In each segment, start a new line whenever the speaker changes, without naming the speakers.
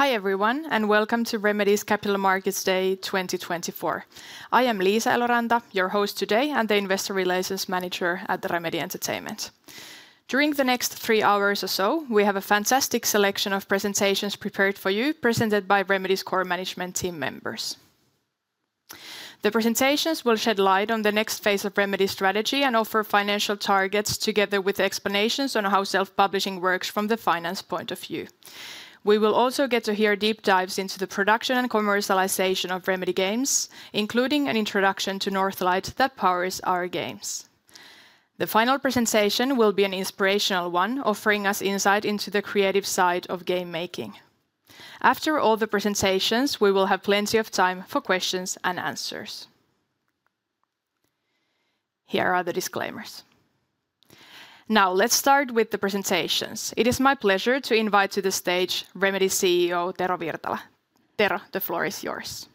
Hi everyone, and welcome to Remedy's Capital Markets Day 2024. I am Liisa Eloranta, your host today, and the investor relations manager at Remedy Entertainment. During the next three hours or so, we have a fantastic selection of presentations prepared for you, presented by Remedy's core management team members. The presentations will shed light on the next phase of Remedy's strategy and offer financial targets, together with explanations on how self-publishing works from the finance point of view. We will also get to hear deep dives into the production and commercialization of Remedy games, including an introduction to Northlight that powers our games. The final presentation will be an inspirational one, offering us insight into the creative side of game making. After all the presentations, we will have plenty of time for questions and answers. Here are the disclaimers. Now, let's start with the presentations. It is my pleasure to invite to the stage Remedy CEO Tero Virtala. Tero, the floor is yours.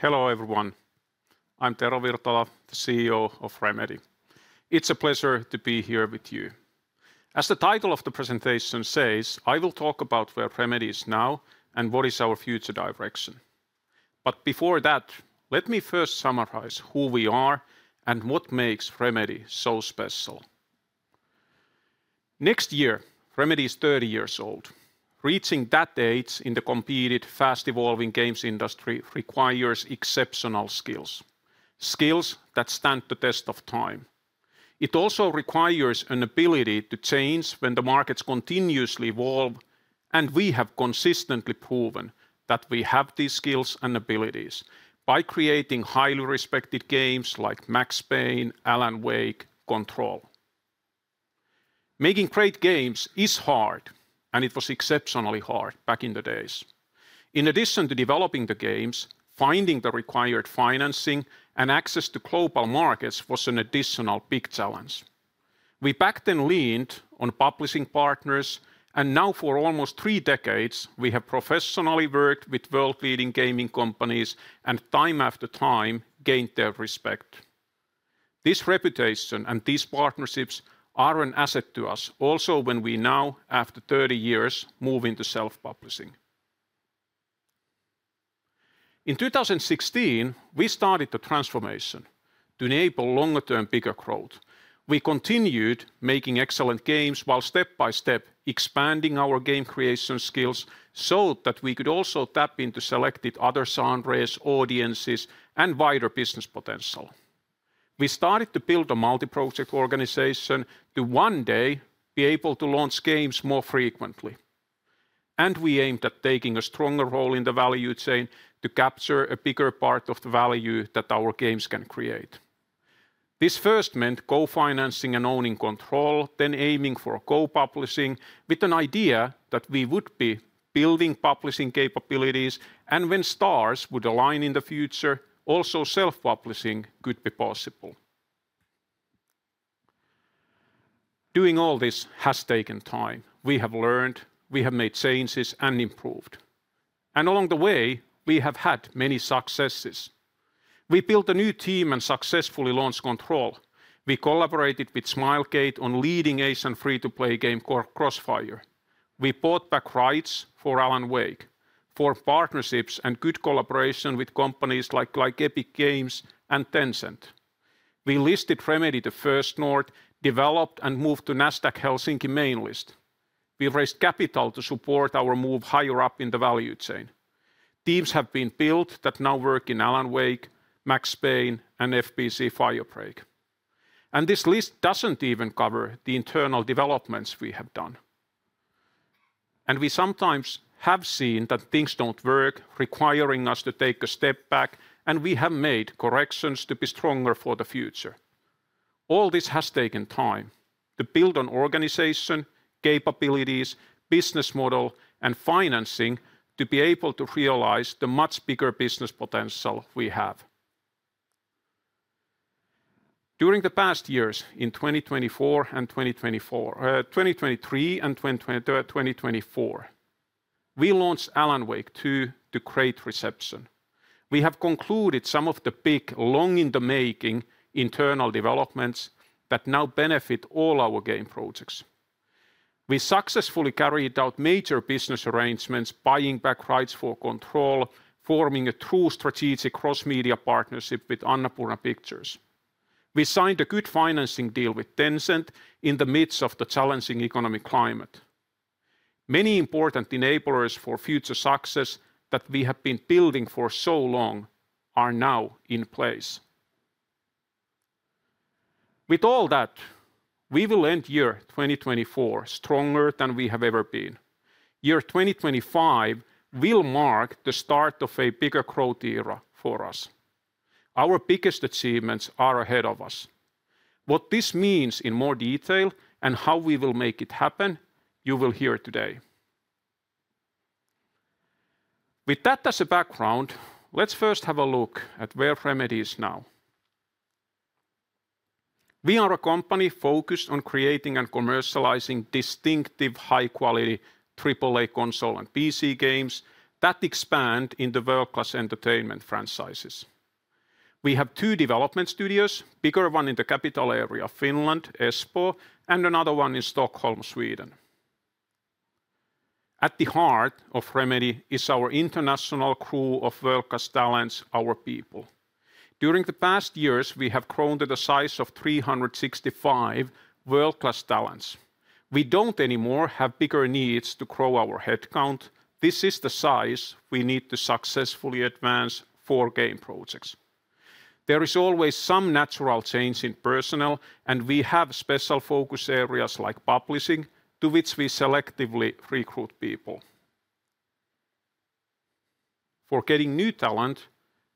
Hello everyone. I'm Tero Virtala, the CEO of Remedy. It's a pleasure to be here with you. As the title of the presentation says, I will talk about where Remedy is now and what is our future direction. But before that, let me first summarize who we are and what makes Remedy so special. Next year, Remedy is 30 years old. Reaching that age in the competitive, fast-evolving games industry requires exceptional skills, skills that stand the test of time. It also requires an ability to change when the markets continuously evolve, and we have consistently proven that we have these skills and abilities by creating highly respected games like Max Payne, Alan Wake, Control. Making great games is hard, and it was exceptionally hard back in the days. In addition to developing the games, finding the required financing and access to global markets was an additional big challenge. We back then leaned on publishing partners, and now for almost three decades, we have professionally worked with world-leading gaming companies and time after time gained their respect. This reputation and these partnerships are an asset to us, also when we now, after 30 years, move into self-publishing. In 2016, we started the transformation to enable longer-term bigger growth. We continued making excellent games while step by step expanding our game creation skills so that we could also tap into selected other genres, audiences, and wider business potential. We started to build a multi-project organization to one day be able to launch games more frequently. And we aimed at taking a stronger role in the value chain to capture a bigger part of the value that our games can create. This first meant co-financing and owning Control, then aiming for co-publishing with an idea that we would be building publishing capabilities, and when stars would align in the future, also self-publishing could be possible. Doing all this has taken time. We have learned, we have made changes, and improved. And along the way, we have had many successes. We built a new team and successfully launched Control. We collaborated with Smilegate on leading Ace and free-to-play game Crossfire. We bought back rights for Alan Wake, formed partnerships, and good collaboration with companies like Epic Games and Tencent. We listed Remedy to First North, developed, and moved to Nasdaq Helsinki main list. We raised capital to support our move higher up in the value chain. Teams have been built that now work in Alan Wake, Max Payne, and FBC: Firebreak. This list doesn't even cover the internal developments we have done. We sometimes have seen that things don't work, requiring us to take a step back, and we have made corrections to be stronger for the future. All this has taken time to build an organization, capabilities, business model, and financing to be able to realize the much bigger business potential we have. During the past years, in 2023 and 2024, we launched Alan Wake 2 to great reception. We have concluded some of the big, long-in-the-making internal developments that now benefit all our game projects. We successfully carried out major business arrangements, buying back rights for Control, forming a true strategic cross-media partnership with Annapurna Pictures. We signed a good financing deal with Tencent in the midst of the challenging economic climate. Many important enablers for future success that we have been building for so long are now in place. With all that, we will end year 2024 stronger than we have ever been. Year 2025 will mark the start of a bigger growth era for us. Our biggest achievements are ahead of us. What this means in more detail and how we will make it happen, you will hear today. With that as a background, let's first have a look at where Remedy is now. We are a company focused on creating and commercializing distinctive high-quality AAA console and PC games that expand into world-class entertainment franchises. We have two development studios, a bigger one in the capital area of Finland, Espoo, and another one in Stockholm, Sweden. At the heart of Remedy is our international crew of world-class talents, our people. During the past years, we have grown to the size of 365 world-class talents. We don't anymore have bigger needs to grow our headcount. This is the size we need to successfully advance four game projects. There is always some natural change in personnel, and we have special focus areas like publishing, to which we selectively recruit people. For getting new talent,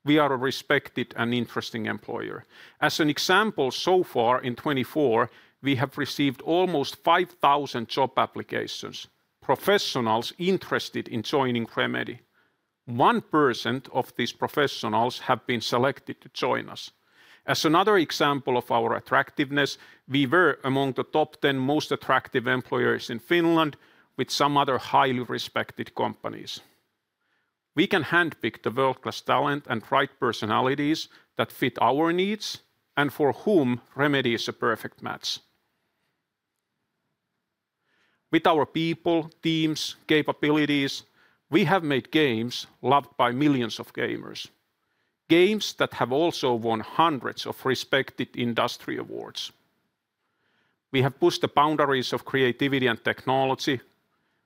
we are a respected and interesting employer. As an example, so far in 2024, we have received almost 5,000 job applications, professionals interested in joining Remedy. 1% of these professionals have been selected to join us. As another example of our attractiveness, we were among the top 10 most attractive employers in Finland, with some other highly respected companies. We can handpick the world-class talent and right personalities that fit our needs and for whom Remedy is a perfect match. With our people, teams, capabilities, we have made games loved by millions of gamers. Games that have also won hundreds of respected industry awards. We have pushed the boundaries of creativity and technology.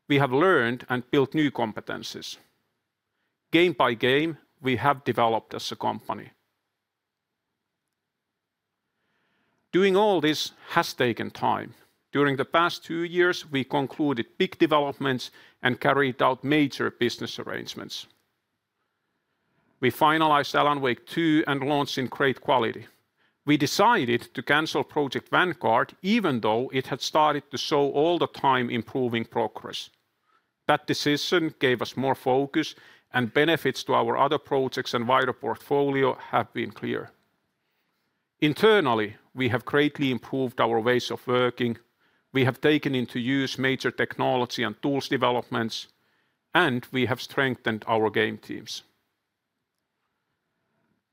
We have learned and built new competencies. Game by game, we have developed as a company. Doing all this has taken time. During the past two years, we concluded big developments and carried out major business arrangements. We finalized Alan Wake 2 and launched in great quality. We decided to cancel Project Vanguard, even though it had started to show all the time improving progress. That decision gave us more focus, and benefits to our other projects and wider portfolio have been clear. Internally, we have greatly improved our ways of working. We have taken into use major technology and tools developments, and we have strengthened our game teams.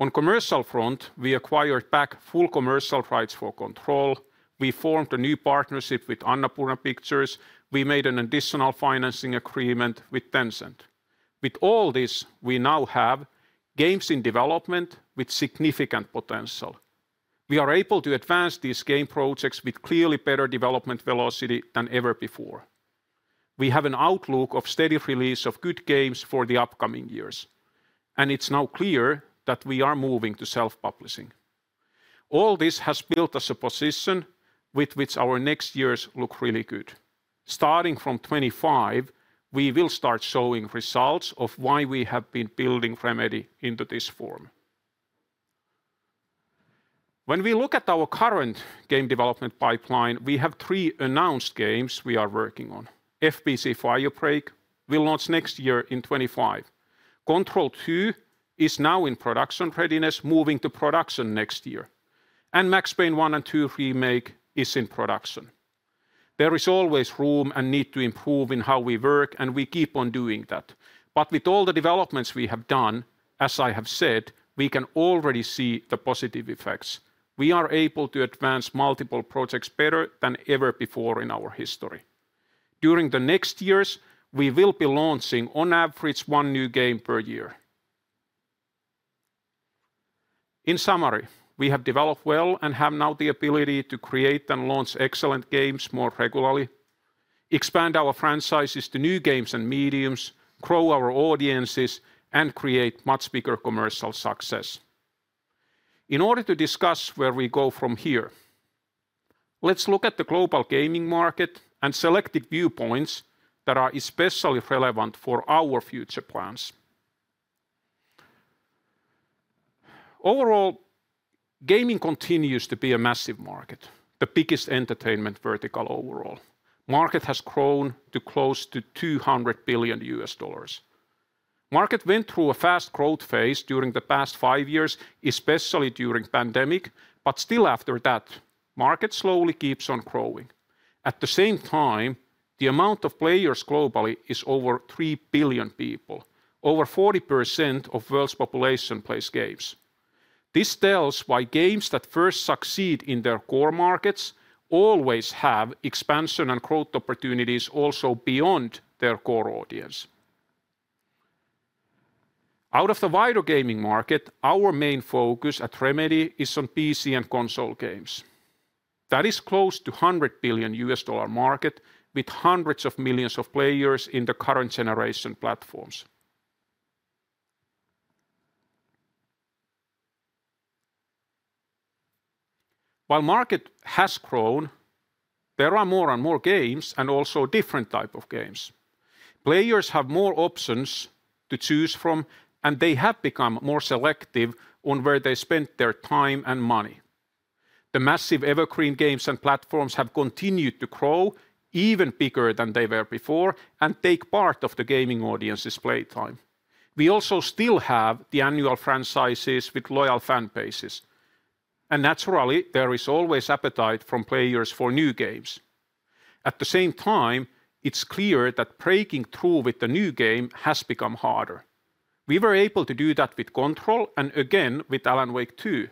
On the commercial front, we acquired back full commercial rights for Control. We formed a new partnership with Annapurna Pictures. We made an additional financing agreement with Tencent. With all this, we now have games in development with significant potential. We are able to advance these game projects with clearly better development velocity than ever before. We have an outlook of steady release of good games for the upcoming years, and it's now clear that we are moving to self-publishing. All this has built us a position with which our next years look really good. Starting from 2025, we will start showing results of why we have been building Remedy into this form. When we look at our current game development pipeline, we have three announced games we are working on. FBC Firebreak will launch next year in 2025. Control 2 is now in production readiness, moving to production next year, and Max Payne 1 and 2 Remake is in production. There is always room and need to improve in how we work, and we keep on doing that, but with all the developments we have done, as I have said, we can already see the positive effects. We are able to advance multiple projects better than ever before in our history. During the next years, we will be launching, on average, one new game per year. In summary, we have developed well and have now the ability to create and launch excellent games more regularly, expand our franchises to new games and mediums, grow our audiences, and create much bigger commercial success. In order to discuss where we go from here, let's look at the global gaming market and select viewpoints that are especially relevant for our future plans. Overall, gaming continues to be a massive market, the biggest entertainment vertical overall. The market has grown to close to $200 billion. The market went through a fast growth phase during the past five years, especially during the pandemic, but still after that, the market slowly keeps on growing. At the same time, the amount of players globally is over 3 billion people. Over 40% of the world's population plays games. This tells why games that first succeed in their core markets always have expansion and growth opportunities also beyond their core audience. Out of the wider gaming market, our main focus at Remedy is on PC and console games. That is close to the $100 billion market, with hundreds of millions of players in the current generation platforms. While the market has grown, there are more and more games and also different types of games. Players have more options to choose from, and they have become more selective on where they spend their time and money. The massive evergreen games and platforms have continued to grow even bigger than they were before and take part of the gaming audience's playtime. We also still have the annual franchises with loyal fan bases. And naturally, there is always appetite from players for new games. At the same time, it's clear that breaking through with the new game has become harder. We were able to do that with Control and again with Alan Wake 2,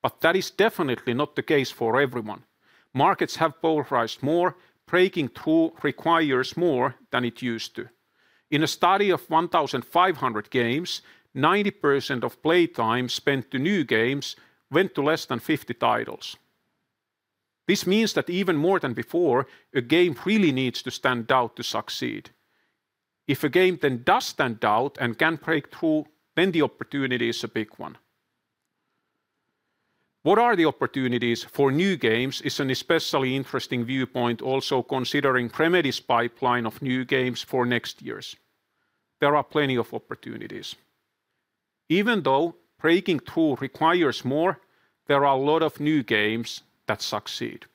but that is definitely not the case for everyone. Markets have polarized more. Breaking through requires more than it used to. In a study of 1,500 games, 90% of playtime spent on new games went to less than 50 titles. This means that even more than before, a game really needs to stand out to succeed. If a game then does stand out and can break through, then the opportunity is a big one. What are the opportunities for new games is an especially interesting viewpoint, also considering Remedy's pipeline of new games for next years. There are plenty of opportunities. Even though breaking through requires more, there are a lot of new games that succeed.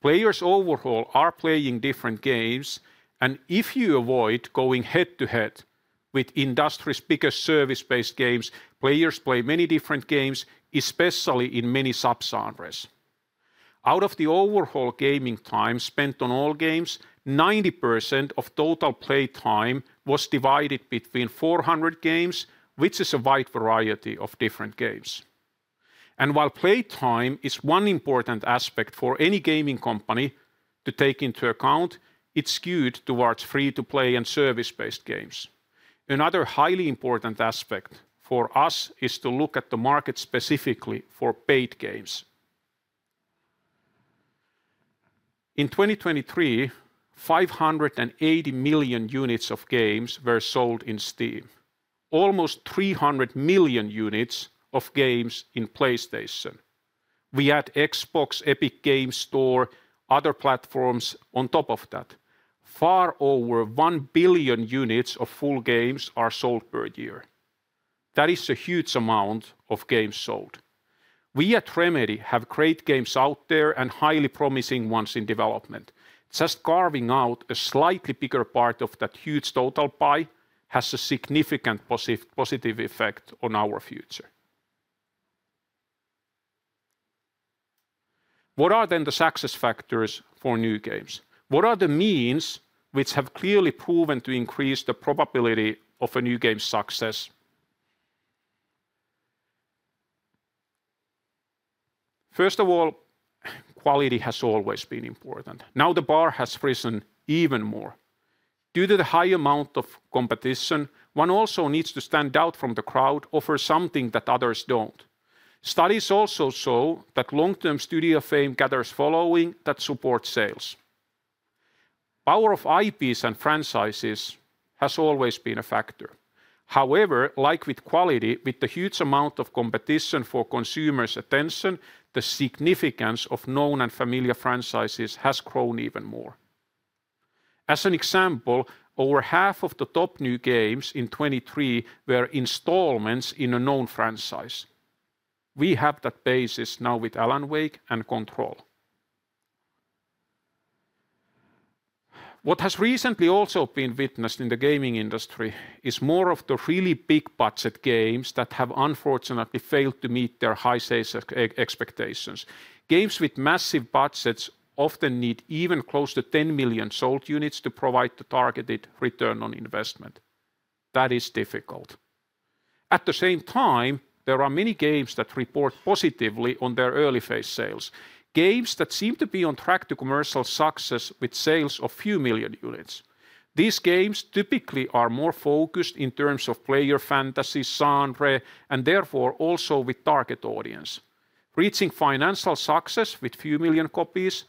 Players overall are playing different games, and if you avoid going head-to-head with industry's biggest service-based games, players play many different games, especially in many sub-genres. Out of the overall gaming time spent on all games, 90% of total playtime was divided between 400 games, which is a wide variety of different games, and while playtime is one important aspect for any gaming company to take into account, it's skewed towards free-to-play and service-based games. Another highly important aspect for us is to look at the market specifically for paid games. In 2023, 580 million units of games were sold in Steam, almost 300 million units of games in PlayStation. We add Xbox, Epic Games Store, and other platforms on top of that. Far over one billion units of full games are sold per year. That is a huge amount of games sold. We at Remedy have great games out there and highly promising ones in development. Just carving out a slightly bigger part of that huge total pie has a significant positive effect on our future. What are then the success factors for new games? What are the means which have clearly proven to increase the probability of a new game's success? First of all, quality has always been important. Now the bar has risen even more. Due to the high amount of competition, one also needs to stand out from the crowd, offer something that others don't. Studies also show that long-term studio fame gathers following that supports sales. The power of IPs and franchises has always been a factor. However, like with quality, with the huge amount of competition for consumers' attention, the significance of known and familiar franchises has grown even more. As an example, over half of the top new games in 2023 were installments in a known franchise. We have that basis now with Alan Wake and Control. What has recently also been witnessed in the gaming industry is more of the really big-budget games that have unfortunately failed to meet their high sales expectations. Games with massive budgets often need even close to 10 million sold units to provide the targeted return on investment. That is difficult. At the same time, there are many games that report positively on their early phase sales. Games that seem to be on track to commercial success with sales of a few million units. These games typically are more focused in terms of player fantasy, genre, and therefore also with target audience. Reaching financial success with a few million copies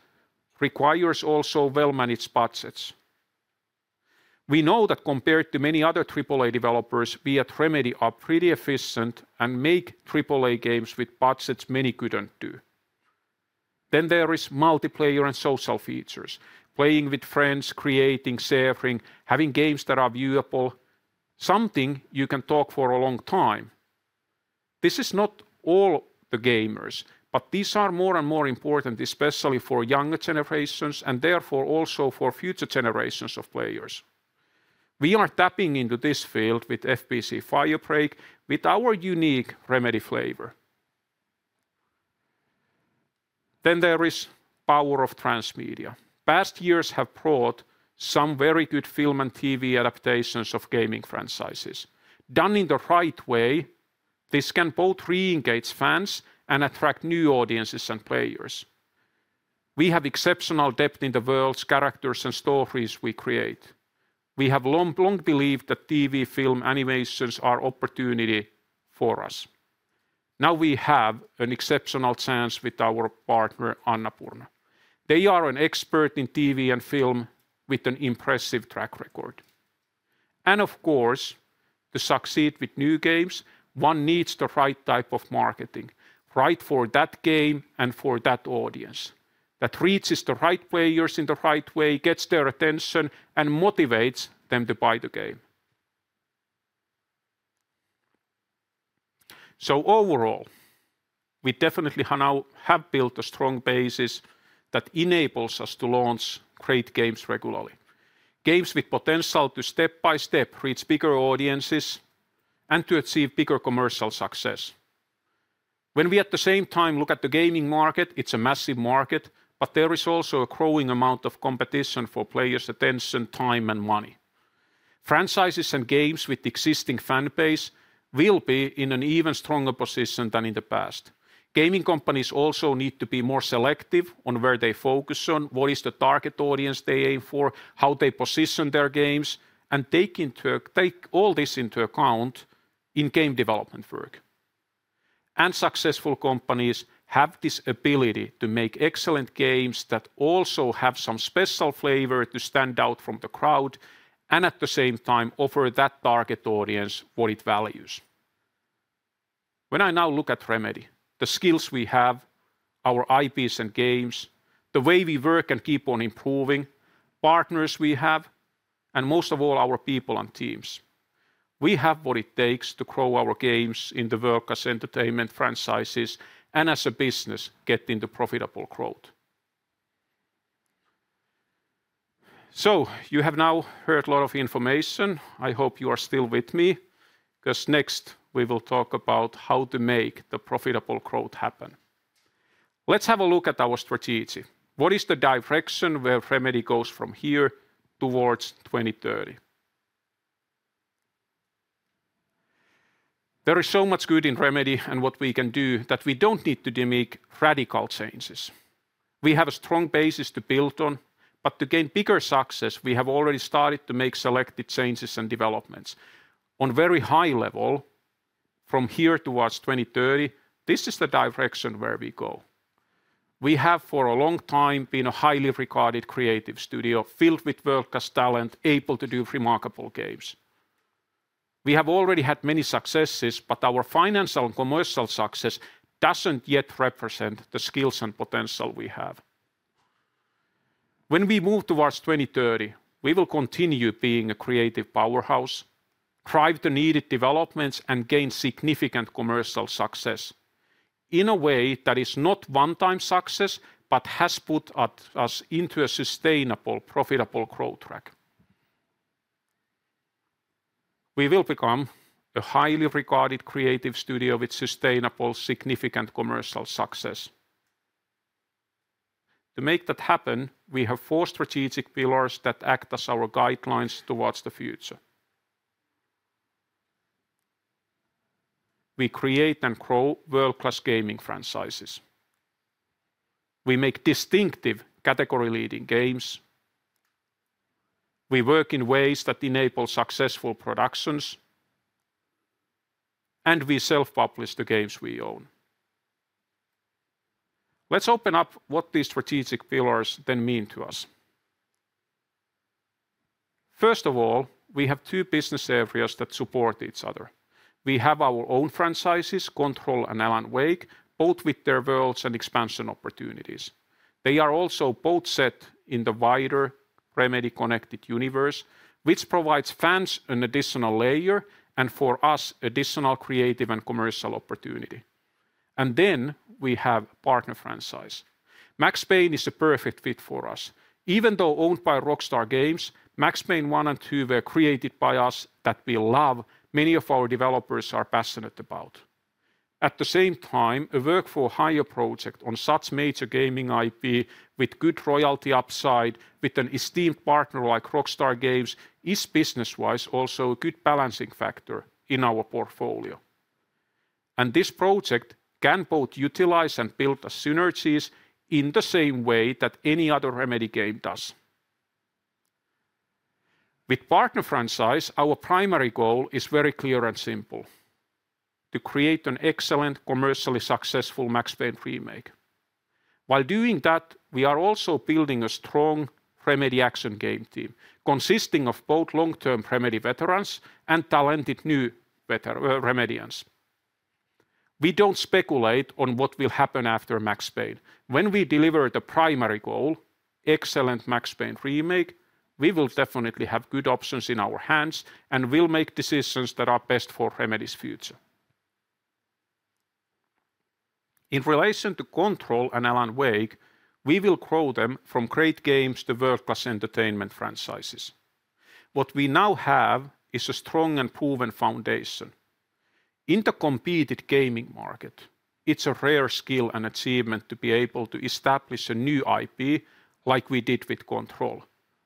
requires also well-managed budgets. We know that compared to many other AAA developers, we at Remedy are pretty efficient and make AAA games with budgets many couldn't do. Then there are multiplayer and social features. Playing with friends, creating, sharing, having games that are viewable, something you can talk about for a long time. This is not all the gamers, but these are more and more important, especially for younger generations and therefore also for future generations of players. We are tapping into this field with FBC: Firebreak with our unique Remedy flavor. Then there is the power of transmedia. Past years have brought some very good film and TV adaptations of gaming franchises. Done in the right way, this can both re-engage fans and attract new audiences and players. We have exceptional depth in the worlds, characters, and stories we create. We have long believed that TV, film, and animations are opportunities for us. Now we have an exceptional chance with our partner, Annapurna. They are an expert in TV and film with an impressive track record. And of course, to succeed with new games, one needs the right type of marketing, right for that game and for that audience, that reaches the right players in the right way, gets their attention, and motivates them to buy the game. So overall, we definitely now have built a strong basis that enables us to launch great games regularly. Games with potential to step by step reach bigger audiences and to achieve bigger commercial success. When we at the same time look at the gaming market, it's a massive market, but there is also a growing amount of competition for players' attention, time, and money. Franchises and games with existing fan base will be in an even stronger position than in the past. Gaming companies also need to be more selective on where they focus on, what is the target audience they aim for, how they position their games, and take all this into account in game development work, and successful companies have this ability to make excellent games that also have some special flavor to stand out from the crowd and at the same time offer that target audience what it values. When I now look at Remedy, the skills we have, our IPs and games, the way we work and keep on improving, partners we have, and most of all, our people and teams, we have what it takes to grow our games in the work as entertainment franchises and as a business getting to profitable growth, so you have now heard a lot of information. I hope you are still with me because next we will talk about how to make the profitable growth happen. Let's have a look at our strategy. What is the direction where Remedy goes from here towards 2030? There is so much good in Remedy and what we can do that we don't need to make radical changes. We have a strong basis to build on, but to gain bigger success, we have already started to make selected changes and developments on a very high level from here towards 2030. This is the direction where we go. We have for a long time been a highly regarded creative studio filled with world-class talent able to do remarkable games. We have already had many successes, but our financial and commercial success doesn't yet represent the skills and potential we have. When we move towards 2030, we will continue being a creative powerhouse, drive the needed developments, and gain significant commercial success in a way that is not one-time success but has put us into a sustainable, profitable growth track. We will become a highly regarded creative studio with sustainable, significant commercial success. To make that happen, we have four strategic pillars that act as our guidelines towards the future. We create and grow world-class gaming franchises. We make distinctive category-leading games. We work in ways that enable successful productions, and we self-publish the games we own. Let's open up what these strategic pillars then mean to us. First of all, we have two business areas that support each other. We have our own franchises, Control and Alan Wake, both with their worlds and expansion opportunities. They are also both set in the wider Remedy Connected Universe, which provides fans an additional layer and for us, additional creative and commercial opportunity. Then we have a partner franchise. Max Payne is a perfect fit for us. Even though owned by Rockstar Games, Max Payne 1 and 2 were created by us that we love, many of our developers are passionate about. At the same time, a work-for-hire project on such major gaming IP with good royalty upside, with an esteemed partner like Rockstar Games, is business-wise also a good balancing factor in our portfolio. This project can both utilize and build on synergies in the same way that any other Remedy game does. With partner franchise, our primary goal is very clear and simple: to create an excellent, commercially successful Max Payne remake. While doing that, we are also building a strong Remedy action game team consisting of both long-term Remedy veterans and talented new Remedians. We don't speculate on what will happen after Max Payne. When we deliver the primary goal, excellent Max Payne remake, we will definitely have good options in our hands and will make decisions that are best for Remedy's future. In relation to Control and Alan Wake, we will grow them from great games to world-class entertainment franchises. What we now have is a strong and proven foundation. In the competitive gaming market, it's a rare skill and achievement to be able to establish a new IP like we did with Control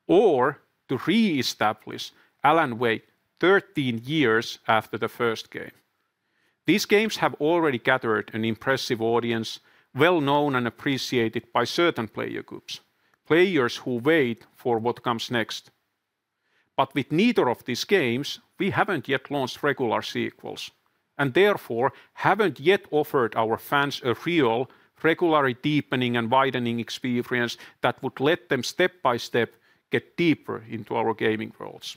or to re-establish Alan Wake 13 years after the first game. These games have already gathered an impressive audience, well-known and appreciated by certain player groups, players who wait for what comes next. But with neither of these games, we haven't yet launched regular sequels and therefore haven't yet offered our fans a real, regularly deepening and widening experience that would let them step by step get deeper into our gaming worlds.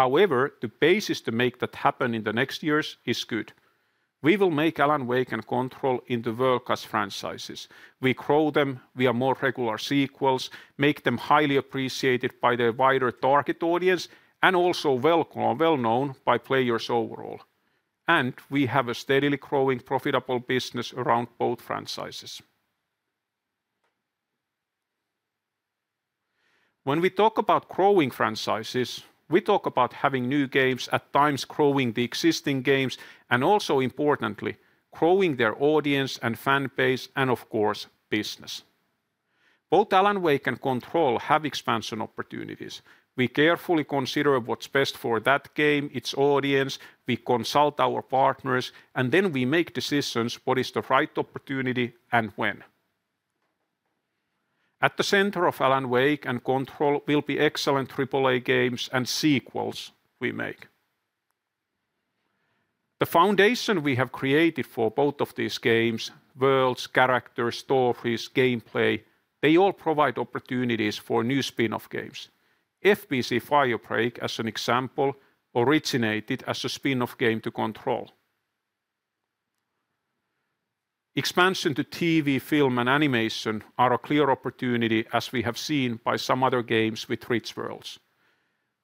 However, the basis to make that happen in the next years is good. We will make Alan Wake and Control into world-class franchises. We grow them via more regular sequels, make them highly appreciated by their wider target audience, and also well-known by players overall. And we have a steadily growing profitable business around both franchises. When we talk about growing franchises, we talk about having new games at times growing the existing games and also, importantly, growing their audience and fan base and, of course, business. Both Alan Wake and Control have expansion opportunities. We carefully consider what's best for that game, its audience. We consult our partners, and then we make decisions on what is the right opportunity and when. At the center of Alan Wake and Control will be excellent AAA games and sequels we make. The foundation we have created for both of these games, worlds, characters, stories, gameplay, they all provide opportunities for new spin-off games. FBC Firebreak, as an example, originated as a spin-off game to Control. Expansion to TV, film, and animation are a clear opportunity, as we have seen by some other games with rich worlds.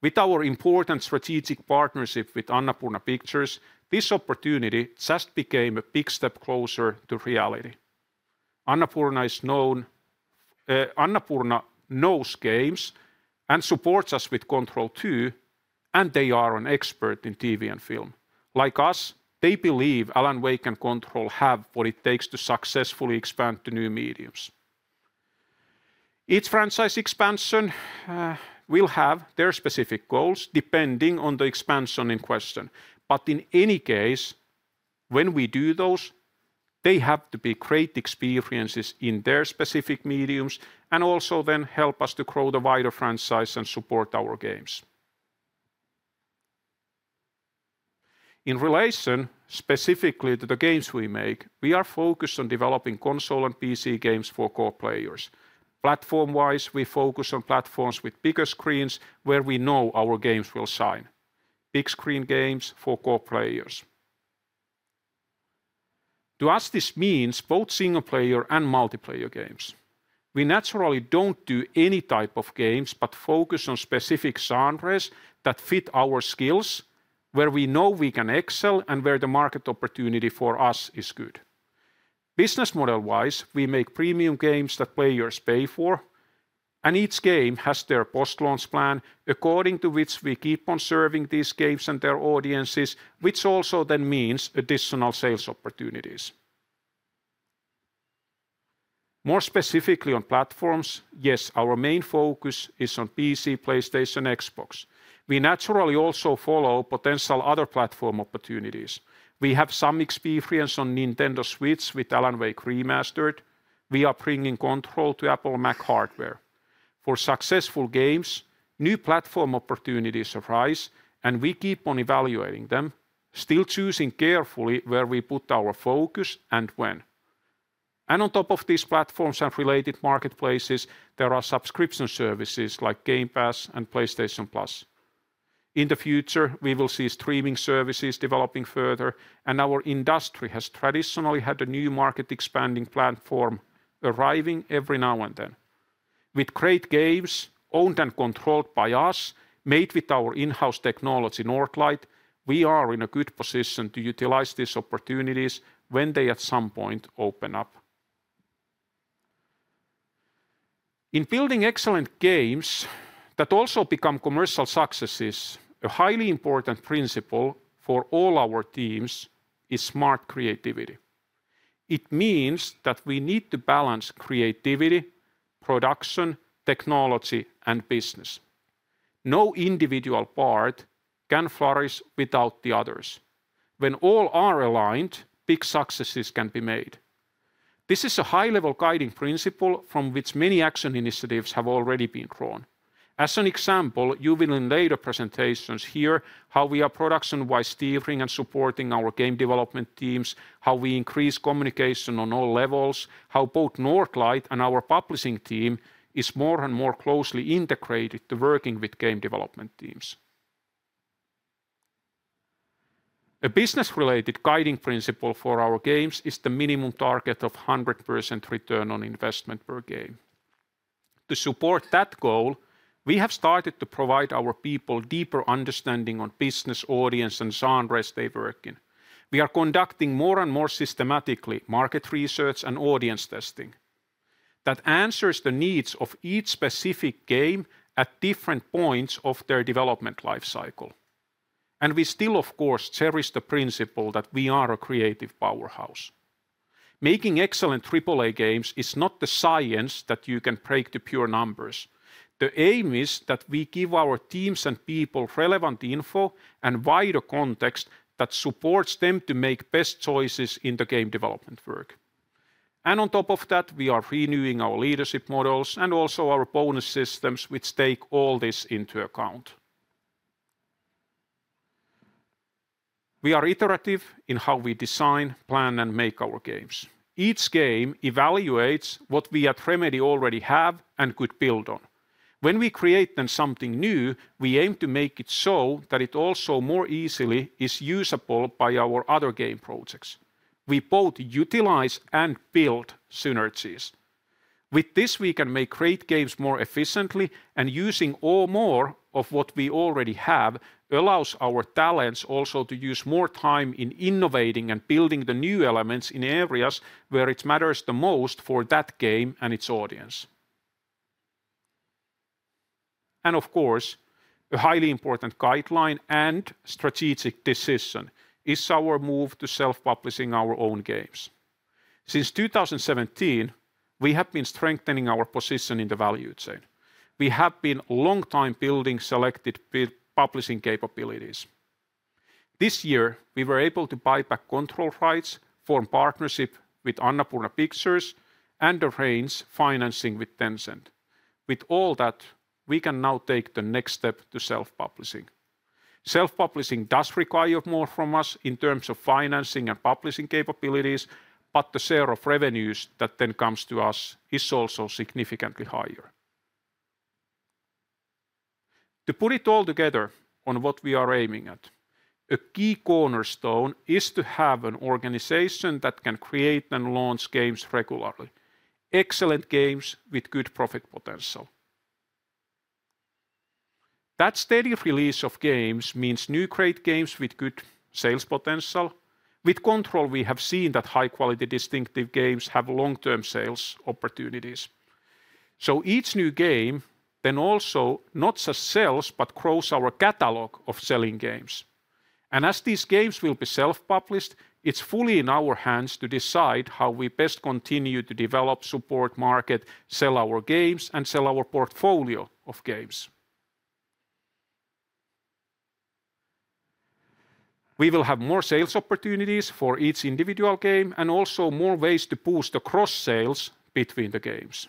With our important strategic partnership with Annapurna Pictures, this opportunity just became a big step closer to reality. Annapurna knows games and supports us with Control 2, and they are an expert in TV and film. Like us, they believe Alan Wake and Control have what it takes to successfully expand to new mediums. Each franchise expansion will have their specific goals depending on the expansion in question. But in any case, when we do those, they have to be great experiences in their specific mediums and also then help us to grow the wider franchise and support our games. In relation specifically to the games we make, we are focused on developing console and PC games for core players. Platform-wise, we focus on platforms with bigger screens where we know our games will shine. Big screen games for core players. To us, this means both single-player and multiplayer games. We naturally don't do any type of games but focus on specific genres that fit our skills, where we know we can excel and where the market opportunity for us is good. Business model-wise, we make premium games that players pay for, and each game has their post-launch plan according to which we keep on serving these games and their audiences, which also then means additional sales opportunities. More specifically on platforms, yes, our main focus is on PC, PlayStation, and Xbox. We naturally also follow potential other platform opportunities. We have some experience on Nintendo Switch with Alan Wake Remastered. We are bringing Control to Apple Mac hardware. For successful games, new platform opportunities arise, and we keep on evaluating them, still choosing carefully where we put our focus and when. And on top of these platforms and related marketplaces, there are subscription services like Game Pass and PlayStation Plus. In the future, we will see streaming services developing further, and our industry has traditionally had a new market-expanding platform arriving every now and then. With great games owned and controlled by us, made with our in-house technology, Northlight, we are in a good position to utilize these opportunities when they at some point open up. In building excellent games that also become commercial successes, a highly important principle for all our teams is smart creativity. It means that we need to balance creativity, production, technology, and business. No individual part can flourish without the others. When all are aligned, big successes can be made. This is a high-level guiding principle from which many action initiatives have already been drawn. As an example, you will in later presentations hear how we are production-wise steering and supporting our game development teams, how we increase communication on all levels, how both Northlight and our publishing team is more and more closely integrated to working with game development teams. A business-related guiding principle for our games is the minimum target of 100% return on investment per game. To support that goal, we have started to provide our people deeper understanding on business, audience, and genres they work in. We are conducting more and more systematically market research and audience testing that answers the needs of each specific game at different points of their development life cycle. And we still, of course, cherish the principle that we are a creative powerhouse. Making excellent AAA games is not the science that you can break to pure numbers. The aim is that we give our teams and people relevant info and wider context that supports them to make best choices in the game development work. And on top of that, we are renewing our leadership models and also our bonus systems, which take all this into account. We are iterative in how we design, plan, and make our games. Each game evaluates what we at Remedy already have and could build on. When we create then something new, we aim to make it so that it also more easily is usable by our other game projects. We both utilize and build synergies. With this, we can make great games more efficiently, and using more of what we already have allows our talents also to use more time in innovating and building the new elements in areas where it matters the most for that game and its audience, and of course, a highly important guideline and strategic decision is our move to self-publishing our own games. Since 2017, we have been strengthening our position in the value chain. We have been a long time building selected publishing capabilities. This year, we were able to buy back Control rights, form partnership with Annapurna Pictures, and arrange financing with Tencent. With all that, we can now take the next step to self-publishing. Self-publishing does require more from us in terms of financing and publishing capabilities, but the share of revenues that then comes to us is also significantly higher. To put it all together on what we are aiming at, a key cornerstone is to have an organization that can create and launch games regularly, excellent games with good profit potential. That steady release of games means new great games with good sales potential. With Control, we have seen that high-quality distinctive games have long-term sales opportunities. So each new game then also not just sells but grows our catalog of selling games. As these games will be self-published, it's fully in our hands to decide how we best continue to develop, support, market, sell our games, and sell our portfolio of games. We will have more sales opportunities for each individual game and also more ways to boost the cross-sales between the games.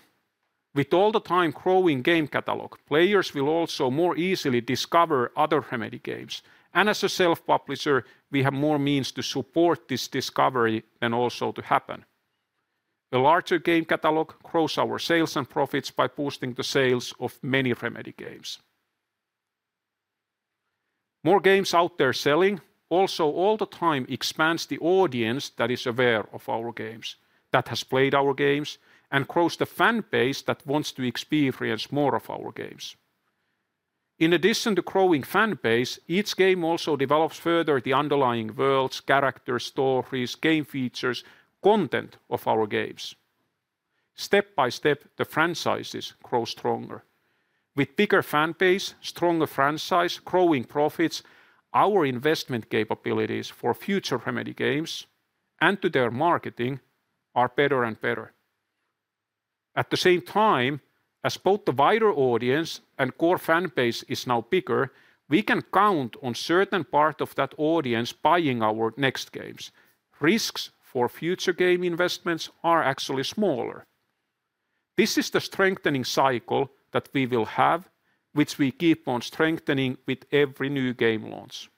With the ever-growing game catalog, players will also more easily discover other Remedy games. As a self-publisher, we have more means to support this discovery and also to happen. A larger game catalog grows our sales and profits by boosting the sales of many Remedy games. More games out there selling, also all the time, expands the audience that is aware of our games, that has played our games, and grows the fan base that wants to experience more of our games. In addition to growing fan base, each game also develops further the underlying worlds, characters, stories, game features, content of our games. Step by step, the franchises grow stronger. With bigger fan base, stronger franchise, growing profits, our investment capabilities for future Remedy games and to their marketing are better and better. At the same time, as both the wider audience and core fan base is now bigger, we can count on a certain part of that audience buying our next games. Risks for future game investments are actually smaller. This is the strengthening cycle that we will have, which we keep on strengthening with every new game launch.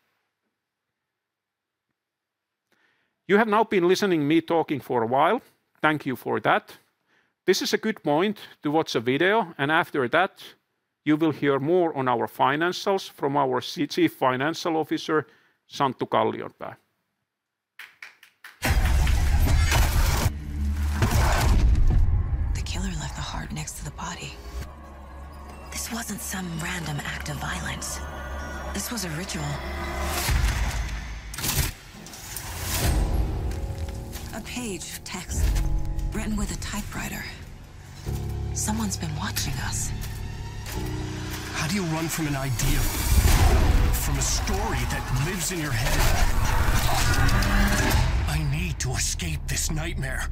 You have now been listening to me talking for a while. Thank you for that. This is a good point to watch a video, and after that, you will hear more on our financials from our Chief Financial Officer, Santtu Kallionpää.
The killer left the heart next to the body. This wasn't some random act of violence. This was a ritual. A page of text written with a typewriter. Someone's been watching us. How do you run from an idea, from a story that lives in your head? I need to escape this nightmare.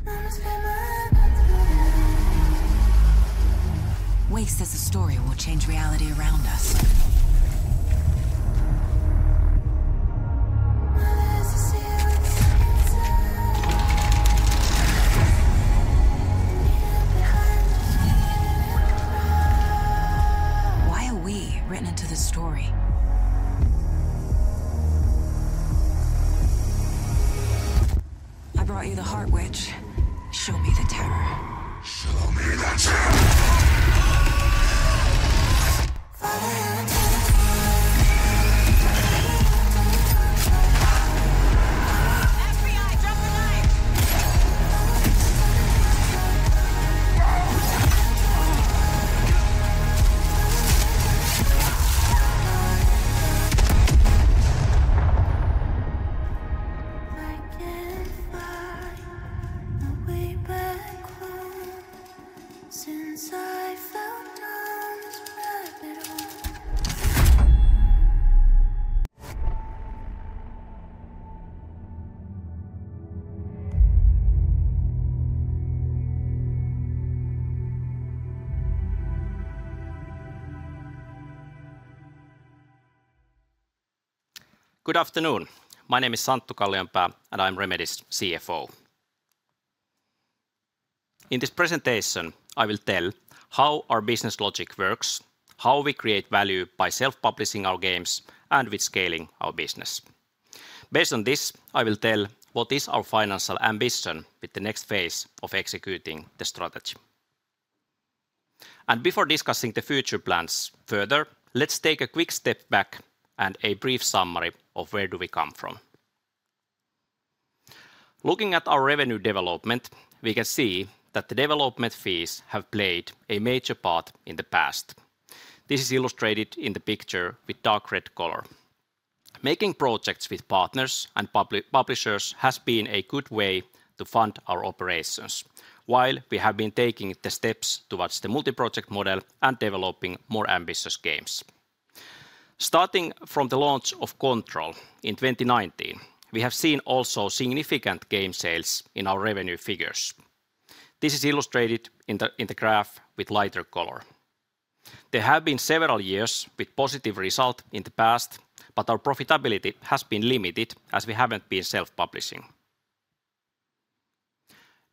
Wake says a story will change reality around us. Why are we written into this story? I brought you the heart, which show me the terror. Show me the terror. I can't find my way back home since I found on this rabbit hole.
Good afternoon. My name is Santtu Kallionpää, and I'm Remedy's CFO. In this presentation, I will tell how our business logic works, how we create value by self-publishing our games, and with scaling our business. Based on this, I will tell what is our financial ambition with the next phase of executing the strategy, and before discussing the future plans further, let's take a quick step back and a brief summary of where do we come from. Looking at our revenue development, we can see that the development fees have played a major part in the past. This is illustrated in the picture with dark red color. Making projects with partners and publishers has been a good way to fund our operations while we have been taking the steps towards the multi-project model and developing more ambitious games. Starting from the launch of Control in 2019, we have seen also significant game sales in our revenue figures. This is illustrated in the graph with lighter color. There have been several years with positive results in the past, but our profitability has been limited as we haven't been self-publishing.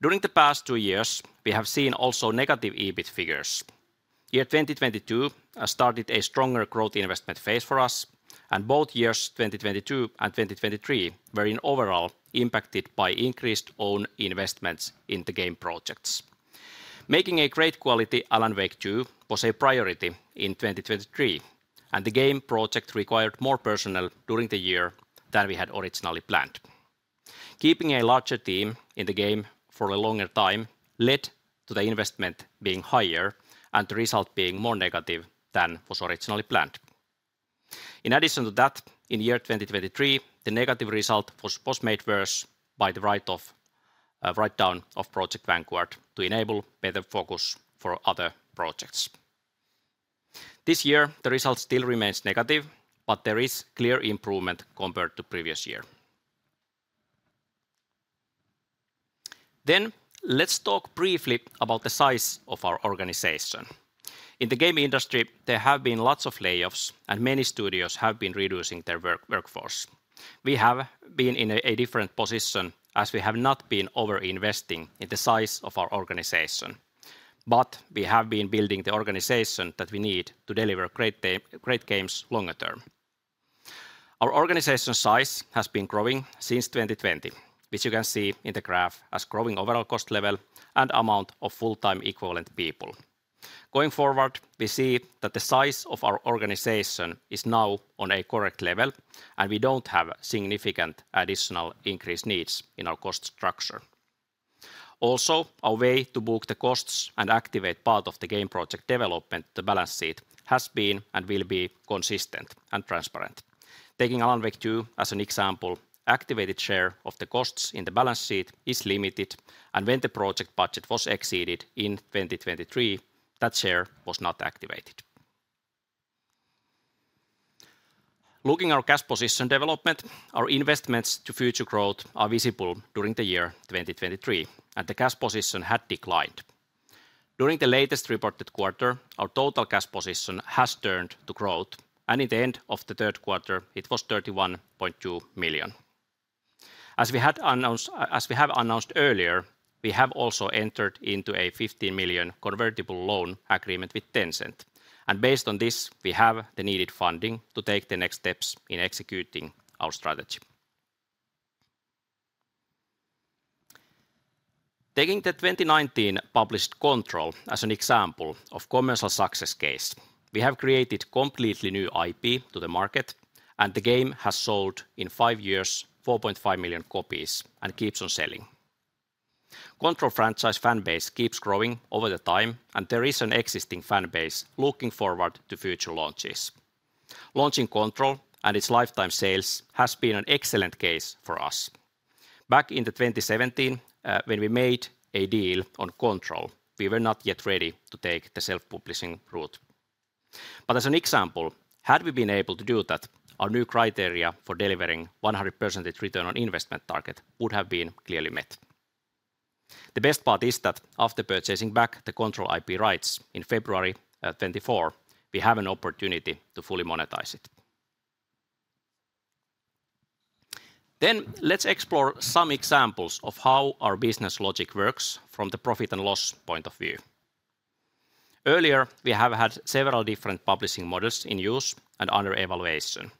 During the past two years, we have seen also negative EBIT figures. Year 2022 started a stronger growth investment phase for us, and both years, 2022 and 2023, were overall impacted by increased own investments in the game projects. Making a great quality Alan Wake 2 was a priority in 2023, and the game project required more personnel during the year than we had originally planned. Keeping a larger team in the game for a longer time led to the investment being higher and the result being more negative than was originally planned. In addition to that, in year 2023, the negative result was made worse by the write-down of Project Vanguard to enable better focus for other projects. This year, the result still remains negative, but there is clear improvement compared to the previous year. Then let's talk briefly about the size of our organization. In the game industry, there have been lots of layoffs, and many studios have been reducing their workforce. We have been in a different position as we have not been over-investing in the size of our organization, but we have been building the organization that we need to deliver great games longer term. Our organization size has been growing since 2020, which you can see in the graph as growing overall cost level and amount of full-time equivalent people. Going forward, we see that the size of our organization is now on a correct level, and we don't have significant additional increase needs in our cost structure. Also, our way to book the costs and activate part of the game project development to the balance sheet has been and will be consistent and transparent. Taking Alan Wake 2 as an example, the activated share of the costs in the balance sheet is limited, and when the project budget was exceeded in 2023, that share was not activated. Looking at our cash position development, our investments to future growth are visible during the year 2023, and the cash position had declined. During the latest reported quarter, our total cash position has turned to growth, and in the end of the third quarter, it was 31.2 million. As we have announced earlier, we have also entered into a 15 million convertible loan agreement with Tencent, and based on this, we have the needed funding to take the next steps in executing our strategy. Taking the 2019 published Control as an example of a commercial success case, we have created a completely new IP to the market, and the game has sold in five years 4.5 million copies and keeps on selling. Control franchise fan base keeps growing over the time, and there is an existing fan base looking forward to future launches. Launching Control and its lifetime sales has been an excellent case for us. Back in 2017, when we made a deal on Control, we were not yet ready to take the self-publishing route. But as an example, had we been able to do that, our new criteria for delivering a 100% return on investment target would have been clearly met. The best part is that after purchasing back the Control IP rights in February 2024, we have an opportunity to fully monetize it. Then let's explore some examples of how our business logic works from the profit and loss point of view. Earlier, we have had several different publishing models in use and under evaluation.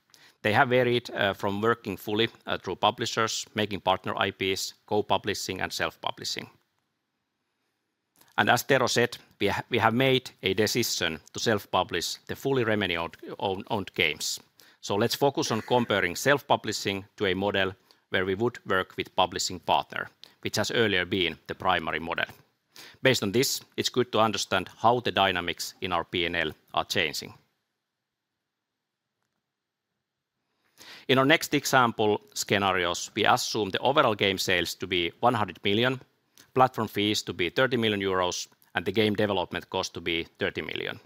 They have varied from working fully through publishers, making partner IPs, co-publishing, and self-publishing. And as Tero said, we have made a decision to self-publish the fully Remedy-owned games. So let's focus on comparing self-publishing to a model where we would work with a publishing partner, which has earlier been the primary model. Based on this, it's good to understand how the dynamics in our P&L are changing. In our next example scenarios, we assume the overall game sales to be 100 million, platform fees to be 30 million euros, and the game development cost to be 30 million.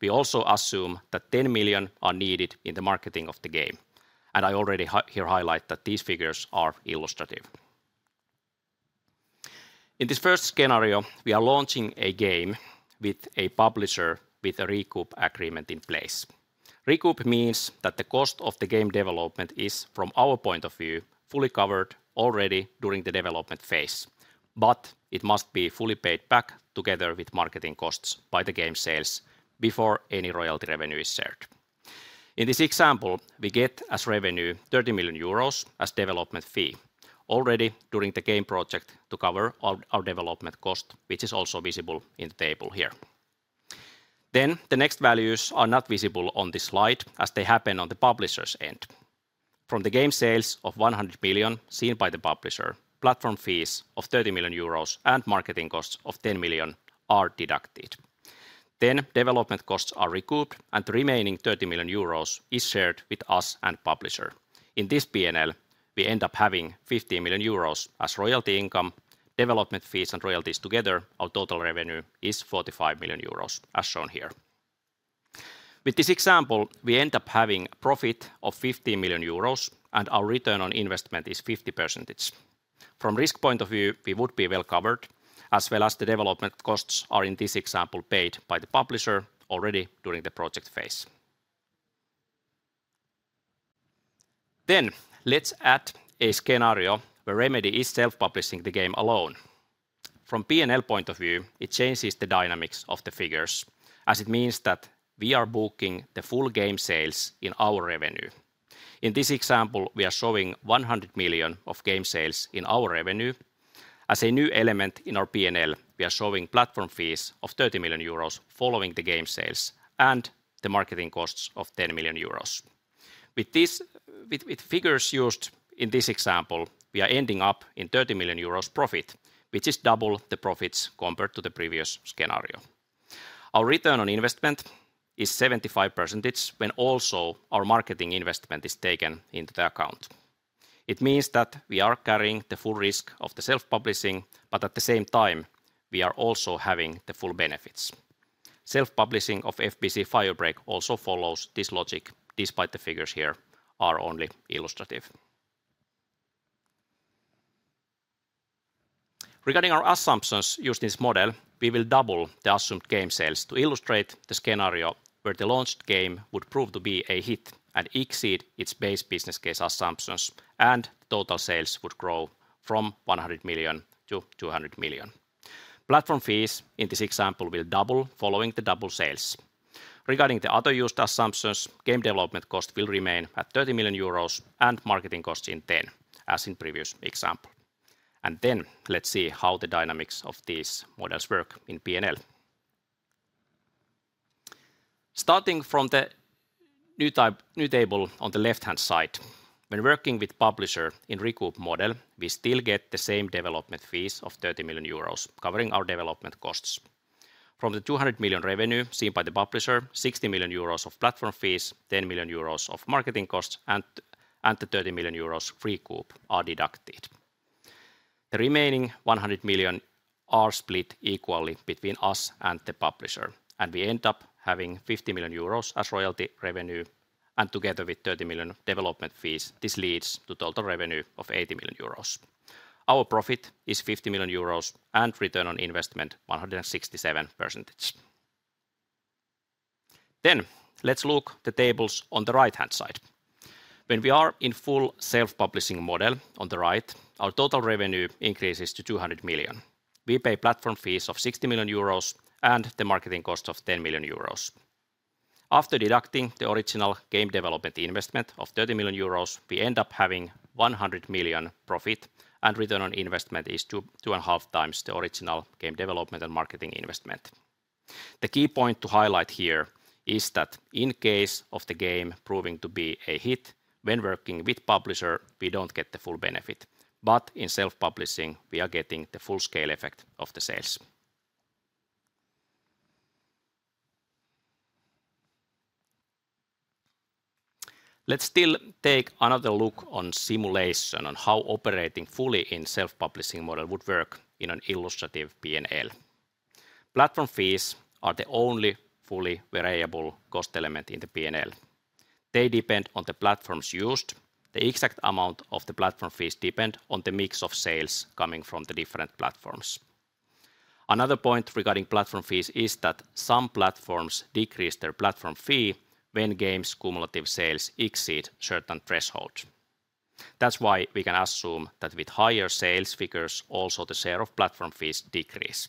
We also assume that 10 million are needed in the marketing of the game. And I already here highlight that these figures are illustrative. In this first scenario, we are launching a game with a publisher with a recoup agreement in place. Recoup means that the cost of the game development is, from our point of view, fully covered already during the development phase, but it must be fully paid back together with marketing costs by the game sales before any royalty revenue is served. In this example, we get as revenue 30 million euros as development fee already during the game project to cover our development cost, which is also visible in the table here. Then the next values are not visible on this slide as they happen on the publisher's end. From the game sales of 100 million seen by the publisher, platform fees of 30 million euros and marketing costs of 10 million are deducted. Then development costs are recouped, and the remaining 30 million euros is shared with us and publisher. In this P&L, we end up having 15 million euros as royalty income. Development fees and royalties together, our total revenue is 45 million euros as shown here. With this example, we end up having a profit of 15 million euros, and our return on investment is 50%. From a risk point of view, we would be well covered, as well as the development costs are in this example paid by the publisher already during the project phase. Then let's add a scenario where Remedy is self-publishing the game alone. From a P&L point of view, it changes the dynamics of the figures as it means that we are booking the full game sales in our revenue. In this example, we are showing 100 million of game sales in our revenue. As a new element in our P&L, we are showing platform fees of 30 million euros following the game sales and the marketing costs of 10 million euros. With figures used in this example, we are ending up in 30 million euros profit, which is double the profits compared to the previous scenario. Our return on investment is 75% when also our marketing investment is taken into the account. It means that we are carrying the full risk of the self-publishing, but at the same time, we are also having the full benefits. Self-publishing of FBC Firebreak also follows this logic despite the figures here are only illustrative. Regarding our assumptions used in this model, we will double the assumed game sales to illustrate the scenario where the launched game would prove to be a hit and exceed its base business case assumptions, and the total sales would grow from 100 million to 200 million. Platform fees in this example will double following the double sales. Regarding the other used assumptions, game development cost will remain at 30 million euros and marketing costs at 10 million as in the previous example, and then let's see how the dynamics of these models work in P&L. Starting from the new table on the left-hand side, when working with publisher in recoup model, we still get the same development fees of 30 million euros covering our development costs. From the 200 million revenue seen by the publisher, 60 million euros of platform fees, 10 million euros of marketing costs, and the 30 million euros recoup are deducted. The remaining 100 million are split equally between us and the publisher, and we end up having 50 million euros as royalty revenue, and together with 30 million development fees, this leads to total revenue of 80 million euros. Our profit is 50 million euros and return on investment 167%. Then let's look at the tables on the right-hand side. When we are in full self-publishing model on the right, our total revenue increases to 200 million. We pay platform fees of 60 million euros and the marketing cost of 10 million euros. After deducting the original game development investment of 30 million euros, we end up having 100 million profit, and return on investment is two and a half times the original game development and marketing investment. The key point to highlight here is that in case of the game proving to be a hit, when working with publisher, we don't get the full benefit, but in self-publishing, we are getting the full scale effect of the sales. Let's still take another look on simulation on how operating fully in self-publishing model would work in an illustrative P&L. Platform fees are the only fully variable cost element in the P&L. They depend on the platforms used. The exact amount of the platform fees depends on the mix of sales coming from the different platforms. Another point regarding platform fees is that some platforms decrease their platform fee when games' cumulative sales exceed certain thresholds. That's why we can assume that with higher sales figures, also the share of platform fees decreases.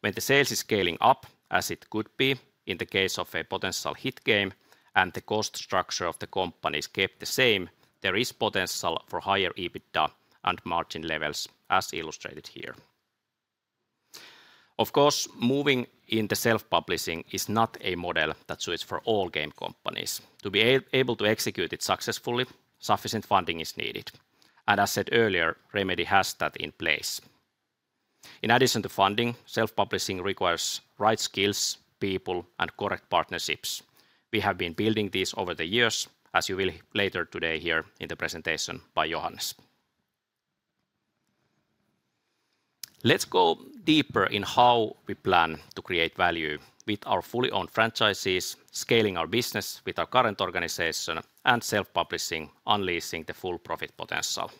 When the sales are scaling up, as it could be in the case of a potential hit game, and the cost structure of the companies keeps the same, there is potential for higher EBITDA and margin levels as illustrated here. Of course, moving into self-publishing is not a model that suits for all game companies. To be able to execute it successfully, sufficient funding is needed. And as said earlier, Remedy has that in place. In addition to funding, self-publishing requires right skills, people, and correct partnerships. We have been building these over the years, as you will later today hear in the presentation by Johannes. Let's go deeper in how we plan to create value with our fully owned franchises, scaling our business with our current organization, and self-publishing, unleashing the full profit potential.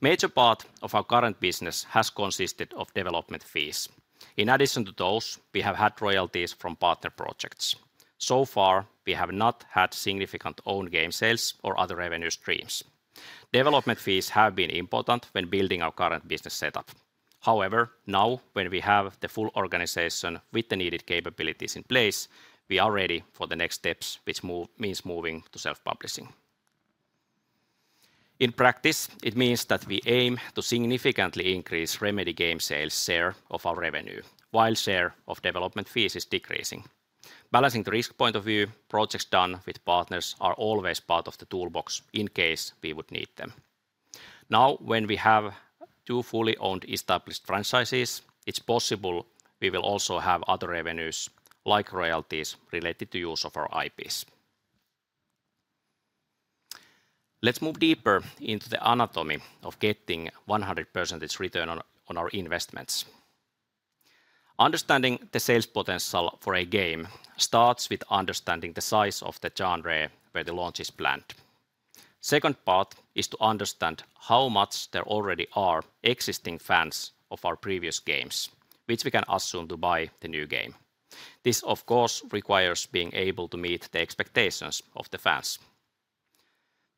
Major part of our current business has consisted of development fees. In addition to those, we have had royalties from partner projects. So far, we have not had significant own game sales or other revenue streams. Development fees have been important when building our current business setup. However, now when we have the full organization with the needed capabilities in place, we are ready for the next steps, which means moving to self-publishing. In practice, it means that we aim to significantly increase Remedy game sales share of our revenue while the share of development fees is decreasing. Balancing the risk point of view, projects done with partners are always part of the toolbox in case we would need them. Now, when we have two fully owned established franchises, it's possible we will also have other revenues like royalties related to the use of our IPs. Let's move deeper into the anatomy of getting 100% return on our investments. Understanding the sales potential for a game starts with understanding the size of the genre where the launch is planned. The second part is to understand how much there already are existing fans of our previous games, which we can assume to buy the new game. This, of course, requires being able to meet the expectations of the fans.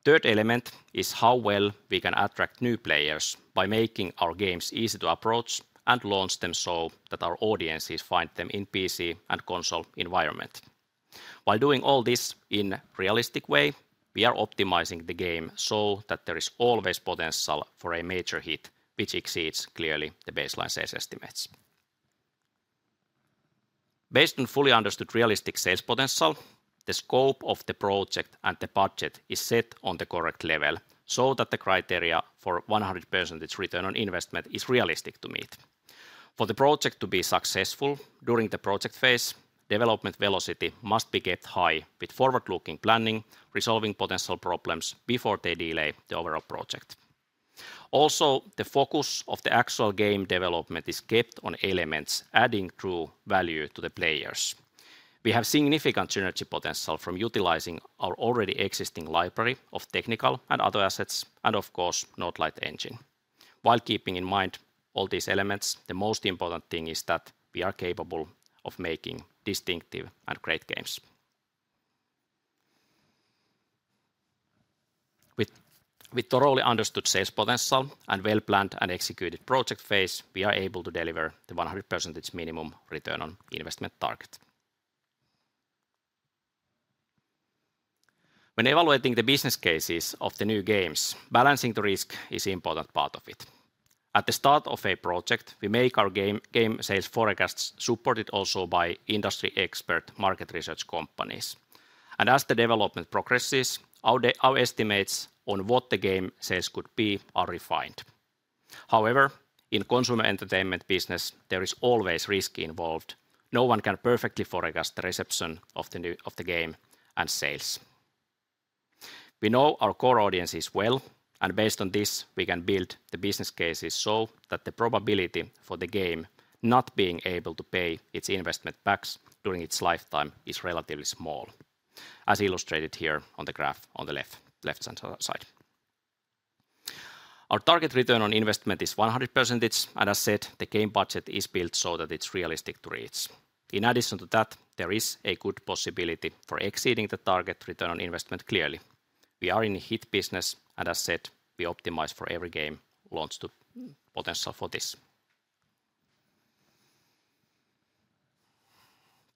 The third element is how well we can attract new players by making our games easy to approach and launch them so that our audiences find them in PC and console environment. While doing all this in a realistic way, we are optimizing the game so that there is always potential for a major hit, which exceeds clearly the baseline sales estimates. Based on fully understood realistic sales potential, the scope of the project and the budget is set on the correct level so that the criteria for 100% return on investment is realistic to meet. For the project to be successful during the project phase, development velocity must be kept high with forward-looking planning, resolving potential problems before they delay the overall project. Also, the focus of the actual game development is kept on elements adding true value to the players. We have significant synergy potential from utilizing our already existing library of technical and other assets and, of course, Northlight engine. While keeping in mind all these elements, the most important thing is that we are capable of making distinctive and great games. With thoroughly understood sales potential and well-planned and executed project phase, we are able to deliver the 100% minimum return on investment target. When evaluating the business cases of the new games, balancing the risk is an important part of it. At the start of a project, we make our game sales forecasts supported also by industry-expert market research companies, and as the development progresses, our estimates on what the game sales could be are refined. However, in the consumer entertainment business, there is always risk involved. No one can perfectly forecast the reception of the game and sales. We know our core audiences well, and based on this, we can build the business cases so that the probability for the game not being able to pay its investment back during its lifetime is relatively small, as illustrated here on the graph on the left-hand side. Our target return on investment is 100%, and as said, the game budget is built so that it's realistic to reach. In addition to that, there is a good possibility for exceeding the target return on investment clearly. We are in a hit business, and as said, we optimize for every game launched to potential for this.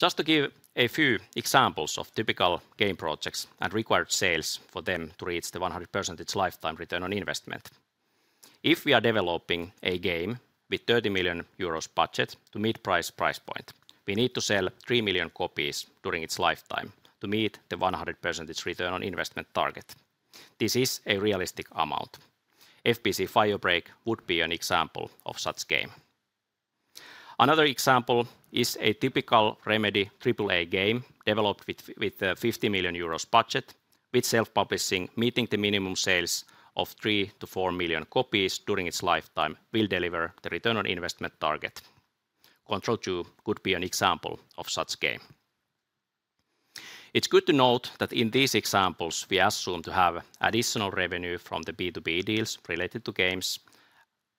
Just to give a few examples of typical game projects and required sales for them to reach the 100% lifetime return on investment. If we are developing a game with a 30 million euros budget to mid-price price point, we need to sell 3 million copies during its lifetime to meet the 100% return on investment target. This is a realistic amount. FBC: Firebreak would be an example of such a game. Another example is a typical Remedy AAA game developed with a 50 million euros budget, with self-publishing meeting the minimum sales of 3-4 million copies during its lifetime will deliver the return on investment target. Control 2 could be an example of such a game. It's good to note that in these examples, we assume to have additional revenue from the B2B deals related to games,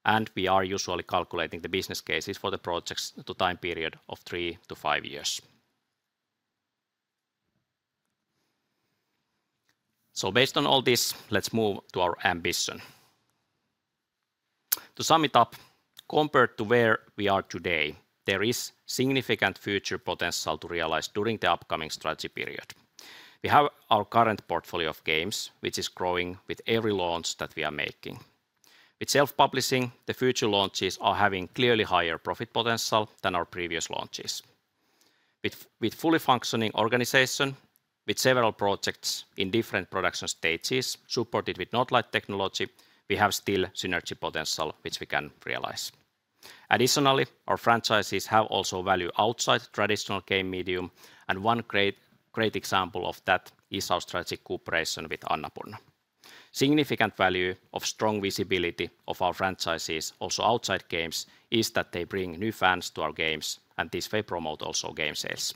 and we are usually calculating the business cases for the projects to a time period of 3-5 years. So based on all this, let's move to our ambition. To sum it up, compared to where we are today, there is significant future potential to realize during the upcoming strategy period. We have our current portfolio of games, which is growing with every launch that we are making. With self-publishing, the future launches are having clearly higher profit potential than our previous launches. With fully functioning organization, with several projects in different production stages supported with Northlight technology, we have still synergy potential which we can realize. Additionally, our franchises have also value outside traditional game medium, and one great example of that is our strategic cooperation with Annapurna. Significant value of strong visibility of our franchises, also outside games, is that they bring new fans to our games, and this way promote also game sales.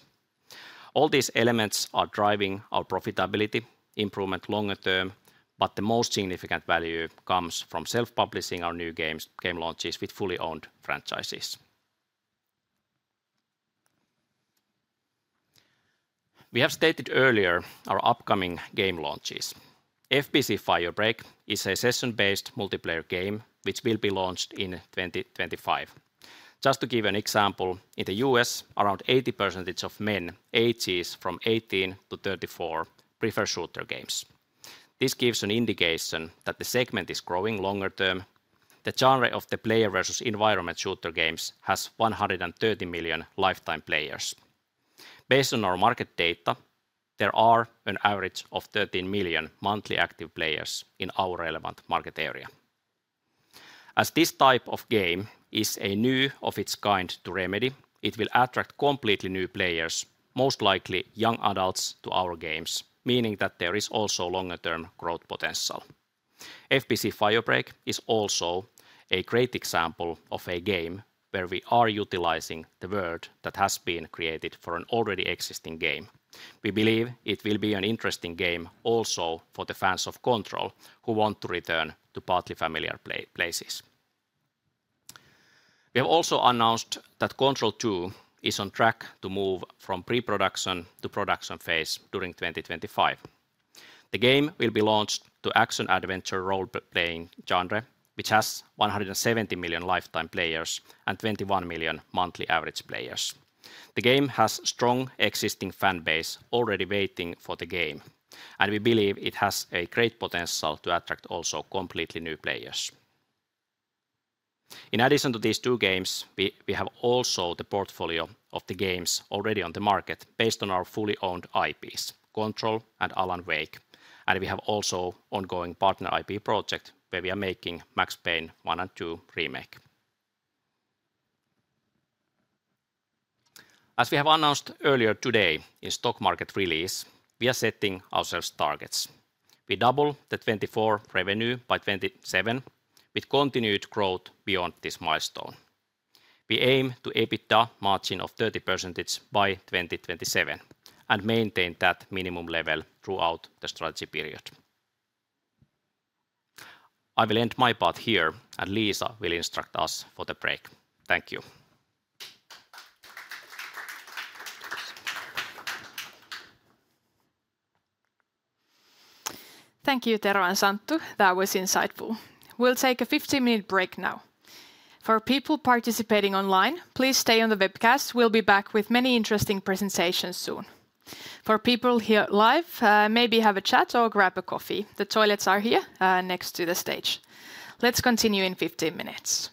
All these elements are driving our profitability improvement longer term, but the most significant value comes from self-publishing our new game launches with fully owned franchises. We have stated earlier our upcoming game launches. FBC: Firebreak is a session-based multiplayer game which will be launched in 2025. Just to give an example, in the US, around 80% of men ages from 18-34 prefer shooter games. This gives an indication that the segment is growing longer term. The genre of the player versus environment shooter games has 130 million lifetime players. Based on our market data, there are an average of 13 million monthly active players in our relevant market area. As this type of game is new of its kind to Remedy, it will attract completely new players, most likely young adults, to our games, meaning that there is also longer-term growth potential. FBC: Firebreak is also a great example of a game where we are utilizing the world that has been created for an already existing game. We believe it will be an interesting game also for the fans of Control who want to return to partly familiar places. We have also announced that Control 2 is on track to move from pre-production to production phase during 2025. The game will be launched to action-adventure role-playing genre, which has 170 million lifetime players and 21 million monthly average players. The game has a strong existing fan base already waiting for the game, and we believe it has a great potential to attract also completely new players. In addition to these two games, we have also the portfolio of the games already on the market based on our fully owned IPs, Control and Alan Wake, and we have also an ongoing partner IP project where we are making Max Payne 1 and 2 remake. As we have announced earlier today in the stock market release, we are setting ourselves targets. We double the 2024 revenue by 2027 with continued growth beyond this milestone. We aim to EBITDA margin of 30% by 2027 and maintain that minimum level throughout the strategy period. I will end my part here, and Liisa will instruct us for the break. Thank you.
Thank you, Tero and Santtu. That was insightful. We'll take a 15-minute break now. For people participating online, please stay on the webcast. We'll be back with many interesting presentations soon. For people here live, maybe have a chat or grab a coffee. The toilets are here next to the stage. Let's continue in 15 minutes.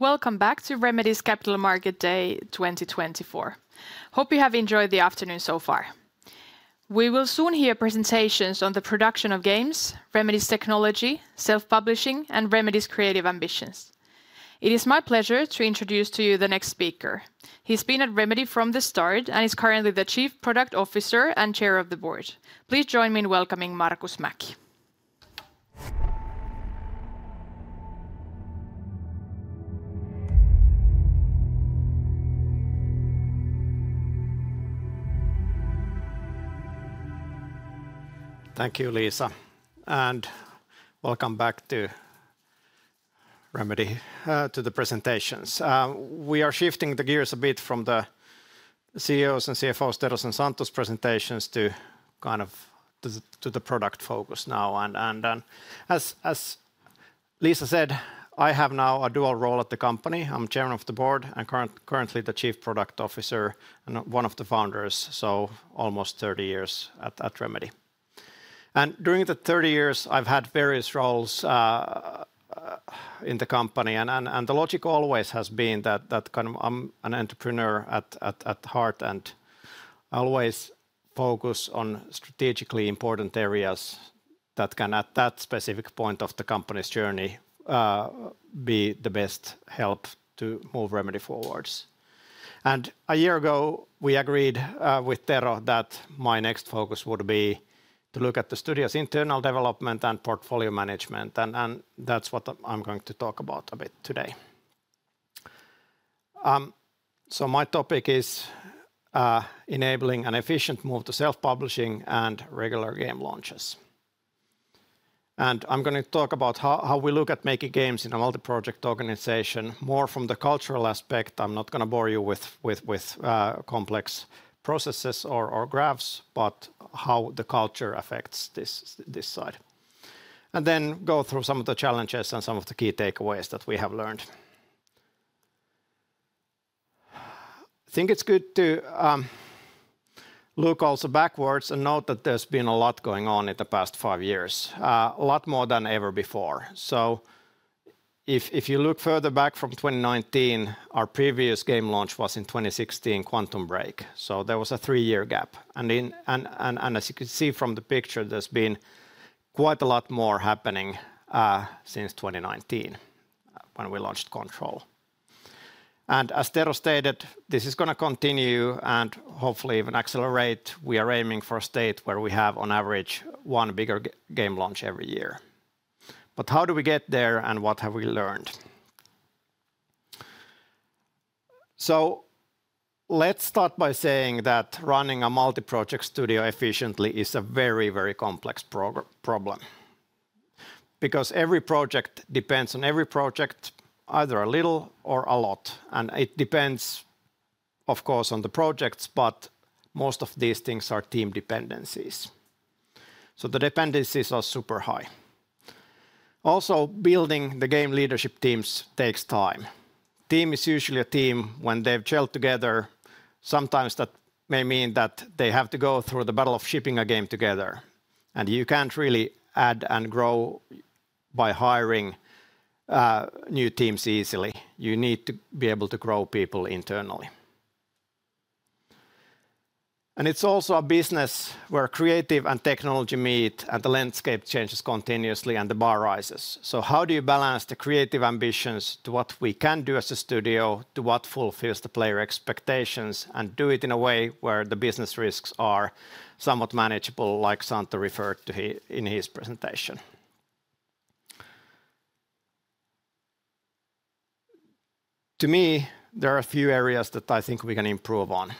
Welcome back to Remedy's Capital Markets Day 2024. Hope you have enjoyed the afternoon so far. We will soon hear presentations on the production of games, Remedy's technology, self-publishing, and Remedy's creative ambitions. It is my pleasure to introduce to you the next speaker. He's been at Remedy from the start and is currently the Chief Product Officer and Chair of the Board. Please join me in welcoming Markus Mäki .
Thank you, Liisa. And welcome back to the presentations. We are shifting the gears a bit from the CEOs and CFOs Tero's and Santtu's presentations to kind of the product focus now. And as Liisa said, I have now a dual role at the company. I'm Chairman of the Board and currently the Chief Product Officer and one of the founders, so almost 30 years at Remedy, and during the 30 years, I've had various roles in the company. And the logic always has been that kind of I'm an entrepreneur at heart and always focus on strategically important areas that can at that specific point of the company's journey be the best help to move Remedy forwards. And a year ago, we agreed with Tero that my next focus would be to look at the studio's internal development and portfolio management, and that's what I'm going to talk about a bit today, so my topic is enabling an efficient move to self-publishing and regular game launches. And I'm going to talk about how we look at making games in a multi-project organization more from the cultural aspect. I'm not going to bore you with complex processes or graphs, but how the culture affects this side. And then go through some of the challenges and some of the key takeaways that we have learned. I think it's good to look also backwards and note that there's been a lot going on in the past five years, a lot more than ever before. So if you look further back from 2019, our previous game launch was in 2016, Quantum Break. So there was a three-year gap. And as you can see from the picture, there's been quite a lot more happening since 2019 when we launched Control. And as Tero stated, this is going to continue and hopefully even accelerate. We are aiming for a state where we have on average one bigger game launch every year. But how do we get there and what have we learned? So let's start by saying that running a multi-project studio efficiently is a very, very complex problem because every project depends on every project, either a little or a lot. And it depends, of course, on the projects, but most of these things are team dependencies. So the dependencies are super high. Also, building the game leadership teams takes time. A team is usually a team when they've gelled together. Sometimes that may mean that they have to go through the battle of shipping a game together. And you can't really add and grow by hiring new teams easily. You need to be able to grow people internally. And it's also a business where creative and technology meet and the landscape changes continuously and the bar rises. So how do you balance the creative ambitions to what we can do as a studio, to what fulfills the player expectations, and do it in a way where the business risks are somewhat manageable, like Santtu referred to in his presentation? To me, there are a few areas that I think we can improve on.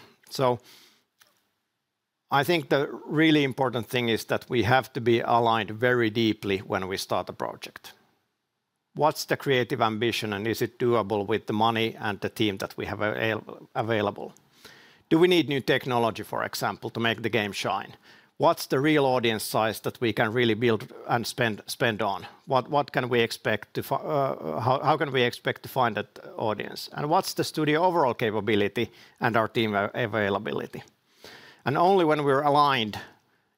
So I think the really important thing is that we have to be aligned very deeply when we start a project. What's the creative ambition and is it doable with the money and the team that we have available? Do we need new technology, for example, to make the game shine? What's the real audience size that we can really build and spend on? What can we expect to, how can we expect to find that audience? And what's the studio overall capability and our team availability? And only when we're aligned,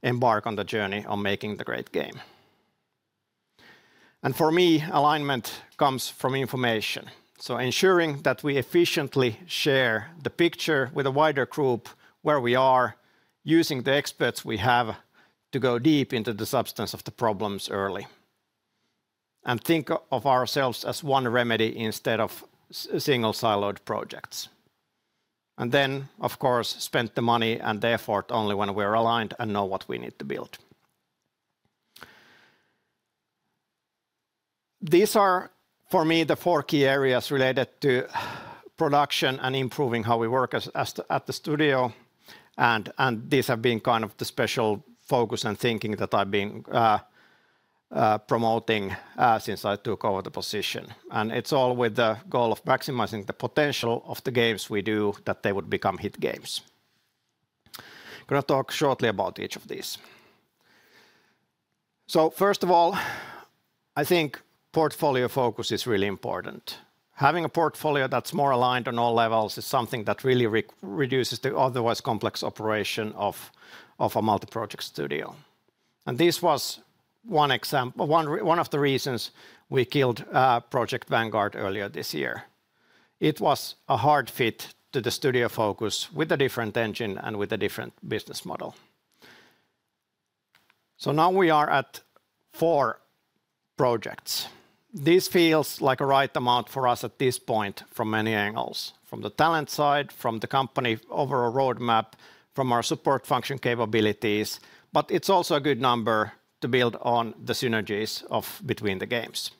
embark on the journey of making the great game. For me, alignment comes from information. So ensuring that we efficiently share the picture with a wider group where we are using the experts we have to go deep into the substance of the problems early. And think of ourselves as one Remedy instead of single siloed projects. And then, of course, spend the money and the effort only when we are aligned and know what we need to build. These are, for me, the four key areas related to production and improving how we work at the studio. And these have been kind of the special focus and thinking that I've been promoting since I took over the position. And it's all with the goal of maximizing the potential of the games we do, that they would become hit games. I'm going to talk shortly about each of these, so first of all, I think portfolio focus is really important. Having a portfolio that's more aligned on all levels is something that really reduces the otherwise complex operation of a multi-project studio, and this was one example, one of the reasons we killed Project Vanguard earlier this year. It was a hard fit to the studio focus with a different engine and with a different business model, so now we are at four projects. This feels like a right amount for us at this point from many angles, from the talent side, from the company overall roadmap, from our support function capabilities, but it's also a good number to build on the synergies between the games.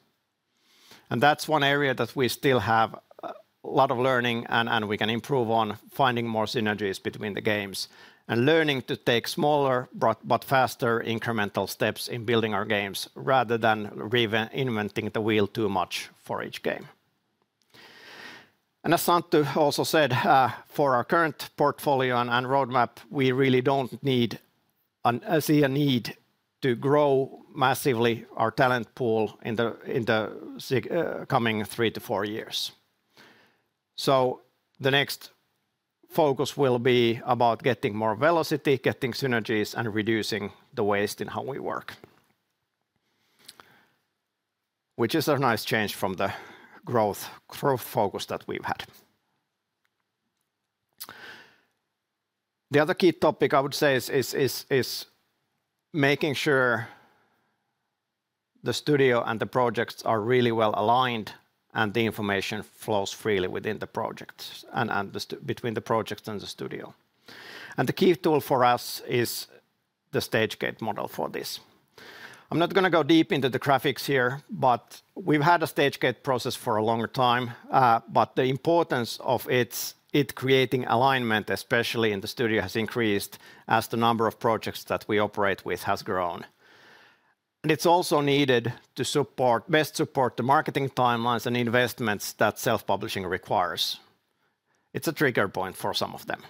That's one area that we still have a lot of learning and we can improve on finding more synergies between the games and learning to take smaller but faster incremental steps in building our games rather than reinventing the wheel too much for each game. As Santtu also said, for our current portfolio and roadmap, we really don't see a need to grow massively our talent pool in the coming three to four years. The next focus will be about getting more velocity, getting synergies, and reducing the waste in how we work, which is a nice change from the growth focus that we've had. The other key topic I would say is making sure the studio and the projects are really well aligned and the information flows freely within the projects and between the projects and the studio. The key tool for us is the Stagegate model for this. I'm not going to go deep into the graphics here, but we've had a Stagegate process for a longer time. The importance of it creating alignment, especially in the studio, has increased as the number of projects that we operate with has grown. It's also needed to best support the marketing timelines and investments that self-publishing requires. It's a trigger point for some of them.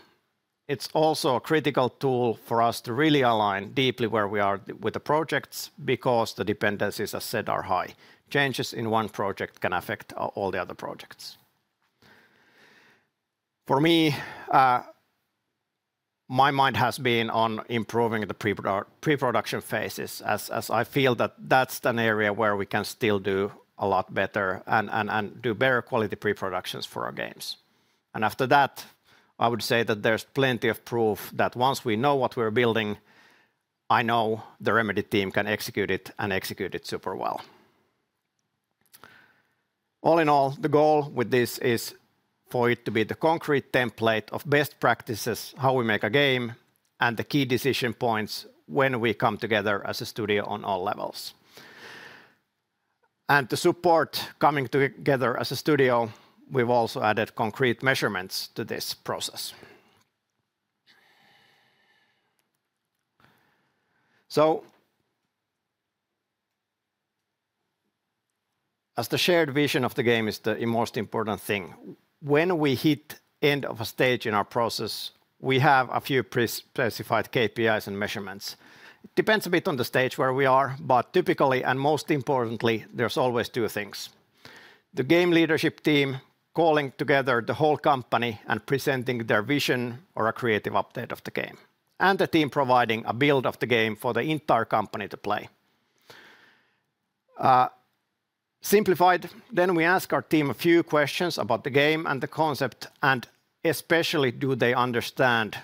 It's also a critical tool for us to really align deeply where we are with the projects because the dependencies, as said, are high. Changes in one project can affect all the other projects. For me, my mind has been on improving the pre-production phases as I feel that that's an area where we can still do a lot better and do better quality pre-productions for our games. After that, I would say that there's plenty of proof that once we know what we're building, I know the Remedy team can execute it and execute it super well. All in all, the goal with this is for it to be the concrete template of best practices, how we make a game, and the key decision points when we come together as a studio on all levels. To support coming together as a studio, we've also added concrete measurements to this process. As the shared vision of the game is the most important thing, when we hit the end of a stage in our process, we have a few specified KPIs and measurements. It depends a bit on the stage where we are, but typically and most importantly, there's always two things. The game leadership team calling together the whole company and presenting their vision or a creative update of the game, and the team providing a build of the game for the entire company to play. Simplified, then we ask our team a few questions about the game and the concept, and especially do they understand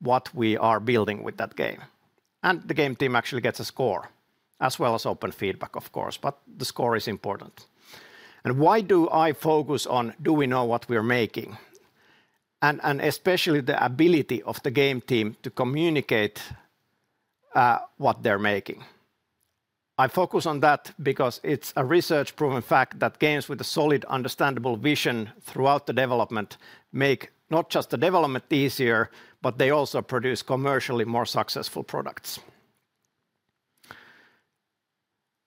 what we are building with that game, and the game team actually gets a score as well as open feedback, of course, but the score is important, and why do I focus on do we know what we're making, and especially the ability of the game team to communicate what they're making. I focus on that because it's a research-proven fact that games with a solid understandable vision throughout the development make not just the development easier, but they also produce commercially more successful products.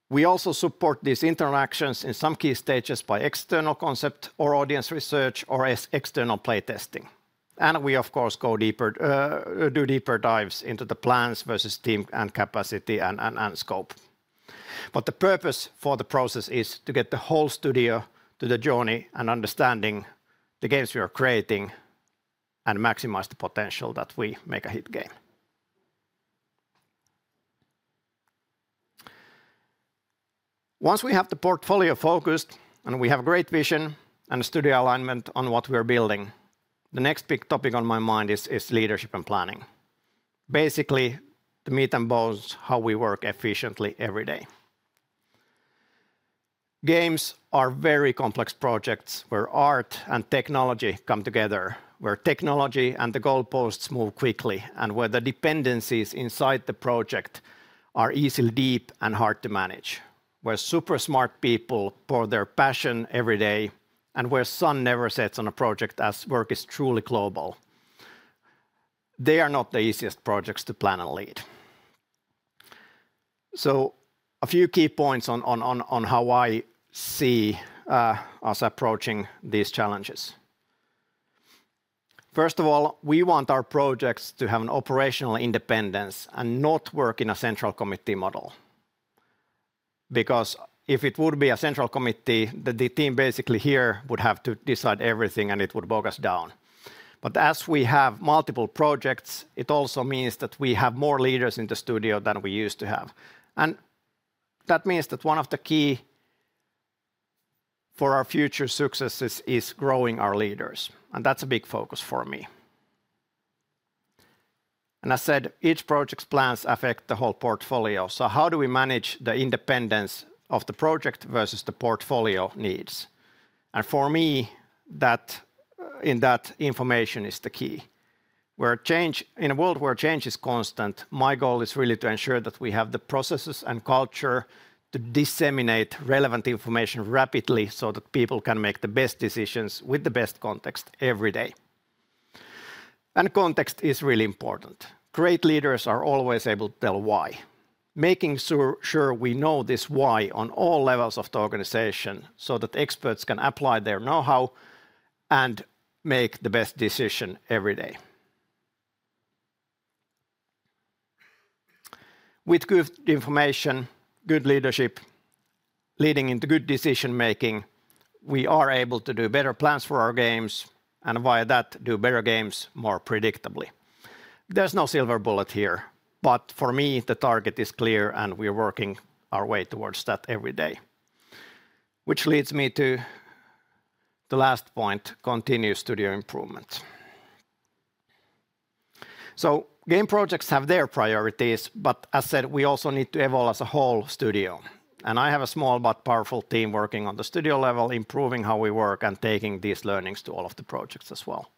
We also support these interactions in some key stages by external concept or audience research or external play testing, and we, of course, go deeper, do deeper dives into the plans versus team and capacity and scope, but the purpose for the process is to get the whole studio to the journey and understanding the games we are creating and maximize the potential that we make a hit game. Once we have the portfolio focused and we have a great vision and a studio alignment on what we are building, the next big topic on my mind is leadership and planning. Basically, the meat and bones, how we work efficiently every day. Games are very complex projects where art and technology come together, where technology and the goalposts move quickly, and where the dependencies inside the project are easily deep and hard to manage, where super smart people pour their passion every day, and where sun never sets on a project as work is truly global. They are not the easiest projects to plan and lead. So a few key points on how I see us approaching these challenges. First of all, we want our projects to have an operational independence and not work in a central committee model. Because if it would be a central committee, the team basically here would have to decide everything and it would bog us down. But as we have multiple projects, it also means that we have more leaders in the studio than we used to have. That means that one of the keys for our future successes is growing our leaders. That's a big focus for me. As said, each project's plans affect the whole portfolio. How do we manage the independence of the project versus the portfolio needs? For me, in that information is the key. In a world where change is constant, my goal is really to ensure that we have the processes and culture to disseminate relevant information rapidly so that people can make the best decisions with the best context every day. Context is really important. Great leaders are always able to tell why. Making sure we know this why on all levels of the organization so that experts can apply their know-how and make the best decision every day. With good information, good leadership, leading into good decision-making, we are able to do better plans for our games and via that do better games more predictably. There's no silver bullet here, but for me, the target is clear and we are working our way towards that every day. Which leads me to the last point, continuous studio improvement, so game projects have their priorities, but as said, we also need to evolve as a whole studio, and I have a small but powerful team working on the studio level, improving how we work and taking these learnings to all of the projects as well.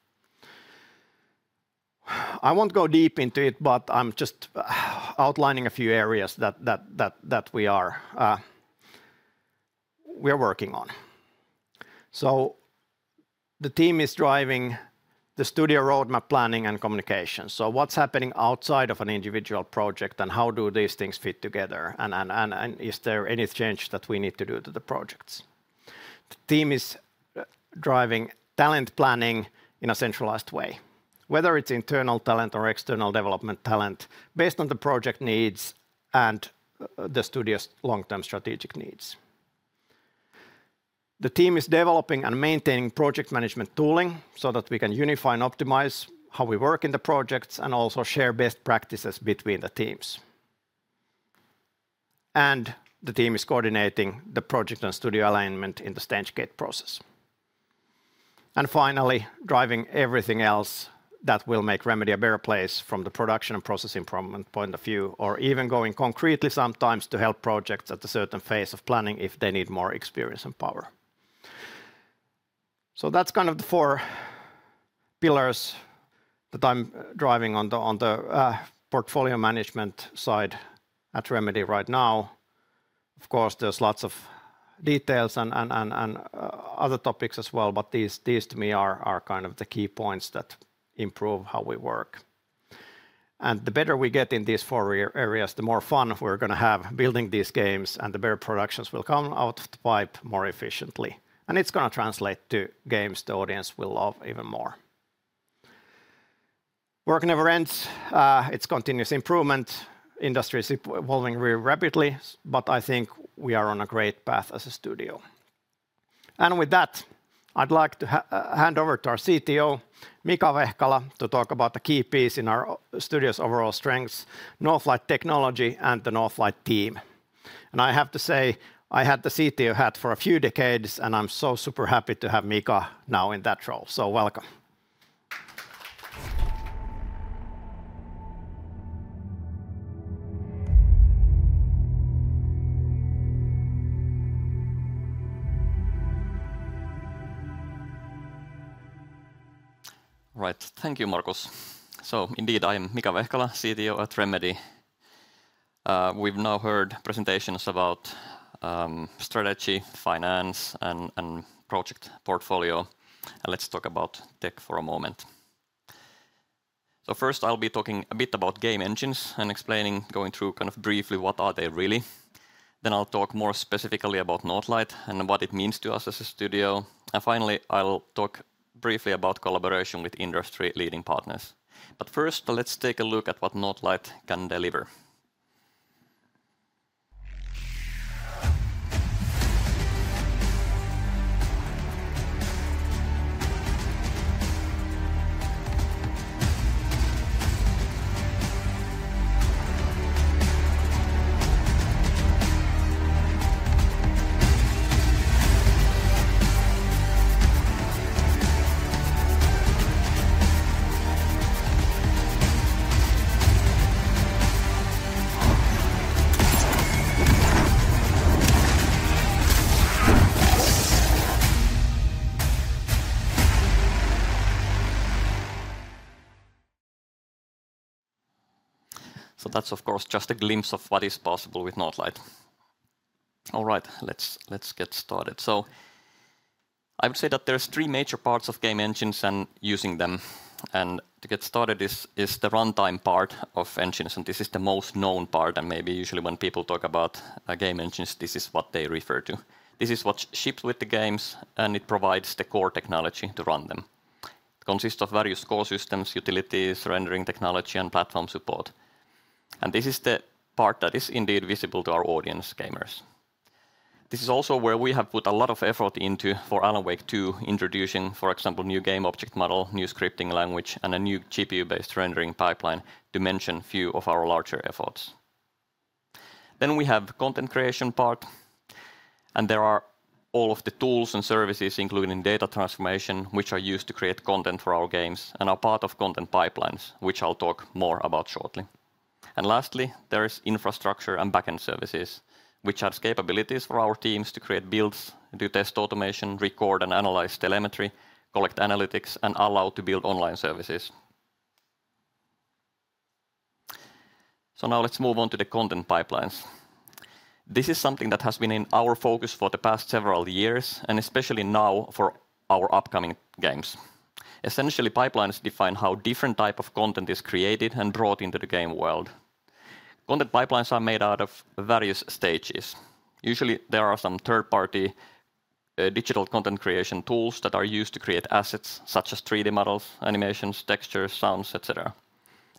I won't go deep into it, but I'm just outlining a few areas that we are working on, so the team is driving the studio roadmap planning and communication, so what's happening outside of an individual project and how do these things fit together? Is there any change that we need to do to the projects? The team is driving talent planning in a centralized way, whether it's internal talent or external development talent based on the project needs and the studio's long-term strategic needs. The team is developing and maintaining project management tooling so that we can unify and optimize how we work in the projects and also share best practices between the teams. And the team is coordinating the project and studio alignment in the Stagegate process. And finally, driving everything else that will make Remedy a better place from the production and process improvement point of view, or even going concretely sometimes to help projects at a certain phase of planning if they need more experience and power. So that's kind of the four pillars that I'm driving on the portfolio management side at Remedy right now. Of course, there's lots of details and other topics as well, but these to me are kind of the key points that improve how we work, and the better we get in these four areas, the more fun we're going to have building these games and the better productions will come out of the pipe more efficiently, and it's going to translate to games the audience will love even more. Work never ends. It's continuous improvement. Industry is evolving very rapidly, but I think we are on a great path as a studio, and with that, I'd like to hand over to our CTO, Mika Vehkala, to talk about the key piece in our studio's overall strengths, Northlight Technology and the Northlight team, and I have to say, I had the CTO hat for a few decades and I'm so super happy to have Mika now in that role. So, welcome.
Right, thank you, Markus. So indeed, I am Mika Vehkala, CTO at Remedy. We've now heard presentations about strategy, finance, and project portfolio and let's talk about tech for a moment. First, I'll be talking a bit about game engines and explaining, going through kind of briefly what are they really, then I'll talk more specifically about Northlight and what it means to us as a studio and finally, I'll talk briefly about collaboration with industry-leading partners, but first, let's take a look at what Northlight can deliver. So that's, of course, just a glimpse of what is possible with Northlight. All right, let's get started. So I would say that there are three major parts of game engines and using them and to get started is the runtime part of engines and this is the most known part. Maybe usually when people talk about game engines, this is what they refer to. This is what ships with the games and it provides the core technology to run them. It consists of various core systems, utilities, rendering technology, and platform support. This is the part that is indeed visible to our audience, gamers. This is also where we have put a lot of effort into for Alan Wake 2, introducing, for example, new game object model, new scripting language, and a new GPU-based rendering pipeline to mention a few of our larger efforts. We have the content creation part. There are all of the tools and services, including data transformation, which are used to create content for our games and are part of content pipelines, which I'll talk more about shortly. And lastly, there is infrastructure and backend services, which have capabilities for our teams to create builds, do test automation, record and analyze telemetry, collect analytics, and allow to build online services. So now let's move on to the content pipelines. This is something that has been in our focus for the past several years, and especially now for our upcoming games. Essentially, pipelines define how different types of content are created and brought into the game world. Content pipelines are made out of various stages. Usually, there are some third-party digital content creation tools that are used to create assets such as 3D models, animations, textures, sounds, etc.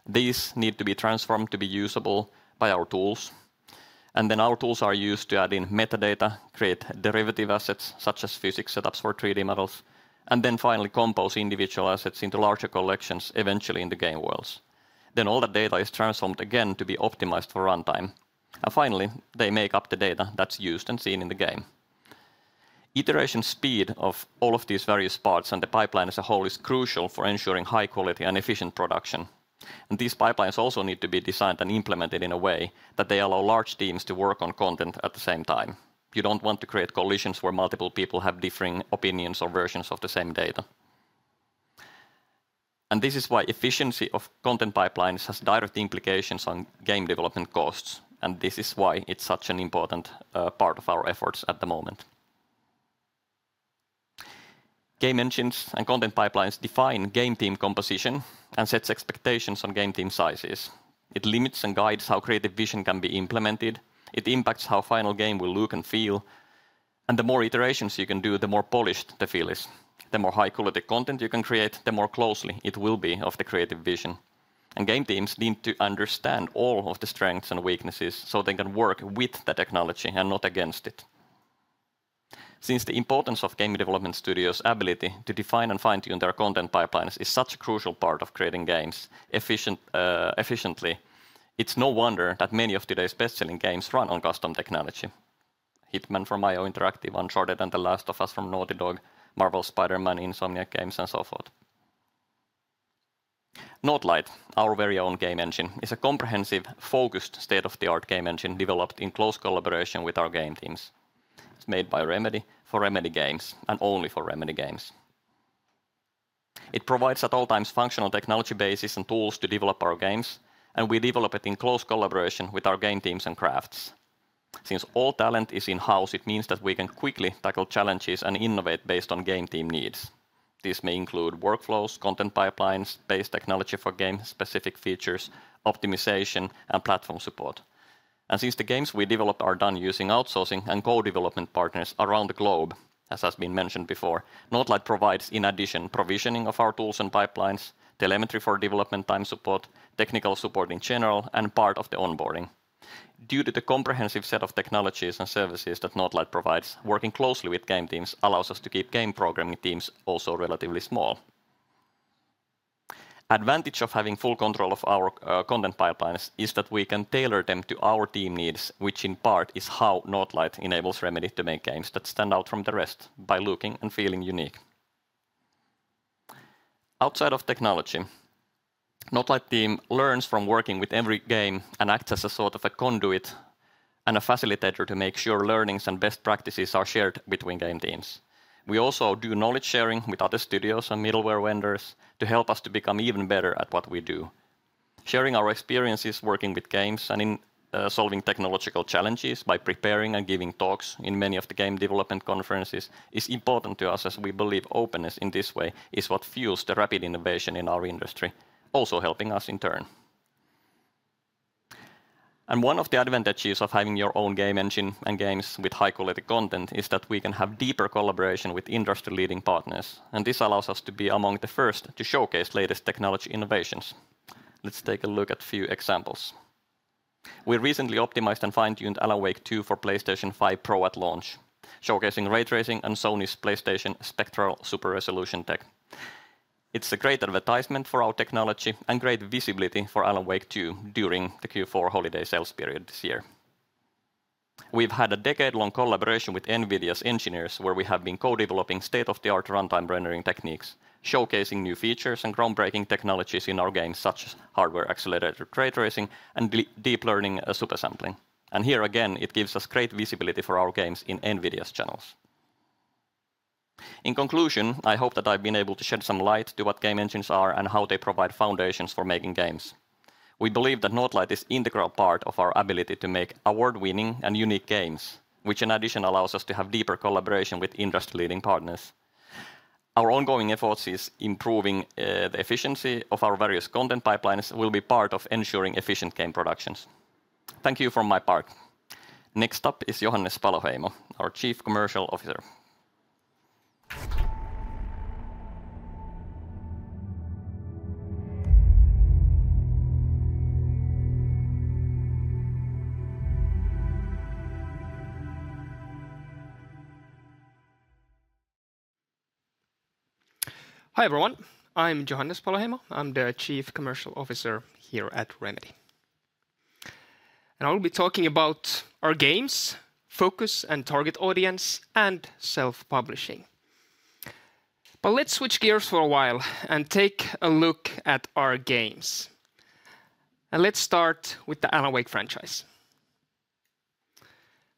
These need to be transformed to be usable by our tools. And then our tools are used to add in metadata, create derivative assets such as physics setups for 3D models, and then finally compose individual assets into larger collections eventually in the game worlds. Then all that data is transformed again to be optimized for runtime. And finally, they make up the data that's used and seen in the game. Iteration speed of all of these various parts and the pipeline as a whole is crucial for ensuring high quality and efficient production. And these pipelines also need to be designed and implemented in a way that they allow large teams to work on content at the same time. You don't want to create collisions where multiple people have differing opinions or versions of the same data. And this is why efficiency of content pipelines has direct implications on game development costs. And this is why it's such an important part of our efforts at the moment. Game engines and content pipelines define game team composition and set expectations on game team sizes. It limits and guides how creative vision can be implemented. It impacts how final game will look and feel. And the more iterations you can do, the more polished the feel is. The more high-quality content you can create, the more closely it will be of the creative vision. And game teams need to understand all of the strengths and weaknesses so they can work with the technology and not against it. Since the importance of game development studios' ability to define and fine-tune their content pipelines is such a crucial part of creating games efficiently, it's no wonder that many of today's best-selling games run on custom technology. Hitman from IO Interactive, Uncharted and The Last of Us from Naughty Dog, Marvel's Spider-Man, Insomniac Games and so forth. Northlight, our very own game engine, is a comprehensive, focused, state-of-the-art game engine developed in close collaboration with our game teams. It's made by Remedy for Remedy games and only for Remedy games. It provides at all times functional technology bases and tools to develop our games, and we develop it in close collaboration with our game teams and crafts. Since all talent is in-house, it means that we can quickly tackle challenges and innovate based on game team needs. This may include workflows, content pipelines, base technology for game-specific features, optimization, and platform support. Since the games we develop are done using outsourcing and co-development partners around the globe, as has been mentioned before, Northlight provides in addition provisioning of our tools and pipelines, telemetry for development time support, technical support in general, and part of the onboarding. Due to the comprehensive set of technologies and services that Northlight provides, working closely with game teams allows us to keep game programming teams also relatively small. Advantage of having full control of our content pipelines is that we can tailor them to our team needs, which in part is how Northlight enables Remedy to make games that stand out from the rest by looking and feeling unique. Outside of technology, the Northlight team learns from working with every game and acts as a sort of a conduit and a facilitator to make sure learnings and best practices are shared between game teams. We also do knowledge sharing with other studios and middleware vendors to help us to become even better at what we do. Sharing our experiences working with games and in solving technological challenges by preparing and giving talks in many of the game development conferences is important to us, as we believe openness in this way is what fuels the rapid innovation in our industry, also helping us in turn. And one of the advantages of having your own game engine and games with high-quality content is that we can have deeper collaboration with industry-leading partners. And this allows us to be among the first to showcase latest technology innovations. Let's take a look at a few examples. We recently optimized and fine-tuned Alan Wake 2 for PlayStation 5 Pro at launch, showcasing ray tracing and Sony's PlayStation Spectral Super Resolution tech. It's a great advertisement for our technology and great visibility for Alan Wake 2 during the Q4 holiday sales period this year. We've had a decade-long collaboration with Nvidia's engineers where we have been co-developing state-of-the-art runtime rendering techniques, showcasing new features and groundbreaking technologies in our games such as hardware-accelerated ray tracing and Deep Learning Super Sampling. And here again, it gives us great visibility for our games in Nvidia's channels. In conclusion, I hope that I've been able to shed some light to what game engines are and how they provide foundations for making games. We believe that Northlight is an integral part of our ability to make award-winning and unique games, which in addition allows us to have deeper collaboration with industry-leading partners. Our ongoing efforts in improving the efficiency of our various content pipelines will be part of ensuring efficient game productions. Thank you from my part. Next up is Johannes Paloheimo, our Chief Commercial Officer.
Hi everyone. I'm Johannes Paloheimo. I'm the Chief Commercial Officer here at Remedy, and I'll be talking about our games, focus and target audience, and self-publishing. But let's switch gears for a while and take a look at our games, and let's start with the Alan Wake franchise.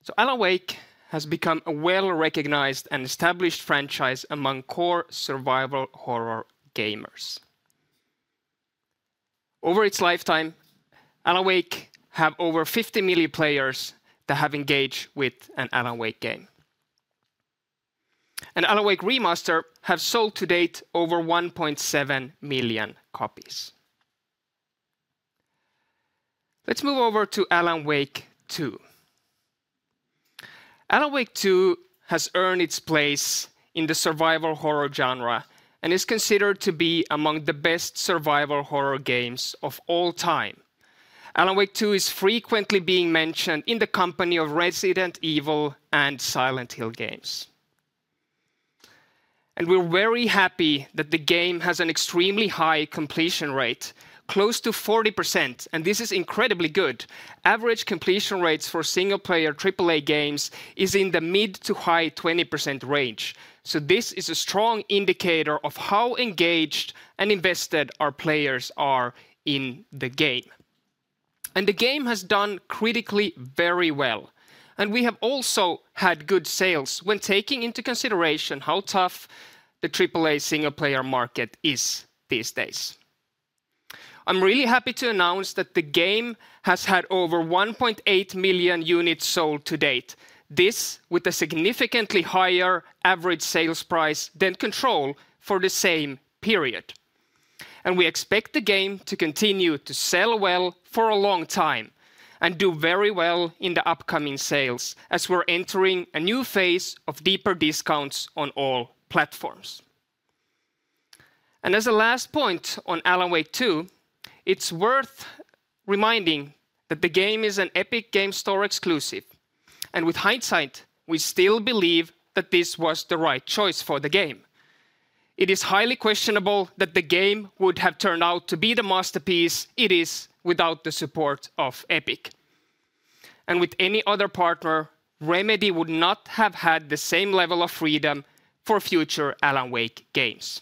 So Alan Wake has become a well-recognized and established franchise among core survival horror gamers. Over its lifetime, Alan Wake has over 50 million players that have engaged with an Alan Wake game. And Alan Wake Remastered has sold to date over 1.7 million copies. Let's move over to Alan Wake 2. Alan Wake 2 has earned its place in the survival horror genre and is considered to be among the best survival horror games of all time. Alan Wake 2 is frequently being mentioned in the company of Resident Evil and Silent Hill games. We're very happy that the game has an extremely high completion rate, close to 40%, and this is incredibly good. Average completion rates for single-player AAA games are in the mid- to high-20% range. This is a strong indicator of how engaged and invested our players are in the game. The game has done critically very well. We have also had good sales when taking into consideration how tough the AAA single-player market is these days. I'm really happy to announce that the game has had over 1.8 million units sold to date. This with a significantly higher average sales price than Control for the same period. We expect the game to continue to sell well for a long time and do very well in the upcoming sales as we're entering a new phase of deeper discounts on all platforms. And as a last point on Alan Wake 2, it's worth reminding that the game is an Epic Games Store exclusive. And with hindsight, we still believe that this was the right choice for the game. It is highly questionable that the game would have turned out to be the masterpiece it is without the support of Epic. And with any other partner, Remedy would not have had the same level of freedom for future Alan Wake games.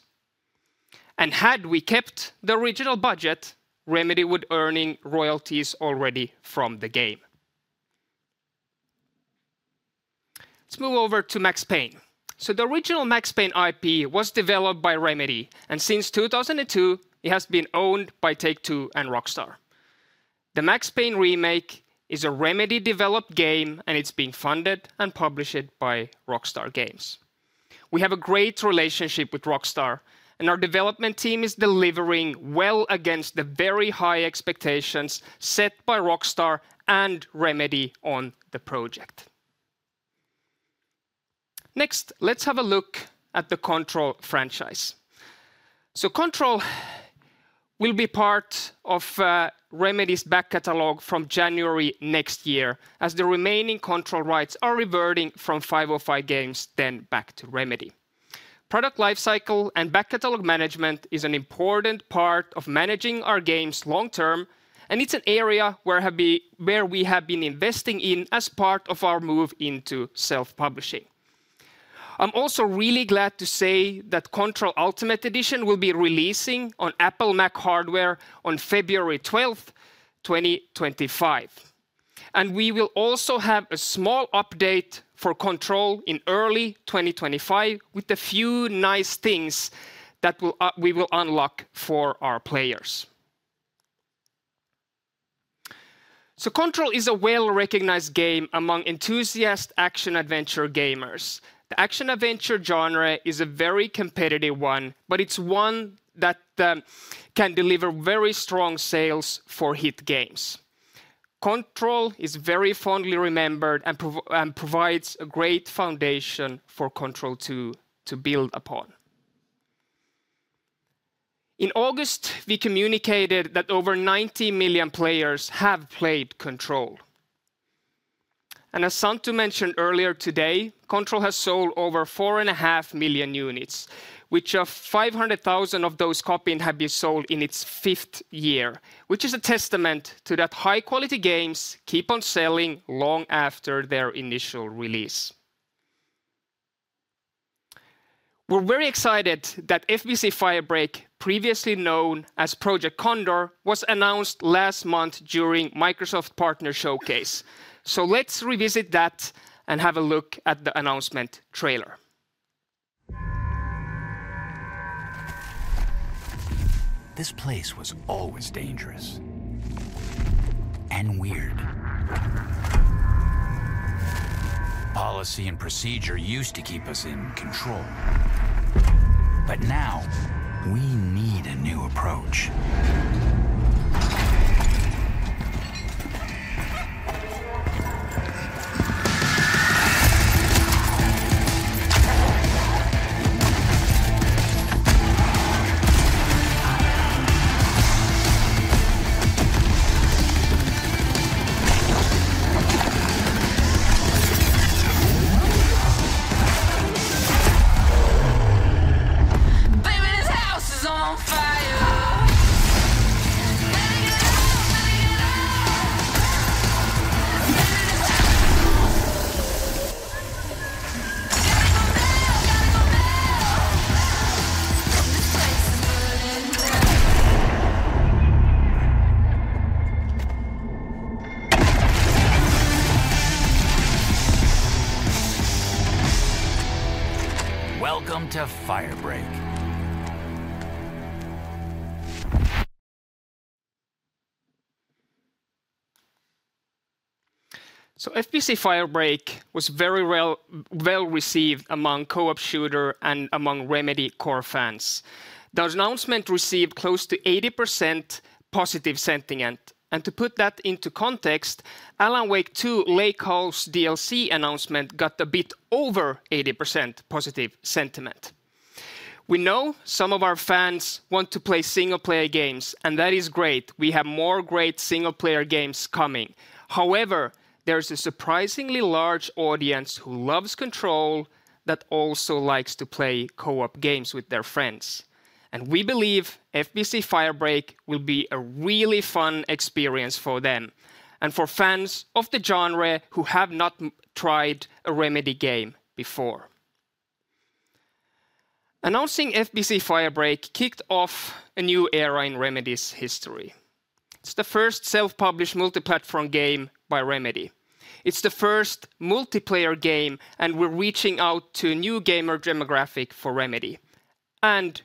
And had we kept the original budget, Remedy would have earned royalties already from the game. Let's move over to Max Payne. So the original Max Payne IP was developed by Remedy. Since 2002, it has been owned by Take-Two and Rockstar. The Max Payne remake is a Remedy-developed game, and it's being funded and published by Rockstar Games. We have a great relationship with Rockstar, and our development team is delivering well against the very high expectations set by Rockstar and Remedy on the project. Next, let's have a look at the Control franchise. Control will be part of Remedy's back catalog from January next year as the remaining Control rights are reverting from 505 Games then back to Remedy. Product lifecycle and back catalog management is an important part of managing our games long-term, and it's an area where we have been investing in as part of our move into self-publishing. I'm also really glad to say that Control Ultimate Edition will be releasing on Apple Mac hardware on February 12th, 2025. We will also have a small update for Control in early 2025 with a few nice things that we will unlock for our players. So Control is a well-recognized game among enthusiast action-adventure gamers. The action-adventure genre is a very competitive one, but it's one that can deliver very strong sales for hit games. Control is very fondly remembered and provides a great foundation for Control 2 to build upon. In August, we communicated that over 90 million players have played Control. And as Santtu mentioned earlier today, Control has sold over 4.5 million units, of which 500,000 of those copies have been sold in its fifth year, which is a testament to that high-quality games keep on selling long after their initial release. We're very excited that FBC: Firebreak, previously known as Project Condor, was announced last month during Microsoft Partner Showcase. So let's revisit that and have a look at the announcement trailer.
This place was always dangerous and weird. Policy and procedure used to keep us in control. But now we need a new approach. Baby, this house is on fire. Let it get out, let it get out. Baby, this house is on fire. Gotta go now, gotta go now. This place is burning down. Welcome to Firebreak.
So FBC: Firebreak was very well received among co-op shooter and among Remedy core fans. That announcement received close to 80% positive sentiment. And to put that into context, Alan Wake 2 Lake House DLC announcement got a bit over 80% positive sentiment. We know some of our fans want to play single-player games, and that is great. We have more great single-player games coming. However, there's a surprisingly large audience who loves Control that also likes to play co-op games with their friends, and we believe FBC: Firebreak will be a really fun experience for them and for fans of the genre who have not tried a Remedy game before. Announcing FBC: Firebreak kicked off a new era in Remedy's history. It's the first self-published multi-platform game by Remedy. It's the first multiplayer game, and we're reaching out to a new gamer demographic for Remedy, and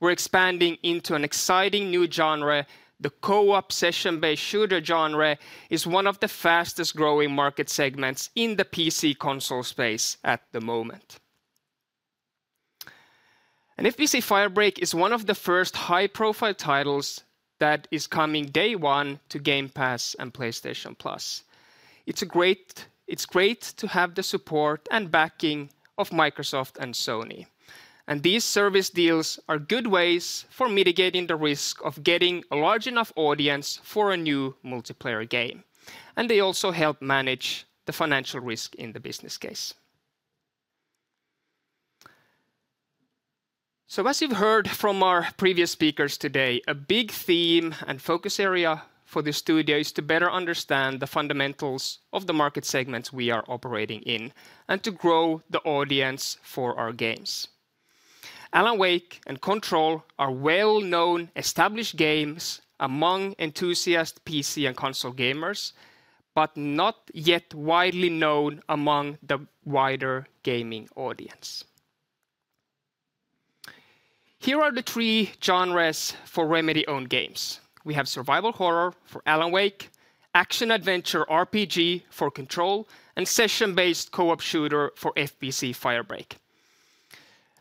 we're expanding into an exciting new genre. The co-op session-based shooter genre is one of the fastest-growing market segments in the PC console space at the moment, and FBC: Firebreak is one of the first high-profile titles that is coming day one to Game Pass and PlayStation Plus. It's great to have the support and backing of Microsoft and Sony. And these service deals are good ways for mitigating the risk of getting a large enough audience for a new multiplayer game. And they also help manage the financial risk in the business case. So as you've heard from our previous speakers today, a big theme and focus area for the studio is to better understand the fundamentals of the market segments we are operating in and to grow the audience for our games. Alan Wake and Control are well-known established games among enthusiast PC and console gamers, but not yet widely known among the wider gaming audience. Here are the three genres for Remedy-owned games. We have survival horror for Alan Wake, action-adventure RPG for Control, and session-based co-op shooter for FBC Firebreak.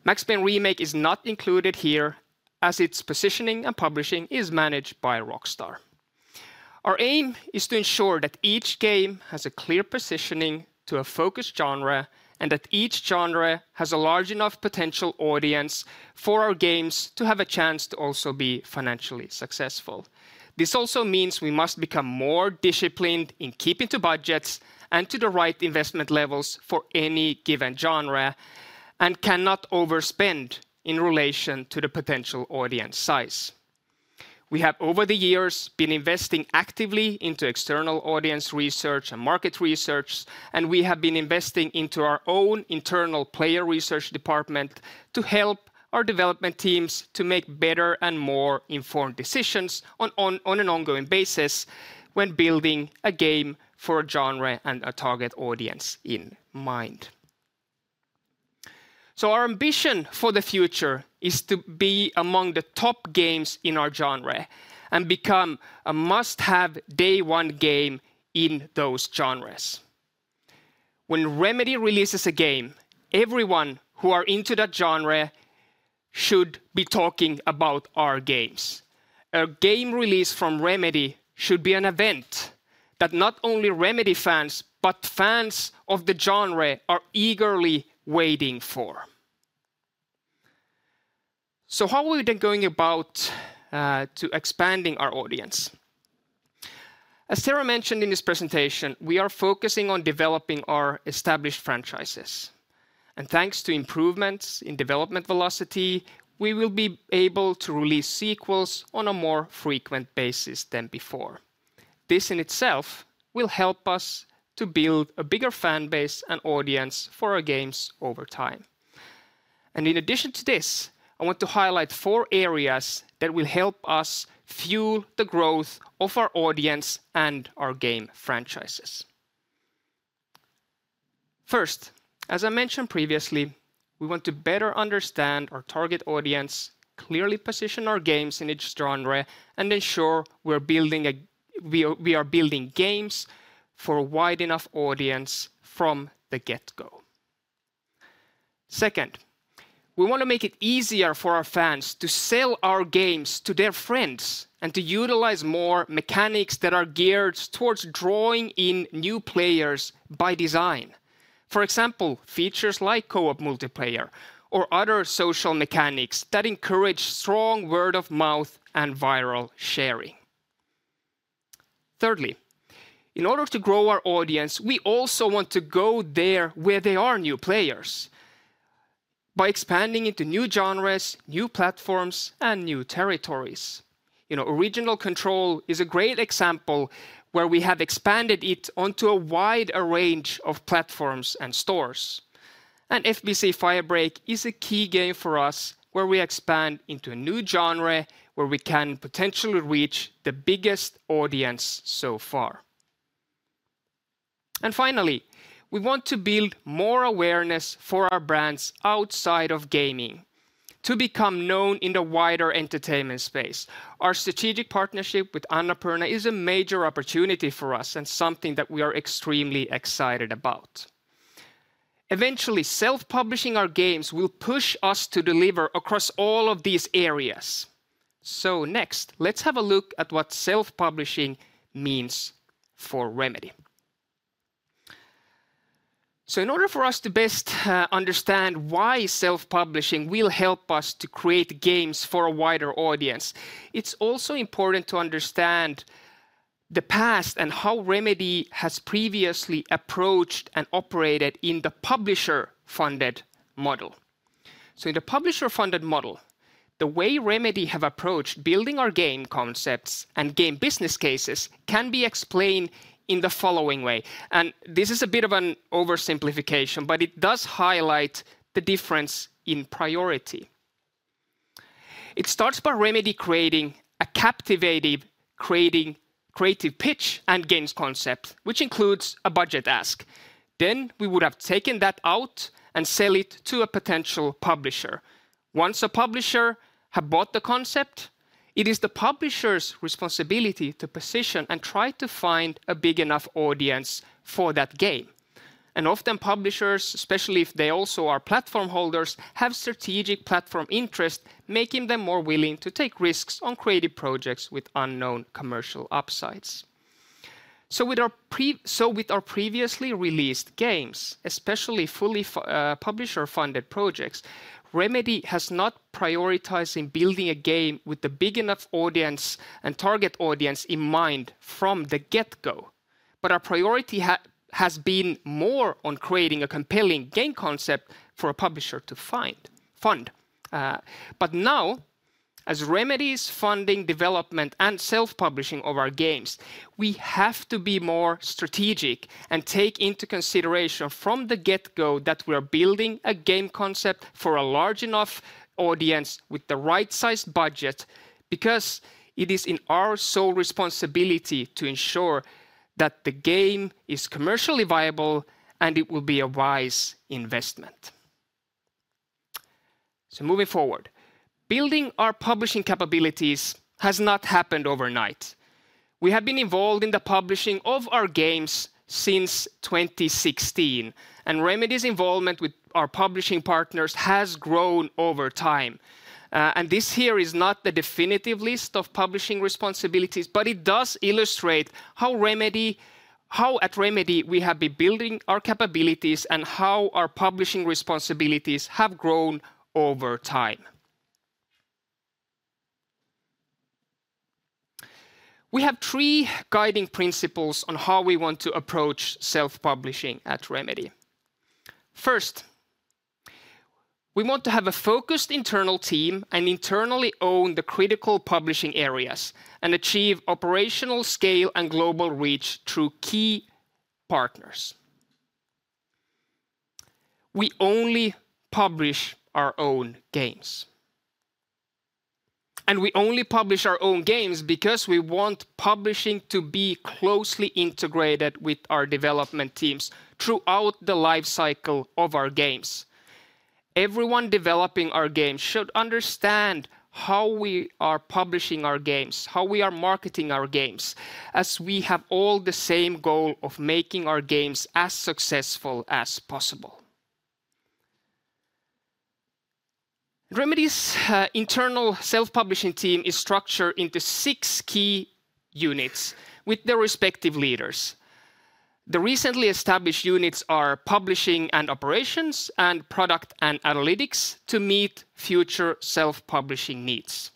Max Payne Remake is not included here as its positioning and publishing is managed by Rockstar. Our aim is to ensure that each game has a clear positioning to a focused genre and that each genre has a large enough potential audience for our games to have a chance to also be financially successful. This also means we must become more disciplined in keeping to budgets and to the right investment levels for any given genre and cannot overspend in relation to the potential audience size. We have over the years been investing actively into external audience research and market research, and we have been investing into our own internal player research department to help our development teams to make better and more informed decisions on an ongoing basis when building a game for a genre and a target audience in mind. So our ambition for the future is to be among the top games in our genre and become a must-have day one game in those genres. When Remedy releases a game, everyone who is into that genre should be talking about our games. A game released from Remedy should be an event that not only Remedy fans, but fans of the genre are eagerly waiting for. So how are we then going about expanding our audience? As Sarah mentioned in this presentation, we are focusing on developing our established franchises. And thanks to improvements in development velocity, we will be able to release sequels on a more frequent basis than before. This in itself will help us to build a bigger fan base and audience for our games over time. In addition to this, I want to highlight four areas that will help us fuel the growth of our audience and our game franchises. First, as I mentioned previously, we want to better understand our target audience, clearly position our games in each genre, and ensure we are building games for a wide enough audience from the get-go. Second, we want to make it easier for our fans to sell our games to their friends and to utilize more mechanics that are geared towards drawing in new players by design. For example, features like co-op multiplayer or other social mechanics that encourage strong word-of-mouth and viral sharing. Thirdly, in order to grow our audience, we also want to go there where there are new players by expanding into new genres, new platforms, and new territories. Original Control is a great example where we have expanded it onto a wide range of platforms and stores. And FBC: Firebreak is a key game for us where we expand into a new genre where we can potentially reach the biggest audience so far. And finally, we want to build more awareness for our brands outside of gaming to become known in the wider entertainment space. Our strategic partnership with Annapurna is a major opportunity for us and something that we are extremely excited about. Eventually, self-publishing our games will push us to deliver across all of these areas. So next, let's have a look at what self-publishing means for Remedy. In order for us to best understand why self-publishing will help us to create games for a wider audience, it's also important to understand the past and how Remedy has previously approached and operated in the publisher-funded model. In the publisher-funded model, the way Remedy has approached building our game concepts and game business cases can be explained in the following way. This is a bit of an oversimplification, but it does highlight the difference in priority. It starts by Remedy creating a captivating creative pitch and games concept, which includes a budget ask. Then we would have taken that out and sell it to a potential publisher. Once a publisher has bought the concept, it is the publisher's responsibility to position and try to find a big enough audience for that game. And often publishers, especially if they also are platform holders, have strategic platform interests, making them more willing to take risks on creative projects with unknown commercial upsides. So with our previously released games, especially fully publisher-funded projects, Remedy has not prioritized in building a game with a big enough audience and target audience in mind from the get-go. But our priority has been more on creating a compelling game concept for a publisher to find. But now, as Remedy is funding development and self-publishing of our games, we have to be more strategic and take into consideration from the get-go that we are building a game concept for a large enough audience with the right-sized budget because it is in our sole responsibility to ensure that the game is commercially viable and it will be a wise investment. So moving forward, building our publishing capabilities has not happened overnight. We have been involved in the publishing of our games since 2016, and Remedy's involvement with our publishing partners has grown over time, and this here is not the definitive list of publishing responsibilities, but it does illustrate how at Remedy we have been building our capabilities and how our publishing responsibilities have grown over time. We have three guiding principles on how we want to approach self-publishing at Remedy. First, we want to have a focused internal team and internally own the critical publishing areas and achieve operational scale and global reach through key partners. We only publish our own games, and we only publish our own games because we want publishing to be closely integrated with our development teams throughout the life cycle of our games. Everyone developing our games should understand how we are publishing our games, how we are marketing our games, as we have all the same goal of making our games as successful as possible. Remedy's internal self-publishing team is structured into six key units with their respective leaders. The recently established units are publishing and operations and product and analytics to meet future self-publishing needs.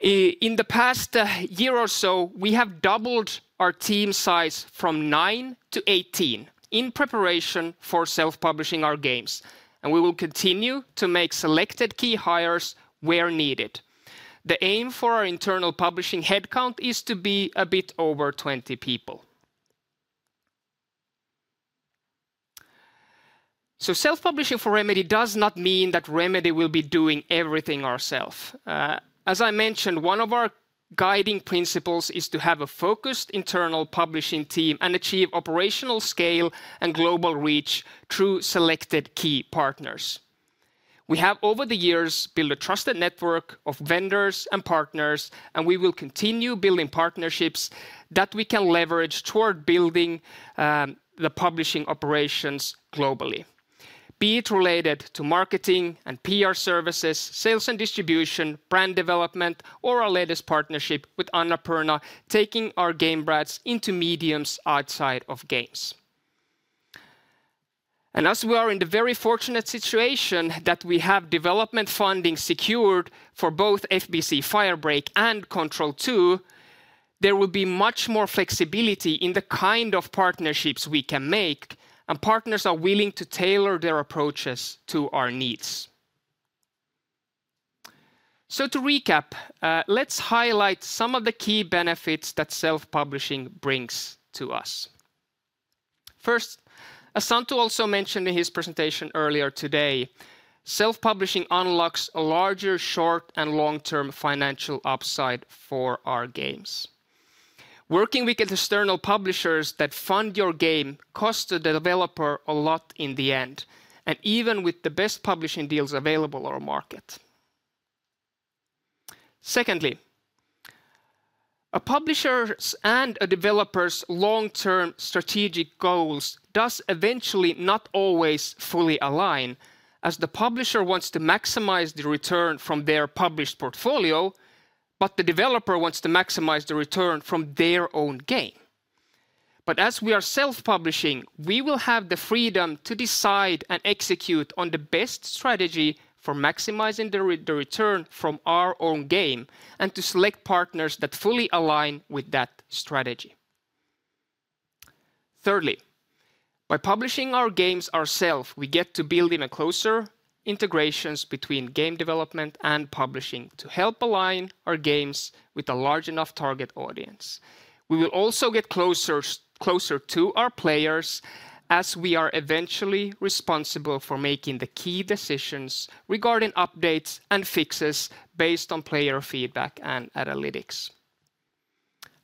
In the past year or so, we have doubled our team size from nine to 18 in preparation for self-publishing our games, and we will continue to make selected key hires where needed. The aim for our internal publishing headcount is to be a bit over 20 people, so self-publishing for Remedy does not mean that Remedy will be doing everything ourselves. As I mentioned, one of our guiding principles is to have a focused internal publishing team and achieve operational scale and global reach through selected key partners. We have over the years built a trusted network of vendors and partners, and we will continue building partnerships that we can leverage toward building the publishing operations globally, be it related to marketing and PR services, sales and distribution, brand development, or our latest partnership with Annapurna, taking our game brands into mediums outside of games, and as we are in the very fortunate situation that we have development funding secured for both FBC Firebreak and Control 2, there will be much more flexibility in the kind of partnerships we can make, and partners are willing to tailor their approaches to our needs, so to recap, let's highlight some of the key benefits that self-publishing brings to us. First, as Santtu also mentioned in his presentation earlier today, self-publishing unlocks a larger short and long-term financial upside for our games. Working with external publishers that fund your game costs the developer a lot in the end, even with the best publishing deals available on the market. Secondly, a publisher's and a developer's long-term strategic goals do eventually not always fully align, as the publisher wants to maximize the return from their published portfolio, but the developer wants to maximize the return from their own game, but as we are self-publishing, we will have the freedom to decide and execute on the best strategy for maximizing the return from our own game and to select partners that fully align with that strategy. Thirdly, by publishing our games ourselves, we get to build in closer integrations between game development and publishing to help align our games with a large enough target audience. We will also get closer to our players as we are eventually responsible for making the key decisions regarding updates and fixes based on player feedback and analytics.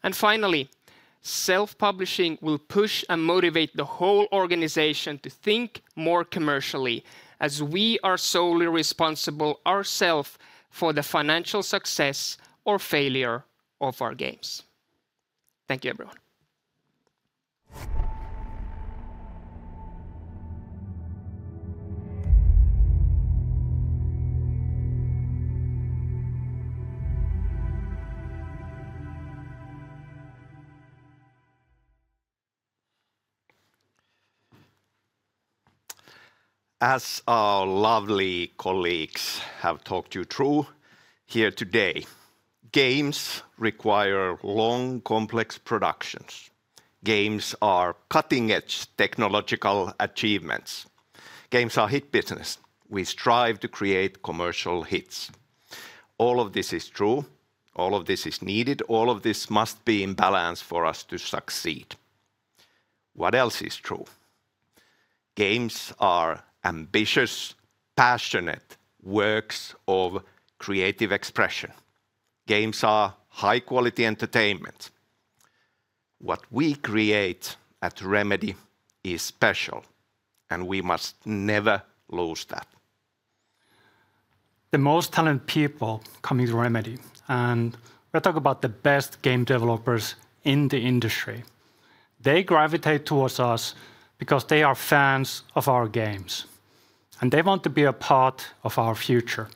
And finally, self-publishing will push and motivate the whole organization to think more commercially as we are solely responsible ourselves for the financial success or failure of our games. Thank you, everyone.
As our lovely colleagues have talked you through here today, games require long, complex productions. Games are cutting-edge technological achievements. Games are hit business. We strive to create commercial hits. All of this is true. All of this is needed. All of this must be in balance for us to succeed. What else is true? Games are ambitious, passionate works of creative expression. Games are high-quality entertainment. What we create at Remedy is special, and we must never lose that. The most talented people come into Remedy, and we're talking about the best game developers in the industry. They gravitate towards us because they are fans of our games, and they want to be a part of our future.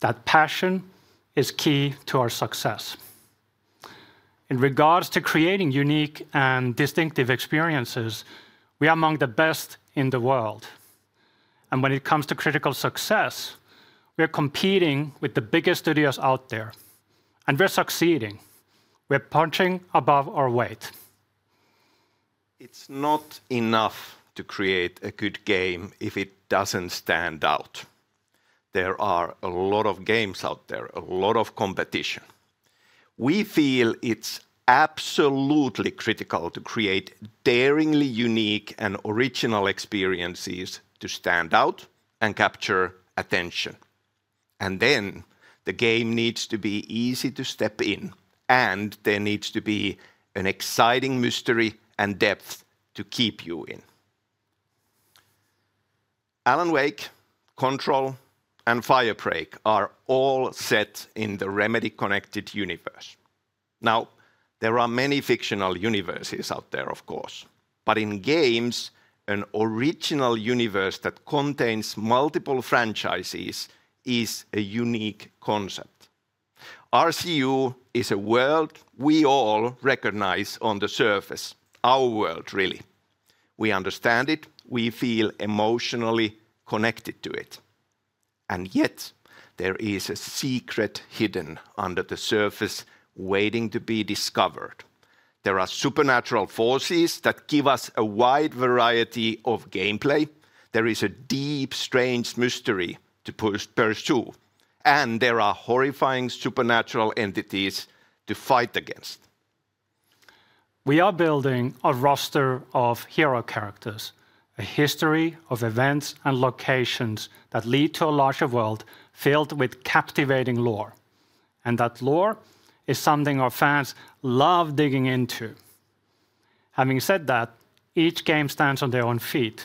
That passion is key to our success. In regards to creating unique and distinctive experiences, we are among the best in the world, and when it comes to critical success, we are competing with the biggest studios out there, and we're succeeding. We're punching above our weight. It's not enough to create a good game if it doesn't stand out. There are a lot of games out there, a lot of competition. We feel it's absolutely critical to create daringly unique and original experiences to stand out and capture attention, and then the game needs to be easy to step in, and there needs to be an exciting mystery and depth to keep you in. Alan Wake, Control, and Firebreak are all set in the Remedy Connected Universe. Now, there are many fictional universes out there, of course, but in games, an original universe that contains multiple franchises is a unique concept. RCU is a world we all recognize on the surface, our world, really. We understand it. We feel emotionally connected to it, and yet, there is a secret hidden under the surface waiting to be discovered. There are supernatural forces that give us a wide variety of gameplay. There is a deep, strange mystery to pursue, and there are horrifying supernatural entities to fight against. We are building a roster of hero characters, a history of events and locations that lead to a larger world filled with captivating lore. And that lore is something our fans love digging into. Having said that, each game stands on their own feet.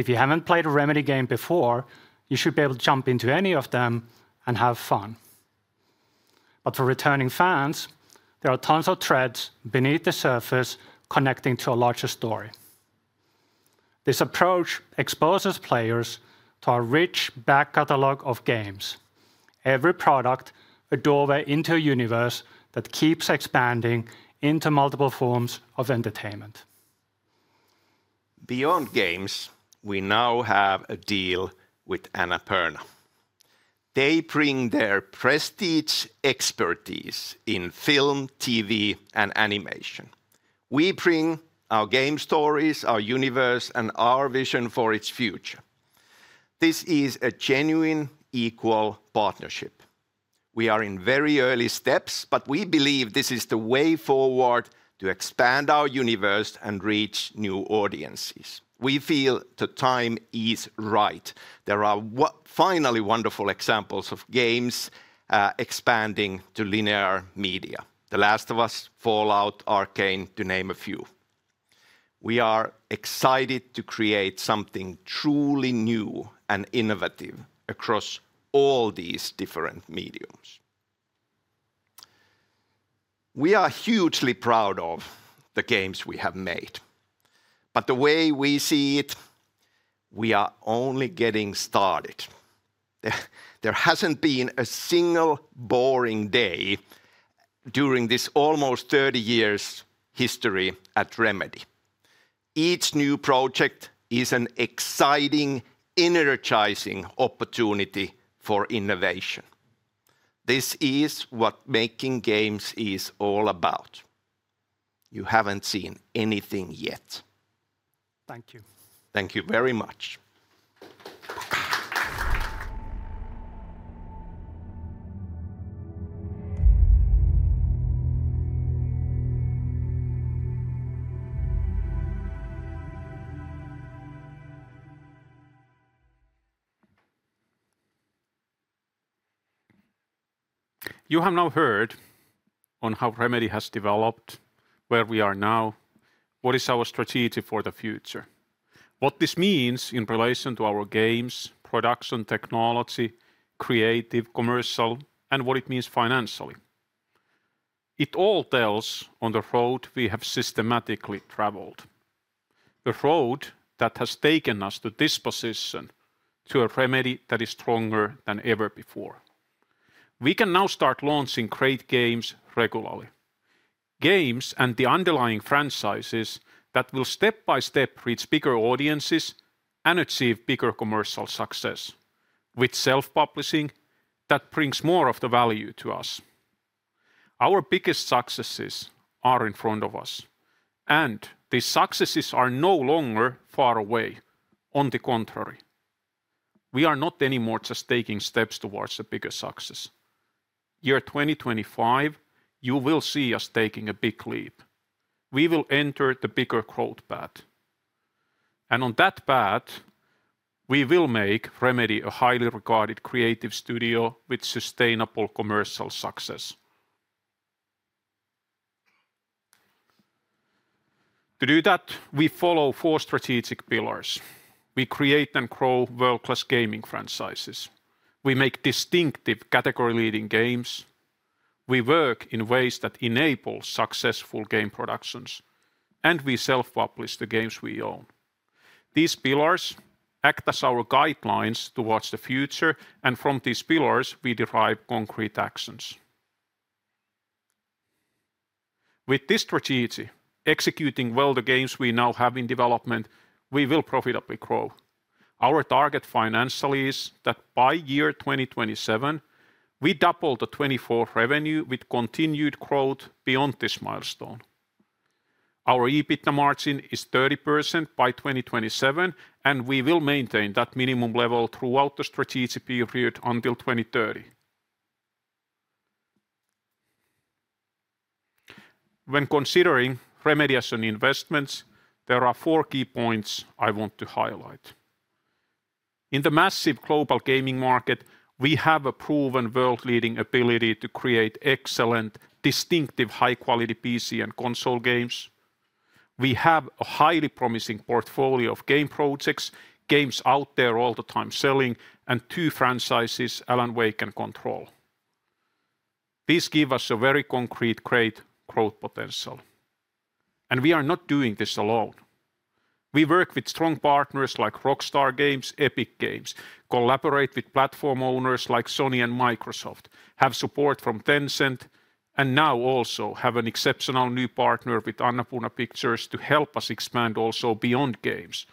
If you haven't played a Remedy game before, you should be able to jump into any of them and have fun. But for returning fans, there are tons of threads beneath the surface connecting to a larger story. This approach exposes players to a rich back catalog of games, every product a doorway into a universe that keeps expanding into multiple forms of entertainment. Beyond games, we now have a deal with Annapurna. They bring their prestige expertise in film, TV, and animation. We bring our game stories, our universe, and our vision for its future. This is a genuine equal partnership. We are in very early steps, but we believe this is the way forward to expand our universe and reach new audiences. We feel the time is right. There are finally wonderful examples of games expanding to linear media, The Last of Us, Fallout, Arcane, to name a few. We are excited to create something truly new and innovative across all these different media. We are hugely proud of the games we have made, but the way we see it, we are only getting started. There hasn't been a single boring day during this almost 30-year history at Remedy. Each new project is an exciting, energizing opportunity for innovation. This is what making games is all about. You haven't seen anything yet. Thank you. Thank you very much.
You have now heard about how Remedy has developed, where we are now, what is our strategy for the future, what this means in relation to our games, production technology, creative, commercial, and what it means financially. It all builds on the road we have systematically traveled, the road that has taken us to this position, to a Remedy that is stronger than ever before. We can now start launching great games regularly, games and the underlying franchises that will step by step reach bigger audiences and achieve bigger commercial success with self-publishing that brings more of the value to us. Our biggest successes are in front of us, and these successes are no longer far away. On the contrary, we are not anymore just taking steps towards the biggest success. Year 2025, you will see us taking a big leap. We will enter the bigger growth path. On that path, we will make Remedy a highly regarded creative studio with sustainable commercial success. To do that, we follow four strategic pillars. We create and grow world-class gaming franchises. We make distinctive category-leading games. We work in ways that enable successful game productions, and we self-publish the games we own. These pillars act as our guidelines towards the future, and from these pillars, we derive concrete actions. With this strategy, executing well the games we now have in development, we will profitably grow. Our target financially is that by year 2027, we double the 2024 revenue with continued growth beyond this milestone. Our EBITDA margin is 30% by 2027, and we will maintain that minimum level throughout the strategic period until 2030. When considering Remedy as an investment, there are four key points I want to highlight. In the massive global gaming market, we have a proven world-leading ability to create excellent, distinctive high-quality PC and console games. We have a highly promising portfolio of game projects, games out there all the time selling, and two franchises, Alan Wake and Control. These give us a very concrete great growth potential. And we are not doing this alone. We work with strong partners like Rockstar Games, Epic Games, collaborate with platform owners like Sony and Microsoft, have support from Tencent, and now also have an exceptional new partner with Annapurna Pictures to help us expand also beyond games.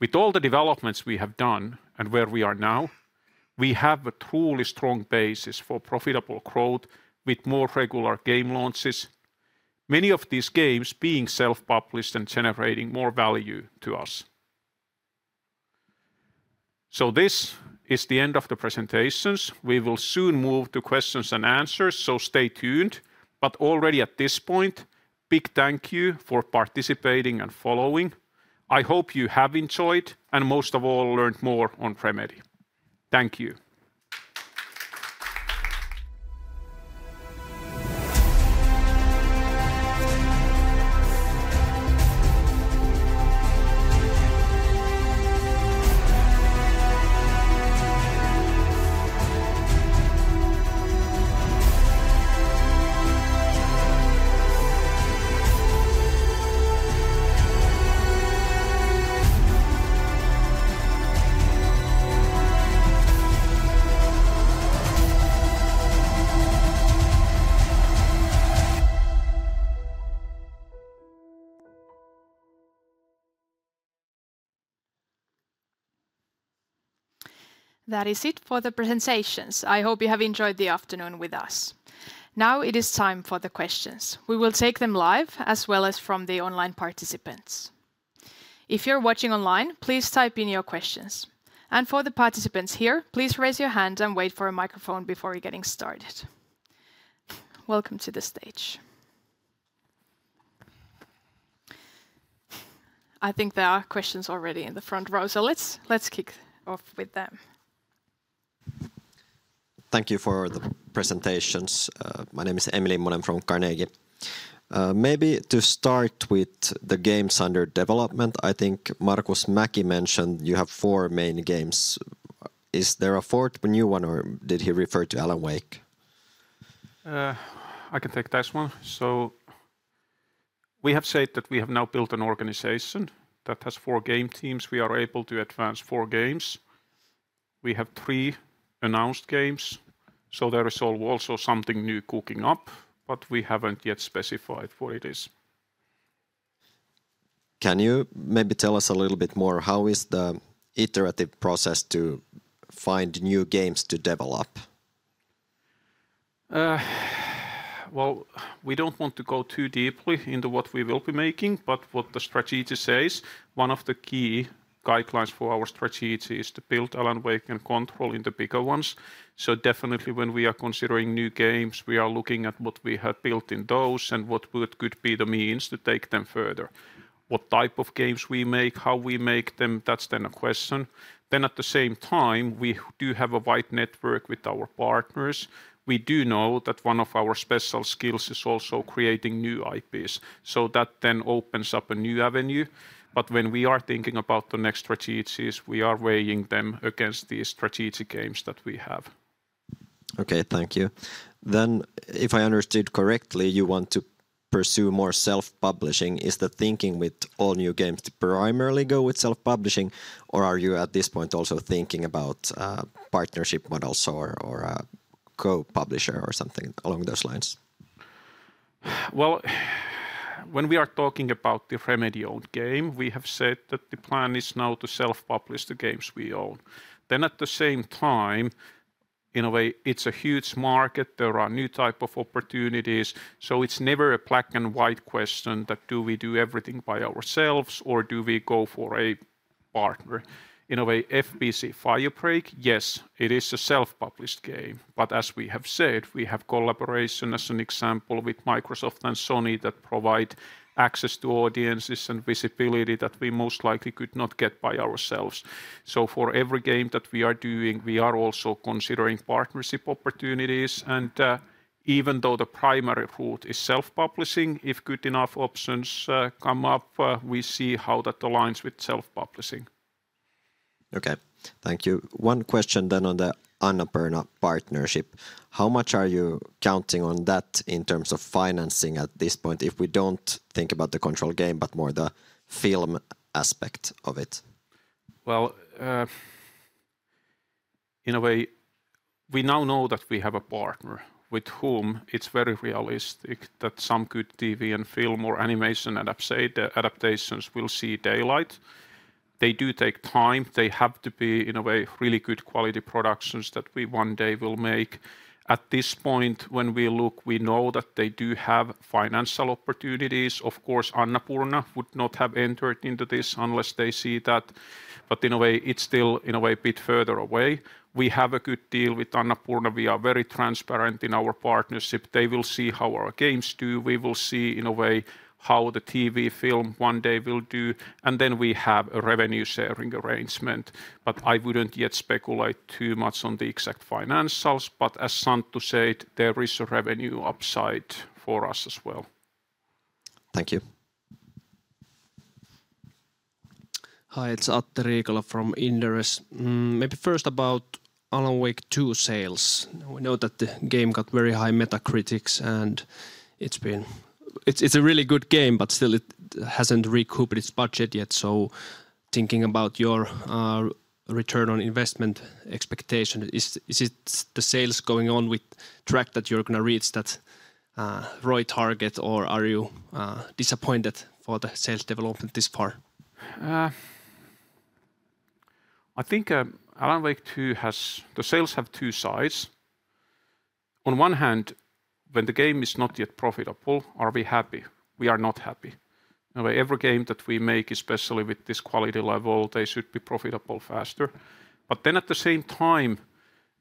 With all the developments we have done and where we are now, we have a truly strong basis for profitable growth with more regular game launches, many of these games being self-published and generating more value to us. So this is the end of the presentations. We will soon move to questions and answers, so stay tuned. But already at this point, big thank you for participating and following. I hope you have enjoyed and most of all learned more on Remedy. Thank you.
That is it for the presentations. I hope you have enjoyed the afternoon with us. Now it is time for the questions. We will take them live as well as from the online participants. If you're watching online, please type in your questions. And for the participants here, please raise your hand and wait for a microphone before getting started. Welcome to the stage. I think there are questions already in the front row, so let's kick off with them.
Thank you for the presentations. My name is Emilia Mononen from Carnegie. Maybe to start with the games under development, I think Markus Mäki mentioned you have four main games. Is there a fourth new one, or did he refer to Alan Wake?
I can take this one. We have said that we have now built an organization that has four game teams. We are able to advance four games. We have three announced games, so there is also something new cooking up, but we haven't yet specified what it is.
Can you maybe tell us a little bit more? How is the iterative process to find new games to develop?
We don't want to go too deeply into what we will be making, but what the strategy says, one of the key guidelines for our strategy is to build Alan Wake and Control in the bigger ones. So definitely, when we are considering new games, we are looking at what we have built in those and what could be the means to take them further. What type of games we make, how we make them, that's then a question. Then, at the same time, we do have a wide network with our partners. We do know that one of our special skills is also creating new IPs, so that then opens up a new avenue. But when we are thinking about the next strategies, we are weighing them against the strategic games that we have.
Okay, thank you. Then, if I understood correctly, you want to pursue more self-publishing. Is the thinking with all new games to primarily go with self-publishing, or are you at this point also thinking about a partnership models or a co-publisher or something along those lines?
Well, when we are talking about the Remedy-owned game, we have said that the plan is now to self-publish the games we own. Then, at the same time, in a way, it's a huge market. There are new types of opportunities, so it's never a black-and-white question that do we do everything by ourselves or do we go for a partner. In a way, FBC: Firebreak, yes, it is a self-published game, but as we have said, we have collaboration as an example with Microsoft and Sony that provide access to audiences and visibility that we most likely could not get by ourselves. So for every game that we are doing, we are also considering partnership opportunities. And even though the primary route is self-publishing, if good enough options come up, we see how that aligns with self-publishing.
Okay, thank you. One question then on the Annapurna partnership. How much are you counting on that in terms of financing at this point if we don't think about the Control game but more the film aspect of it?
In a way, we now know that we have a partner with whom it's very realistic that some good TV and film or animation adaptations will see daylight. They do take time. They have to be, in a way, really good quality productions that we one day will make. At this point, when we look, we know that they do have financial opportunities. Of course, Annapurna would not have entered into this unless they see that. In a way, it's still, in a way, a bit further away. We have a good deal with Annapurna. We are very transparent in our partnership. They will see how our games do. We will see, in a way, how the TV film one day will do. And then we have a revenue-sharing arrangement. But I wouldn't yet speculate too much on the exact financials. But as Santtu said, there is a revenue upside for us as well.
Thank you.
Hi, it's Atte Riikola from Inderes. Maybe first about Alan Wake 2 sales. We know that the game got very high Metacritic, and it's been a really good game, but still, it hasn't recouped its budget yet. So thinking about your return on investment expectation, is it the sales going on track that you're going to reach that ROI target, or are you disappointed for the sales development this far?
I think Alan Wake 2's sales have two sides. On one hand, when the game is not yet profitable, are we happy? We are not happy. Every game that we make, especially with this quality level, they should be profitable faster. But then, at the same time,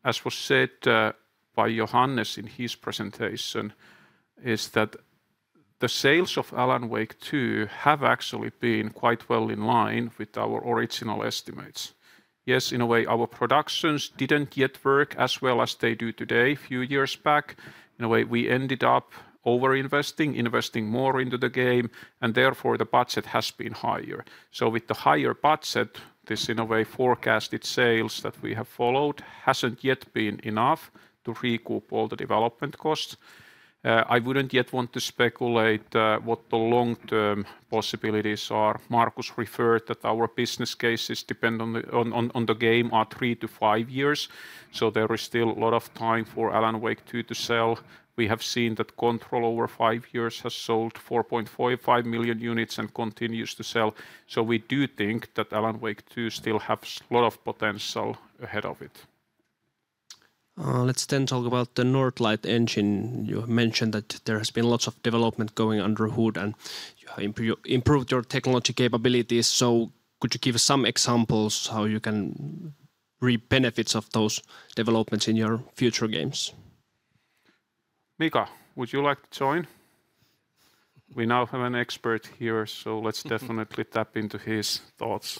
as was said by Johannes in his presentation, is that the sales of Alan Wake 2 have actually been quite well in line with our original estimates. Yes, in a way, our productions didn't yet work as well as they do today a few years back. In a way, we ended up overinvesting, investing more into the game, and therefore the budget has been higher. So with the higher budget, this, in a way, forecasted sales that we have followed hasn't yet been enough to recoup all the development costs. I wouldn't yet want to speculate what the long-term possibilities are. Markus Mäki referred that our business cases depend on the game are three to five years, so there is still a lot of time for Alan Wake 2 to sell. We have seen that Control over five years has sold 4.45 million units and continues to sell. So we do think that Alan Wake 2 still has a lot of potential ahead of it.
Let's then talk about the Northlight engine. You mentioned that there has been lots of development going under the hood and you have improved your technology capabilities. So could you give some examples how you can reap benefits of those developments in your future games?
Mika Vehkala, would you like to join? We now have an expert here, so let's definitely tap into his thoughts.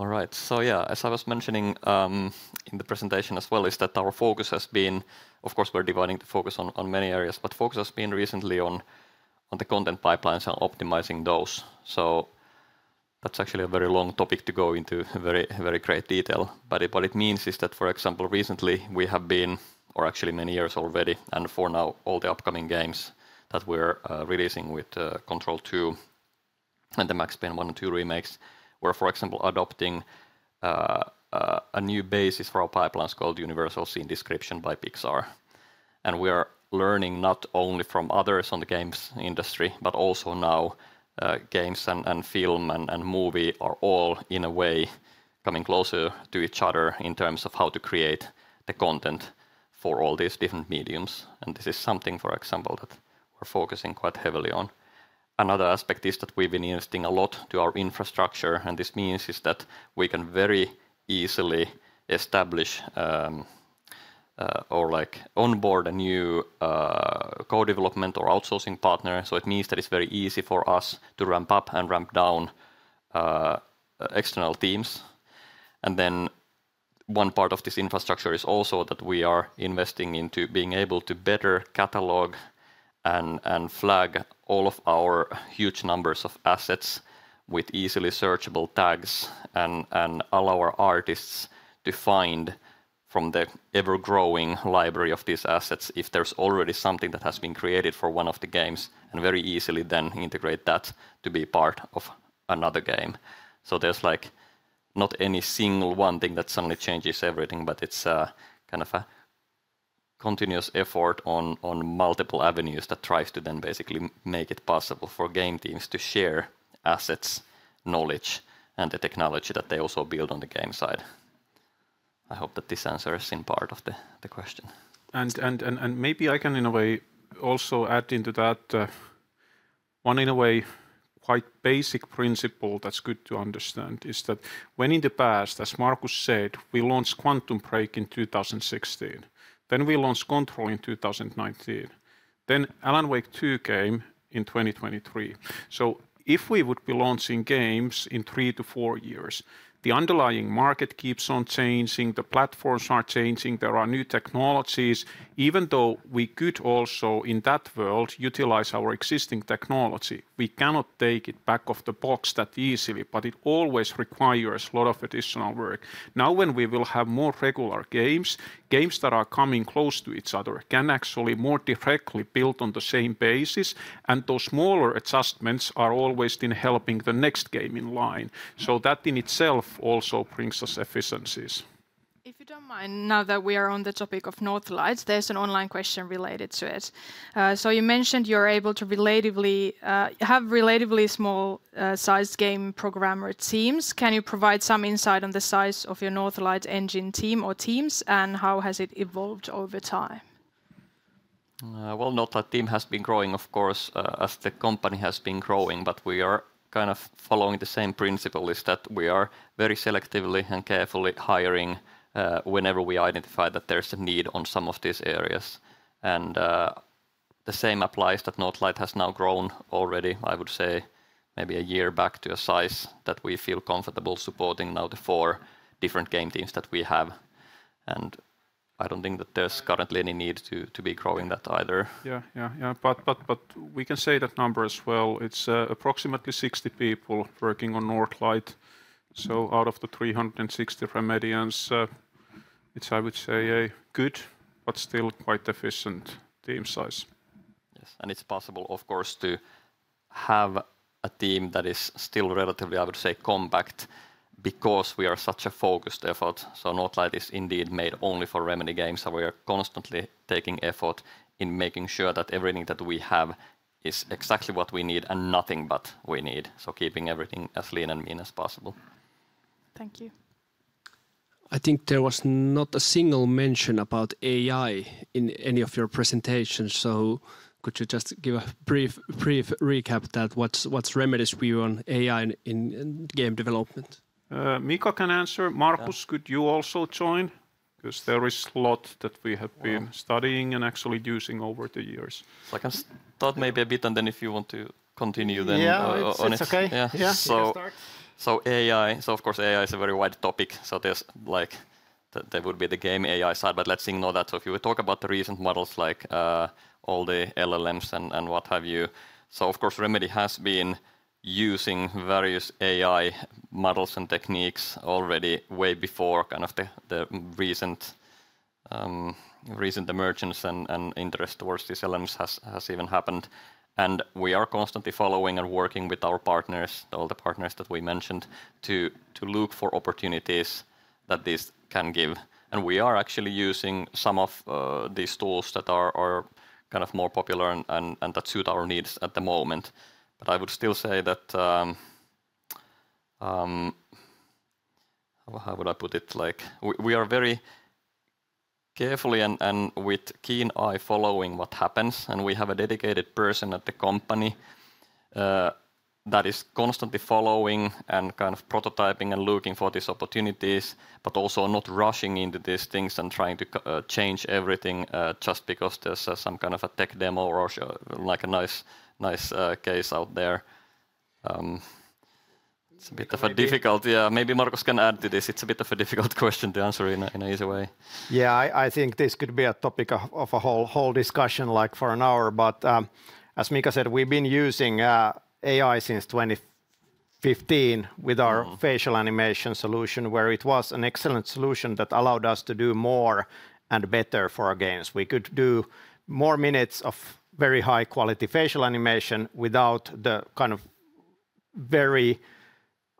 All right. So yeah, as I was mentioning in the presentation as well, is that our focus has been, of course, we're dividing the focus on many areas, but focus has been recently on the content pipelines and optimizing those. So that's actually a very long topic to go into very great detail. But what it means is that, for example, recently we have been, or actually many years already, and for now all the upcoming games that we're releasing with Control 2 and the Max Payne 1 and 2 remakes were, for example, adopting a new basis for our pipelines called Universal Scene Description by Pixar. And we are learning not only from others on the games industry, but also now games and film and movie are all in a way coming closer to each other in terms of how to create the content for all these different mediums. This is something, for example, that we're focusing quite heavily on. Another aspect is that we've been investing a lot to our infrastructure, and this means is that we can very easily establish or onboard a new co-development or outsourcing partner. So it means that it's very easy for us to ramp up and ramp down external teams. And then one part of this infrastructure is also that we are investing into being able to better catalog and flag all of our huge numbers of assets with easily searchable tags and allow our artists to find from the ever-growing library of these assets if there's already something that has been created for one of the games and very easily then integrate that to be part of another game. So there's like not any single one thing that suddenly changes everything, but it's kind of a continuous effort on multiple avenues that tries to then basically make it possible for game teams to share assets, knowledge, and the technology that they also build on the game side. I hope that this answer has been part of the question,
And maybe I can in a way also add into that one in a way quite basic principle that's good to understand is that when in the past, as Markus Mäki said, we launched Quantum Break in 2016, then we launched Control in 2019, then Alan Wake 2 came in 2023. If we would be launching games in three to four years, the underlying market keeps on changing, the platforms are changing, there are new technologies. Even though we could also in that world utilize our existing technology, we cannot take it out of the box that easily, but it always requires a lot of additional work. Now when we will have more regular games, games that are coming close to each other can actually more directly build on the same basis, and those smaller adjustments are always in helping the next game in line. So that in itself also brings us efficiencies.
If you don't mind, now that we are on the topic of Northlight, there's an online question related to it. So you mentioned you're able to have relatively small-sized game programmer teams. Can you provide some insight on the size of your Northlight engine team or teams, and how has it evolved over time?
Northlight team has been growing, of course, as the company has been growing, but we are kind of following the same principle is that we are very selectively and carefully hiring whenever we identify that there's a need on some of these areas. And the same applies that Northlight has now grown already, I would say maybe a year back to a size that we feel comfortable supporting now the four different game teams that we have. And I don't think that there's currently any need to be growing that either.
Yeah, yeah, yeah. But we can say that number as well. It's approximately 60 people working on Northlight. So out of the 360 Remedians, it's, I would say, a good but still quite efficient team size. Yes.
It's possible, of course, to have a team that is still relatively, I would say, compact because we are such a focused effort. Northlight is indeed made only for Remedy games, and we are constantly taking effort in making sure that everything that we have is exactly what we need and nothing but we need. Keeping everything as lean and mean as possible.
Thank you.
I think there was not a single mention about AI in any of your presentations. Could you just give a brief recap that what's Remedy's view on AI in game development?
Mika can answer. Markus, could you also join?
Because there is a lot that we have been studying and actually using over the years. I can start maybe a bit, and then if you want to continue, then on it.
Yeah, that's okay. Yeah.
AI, so of course, AI is a very wide topic. There's like there would be the game AI side, but let's ignore that. If you talk about the recent models like all the LLMs and what have you. Of course, Remedy has been using various AI models and techniques already way before kind of the recent emergence and interest towards these LLMs has even happened. We are constantly following and working with our partners, all the partners that we mentioned, to look for opportunities that these can give. We are actually using some of these tools that are kind of more popular and that suit our needs at the moment. But I would still say that. How would I put it? Like we are very carefully and with keen eye following what happens, and we have a dedicated person at the company that is constantly following and kind of prototyping and looking for these opportunities, but also not rushing into these things and trying to change everything just because there's some kind of a tech demo or like a nice case out there. It's a bit of a difficult, yeah. Maybe Markus can add to this. It's a bit of a difficult question to answer in an easy way.
Yeah, I think this could be a topic of a whole discussion like for an hour. But as Mika said, we've been using AI since 2015 with our facial animation solution, where it was an excellent solution that allowed us to do more and better for our games. We could do more minutes of very high-quality facial animation without the kind of very,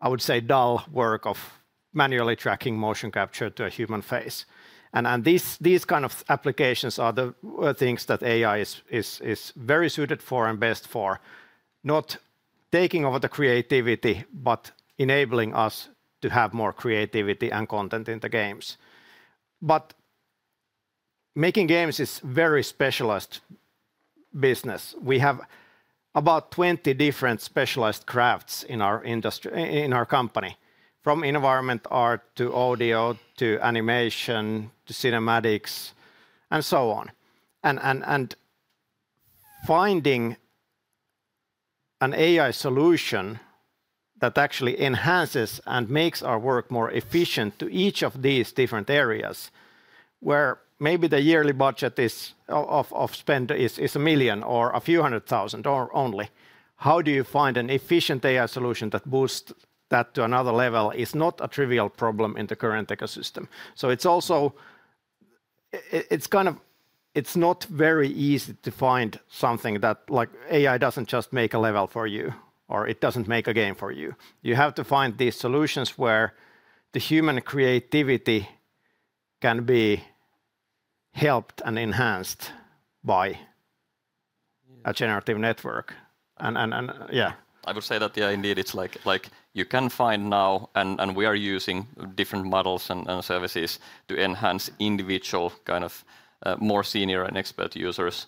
I would say, dull work of manually tracking motion capture to a human face, and these kind of applications are the things that AI is very suited for and best for, not taking over the creativity, but enabling us to have more creativity and content in the games, but making games is a very specialized business. We have about 20 different specialized crafts in our industry, in our company, from environment art to audio to animation to cinematics and so on. Finding an AI solution that actually enhances and makes our work more efficient to each of these different areas, where maybe the yearly budget of spend is a million or a few hundred thousand or only. How do you find an efficient AI solution that boosts that to another level? It is not a trivial problem in the current ecosystem. So it's also, it's kind of, it's not very easy to find something that like AI doesn't just make a level for you or it doesn't make a game for you. You have to find these solutions where the human creativity can be helped and enhanced by a generative network.
And yeah. I would say that, yeah, indeed, it's like you can find now, and we are using different models and services to enhance individual kind of more senior and expert users.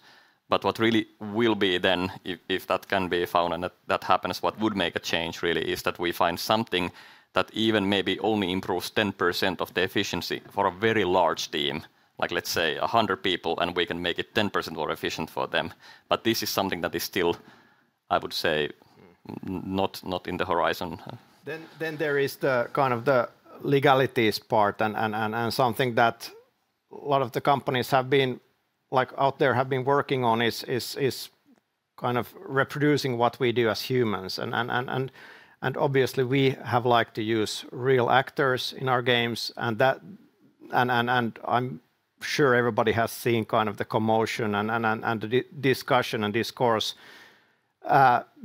What really will be then, if that can be found and that happens, what would make a change really is that we find something that even maybe only improves 10% of the efficiency for a very large team, like let's say 100 people, and we can make it 10% more efficient for them. This is something that is still, I would say, not in the horizon.
There is the kind of the legalities part and something that a lot of the companies have been like out there have been working on is kind of reproducing what we do as humans. Obviously, we have liked to use real actors in our games. I'm sure everybody has seen kind of the commotion and the discussion and discourse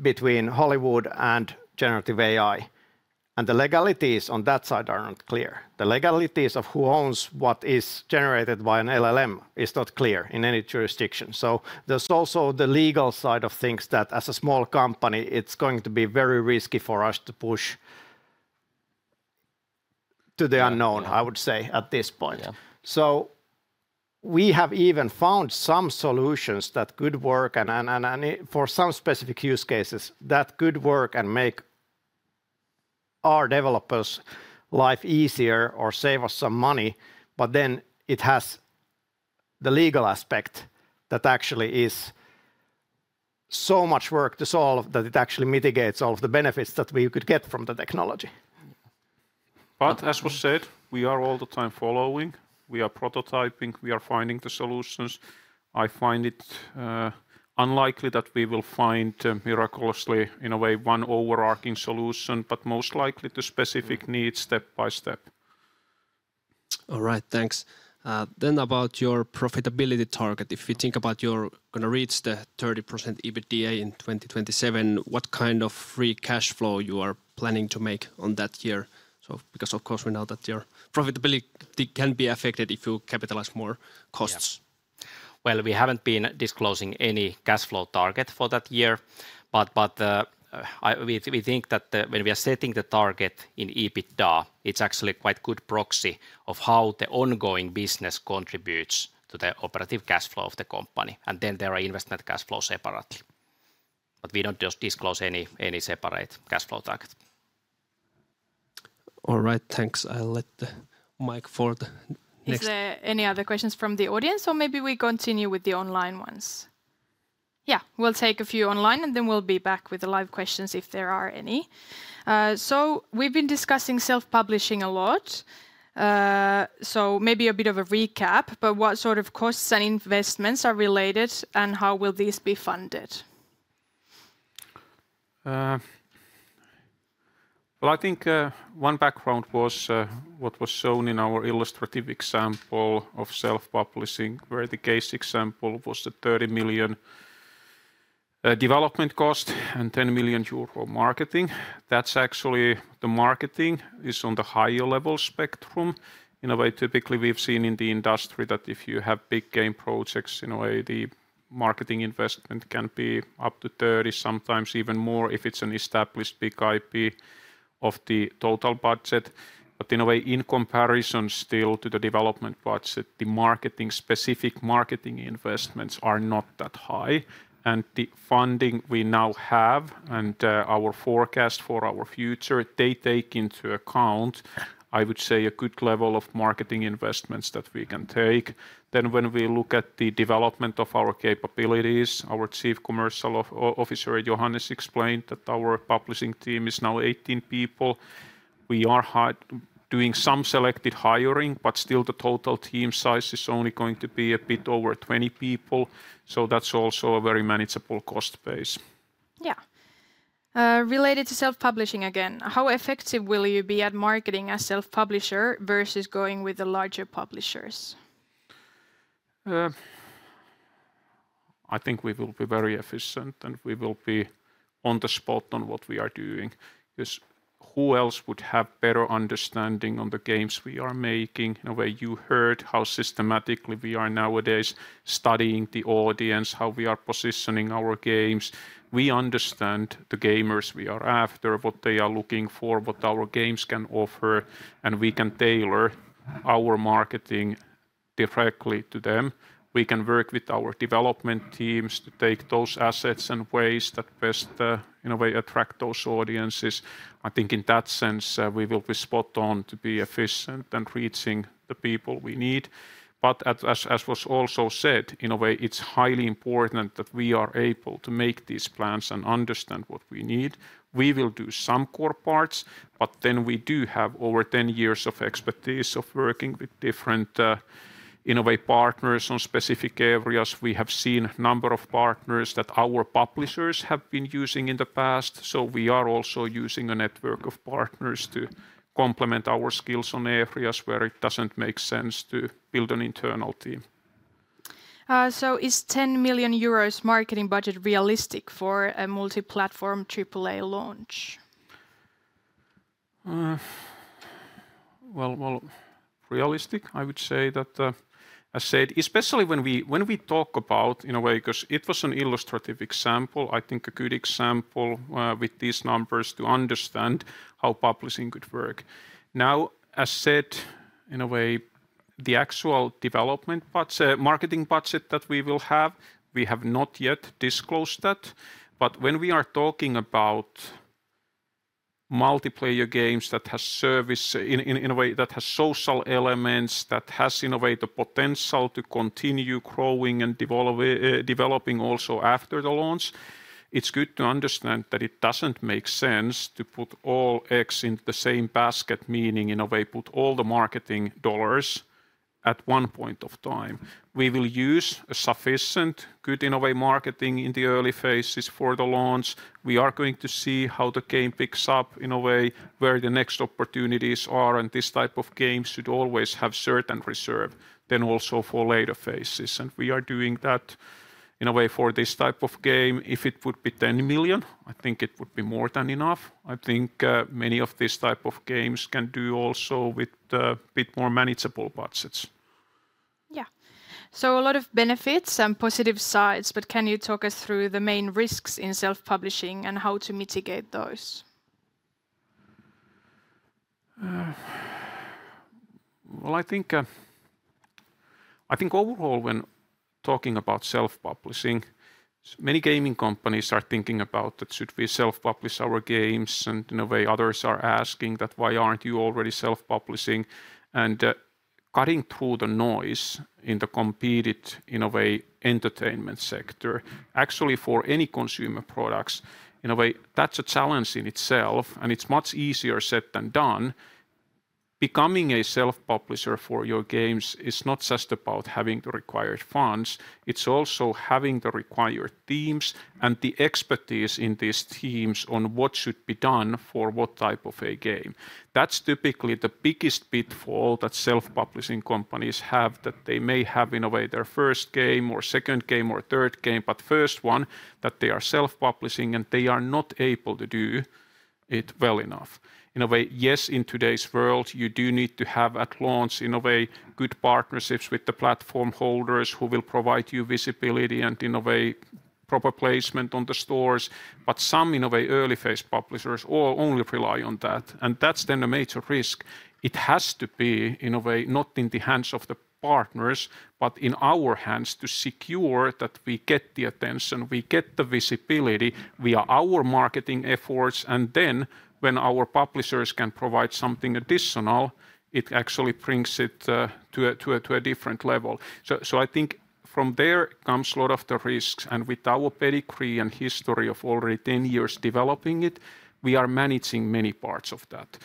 between Hollywood and generative AI. The legalities on that side are not clear. The legalities of who owns what is generated by an LLM is not clear in any jurisdiction. So there's also the legal side of things that as a small company, it's going to be very risky for us to push to the unknown, I would say, at this point. So we have even found some solutions that could work and for some specific use cases that could work and make our developers' life easier or save us some money. But then it has the legal aspect that actually is so much work to solve that it actually mitigates all of the benefits that we could get from the technology.
But as was said, we are all the time following. We are prototyping. We are finding the solutions. I find it unlikely that we will find, miraculously in a way, one overarching solution, but most likely to specific needs step by step.
All right, thanks. Then about your profitability target. If you think about you're going to reach the 30% EBITDA in 2027, what kind of free cash flow you are planning to make on that year?
So because of course we know that your profitability can be affected if you capitalize more costs. Well, we haven't been disclosing any cash flow target for that year. But we think that when we are setting the target in EBITDA, it's actually quite a good proxy of how the ongoing business contributes to the operative cash flow of the company. And then there are investment cash flows separately. But we don't just disclose any separate cash flow target.
All right, thanks. I'll let the mic forward.
Is there any other questions from the audience or maybe we continue with the online ones? Yeah, we'll take a few online and then we'll be back with the live questions if there are any. So we've been discussing self-publishing a lot. So maybe a bit of a recap, but what sort of costs and investments are related and how will these be funded?
Well, I think one background was what was shown in our illustrative example of self-publishing, where the case example was the 30 million development cost and 10 million euro marketing. That's actually the marketing is on the higher level spectrum. In a way, typically we've seen in the industry that if you have big game projects, in a way, the marketing investment can be up to 30, sometimes even more if it's an established big IP of the total budget. But in a way, in comparison still to the development budget, the marketing, specific marketing investments are not that high. And the funding we now have and our forecast for our future, they take into account, I would say, a good level of marketing investments that we can take. Then when we look at the development of our capabilities, our Chief Commercial Officer, Johannes, explained that our publishing team is now 18 people. We are doing some selected hiring, but still the total team size is only going to be a bit over 20 people. So that's also a very manageable cost base.
Yeah. Related to self-publishing again, how effective will you be at marketing as self-publisher versus going with the larger publishers?
I think we will be very efficient and we will be on the spot on what we are doing. Because who else would have better understanding on the games we are making? In a way, you heard how systematically we are nowadays studying the audience, how we are positioning our games. We understand the gamers we are after, what they are looking for, what our games can offer, and we can tailor our marketing directly to them. We can work with our development teams to take those assets and ways that best, in a way, attract those audiences. I think in that sense, we will be spot on to be efficient and reaching the people we need. But as was also said, in a way, it's highly important that we are able to make these plans and understand what we need. We will do some core parts, but then we do have over 10 years of expertise of working with different, in a way, partners on specific areas. We have seen a number of partners that our publishers have been using in the past. So, we are also using a network of partners to complement our skills on areas where it doesn't make sense to build an internal team.
So, is 10 million euros marketing budget realistic for a multi-platform AAA launch?
Well, realistic, I would say that, as said, especially when we talk about, in a way, because it was an illustrative example, I think a good example with these numbers to understand how publishing could work. Now, as said, in a way, the actual development budget, marketing budget that we will have, we have not yet disclosed that. But when we are talking about multiplayer games that have service, in a way, that have social elements, that have in a way the potential to continue growing and developing also after the launch, it's good to understand that it doesn't make sense to put all eggs in the same basket, meaning in a way put all the marketing dollars at one point of time. We will use sufficient good, in a way, marketing in the early phases for the launch. We are going to see how the game picks up, in a way, where the next opportunities are. And this type of game should always have certain reserve, then also for later phases. And we are doing that, in a way, for this type of game. If it would be 10 million, I think it would be more than enough. I think many of these types of games can do also with a bit more manageable budgets.
Yeah. So a lot of benefits and positive sides, but can you talk us through the main risks in self-publishing and how to mitigate those?
Well, I think overall, when talking about self-publishing, many gaming companies are thinking about that should we self-publish our games? And in a way, others are asking that, why aren't you already self-publishing? And cutting through the noise in the competitive, in a way, entertainment sector, actually for any consumer products, in a way, that's a challenge in itself. And it's much easier said than done. Becoming a self-publisher for your games is not just about having the required funds. It's also having the required teams and the expertise in these teams on what should be done for what type of a game. That's typically the biggest pitfall that self-publishing companies have that they may have, in a way, their first game or second game or third game, but first one that they are self-publishing and they are not able to do it well enough. In a way, yes, in today's world, you do need to have at launch, in a way, good partnerships with the platform holders who will provide you visibility and, in a way, proper placement on the stores. But some, in a way, early phase publishers only rely on that. And that's then a major risk. It has to be, in a way, not in the hands of the partners, but in our hands to secure that we get the attention, we get the visibility via our marketing efforts. And then when our publishers can provide something additional, it actually brings it to a different level. So I think from there comes a lot of the risks. And with our pedigree and history of already 10 years developing it, we are managing many parts of that.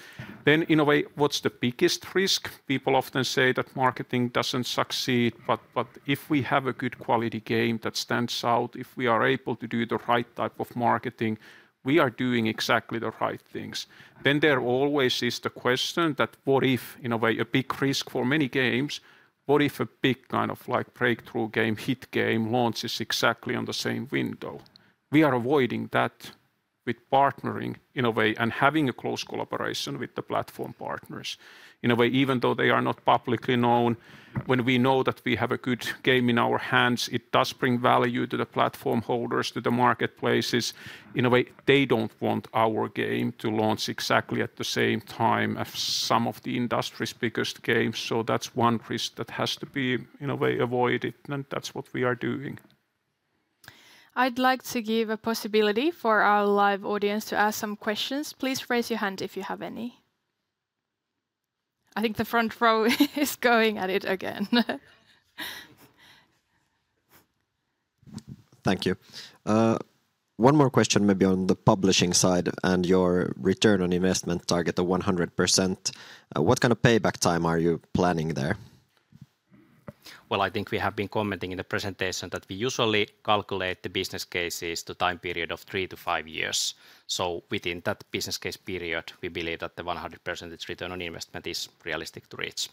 Then, in a way, what's the biggest risk? People often say that marketing doesn't succeed, but if we have a good quality game that stands out, if we are able to do the right type of marketing, we are doing exactly the right things. Then there always is the question that, what if, in a way, a big risk for many games, what if a big kind of like breakthrough game hit game launches exactly on the same window? We are avoiding that with partnering, in a way, and having a close collaboration with the platform partners. In a way, even though they are not publicly known, when we know that we have a good game in our hands, it does bring value to the platform holders, to the marketplaces. In a way, they don't want our game to launch exactly at the same time as some of the industry's biggest games. So that's one risk that has to be, in a way, avoided. And that's what we are doing.
I'd like to give a possibility for our live audience to ask some questions. Please raise your hand if you have any. I think the front row is going at it again.
Thank you. One more question maybe on the publishing side and your return on investment target of 100%. What kind of payback time are you planning there?
I think we have been commenting in the presentation that we usually calculate the business cases to a time period of three to five years. So within that business case period, we believe that the 100% return on investment is realistic to reach.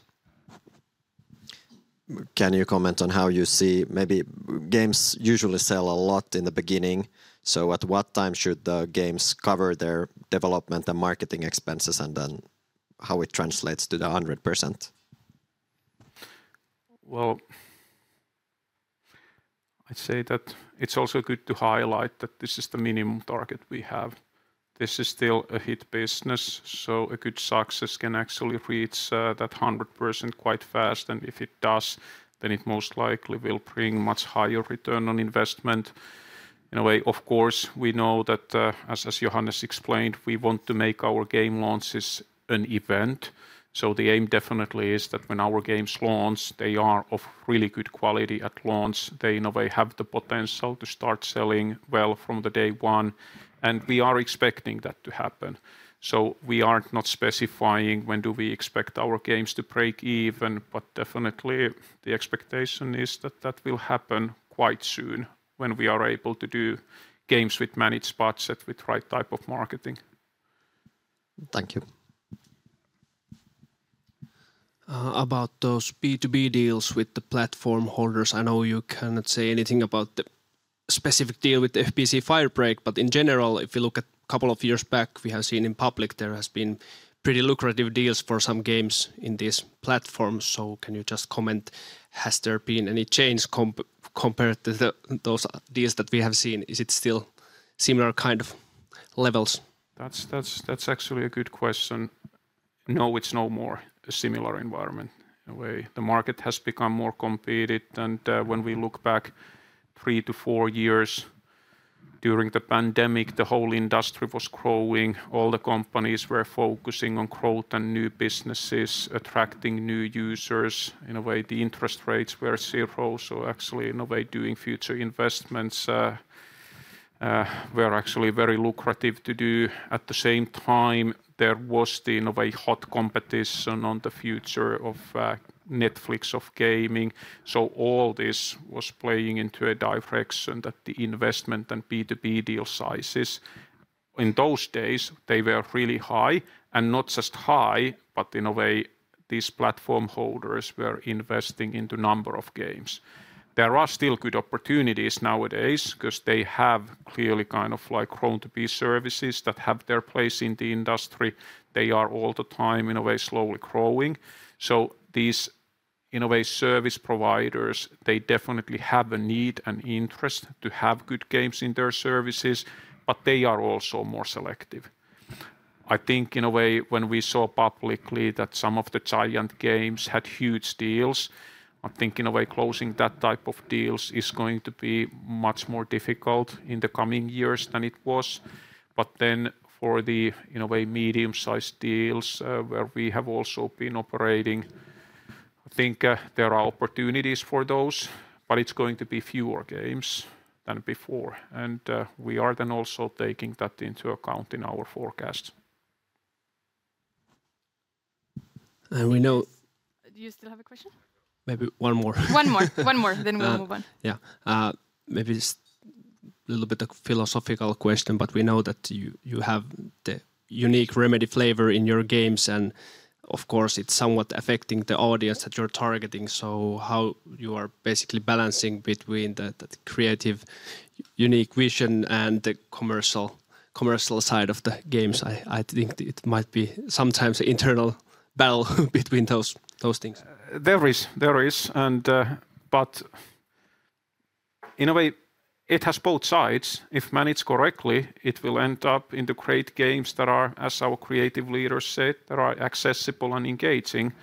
Can you comment on how you see maybe games usually sell a lot in the beginning? So at what time should the games cover their development and marketing expenses and then how it translates to the 100%?
I'd say that it's also good to highlight that this is the minimum target we have. This is still a hit business. So a good success can actually reach that 100% quite fast. And if it does, then it most likely will bring much higher return on investment. In a way, of course, we know that, as Johannes explained, we want to make our game launches an event. So the aim definitely is that when our games launch, they are of really good quality at launch. They, in a way, have the potential to start selling well from the day one. And we are expecting that to happen. So we are not specifying when do we expect our games to break even. But definitely the expectation is that that will happen quite soon when we are able to do games with managed budget with the right type of marketing.
Thank you.
About those B2B deals with the platform holders, I know you cannot say anything about the specific deal with the FBC: Firebreak, but in general, if we look at a couple of years back, we have seen in public there has been pretty lucrative deals for some games in these platforms. So, can you just comment? Has there been any change compared to those deals that we have seen? Is it still similar kind of levels?
That's actually a good question. No, it's no more a similar environment. In a way, the market has become more competitive. When we look back three to four years during the pandemic, the whole industry was growing. All the companies were focusing on growth and new businesses, attracting new users. In a way, the interest rates were zero. So actually, in a way, doing future investments were actually very lucrative to do. At the same time, there was the, in a way, hot competition on the future of Netflix gaming. So all this was playing into a direction that the investment and B2B deal sizes in those days, they were really high. And not just high, but in a way, these platform holders were investing into a number of games. There are still good opportunities nowadays because they have clearly kind of like grown-to-be services that have their place in the industry. They are all the time, in a way, slowly growing. So these, in a way, service providers, they definitely have a need and interest to have good games in their services, but they are also more selective. I think, in a way, when we saw publicly that some of the giant games had huge deals, I think, in a way, closing that type of deals is going to be much more difficult in the coming years than it was. But then for the, in a way, medium-sized deals where we have also been operating, I think there are opportunities for those, but it's going to be fewer games than before. And we are then also taking that into account in our forecast.
And we know.
Do you still have a question?
Maybe one more.
One more. One more. Then we'll move on.
Yeah. Maybe just a little bit of a philosophical question, but we know that you have the unique Remedy flavor in your games. And of course, it's somewhat affecting the audience that you're targeting. So how you are basically balancing between that creative, unique vision and the commercial side of the games, I think it might be sometimes an internal battle between those things.
There is. There is. And but in a way, it has both sides. If managed correctly, it will end up in the great games that are, as our creative leaders said, that are accessible and engaging.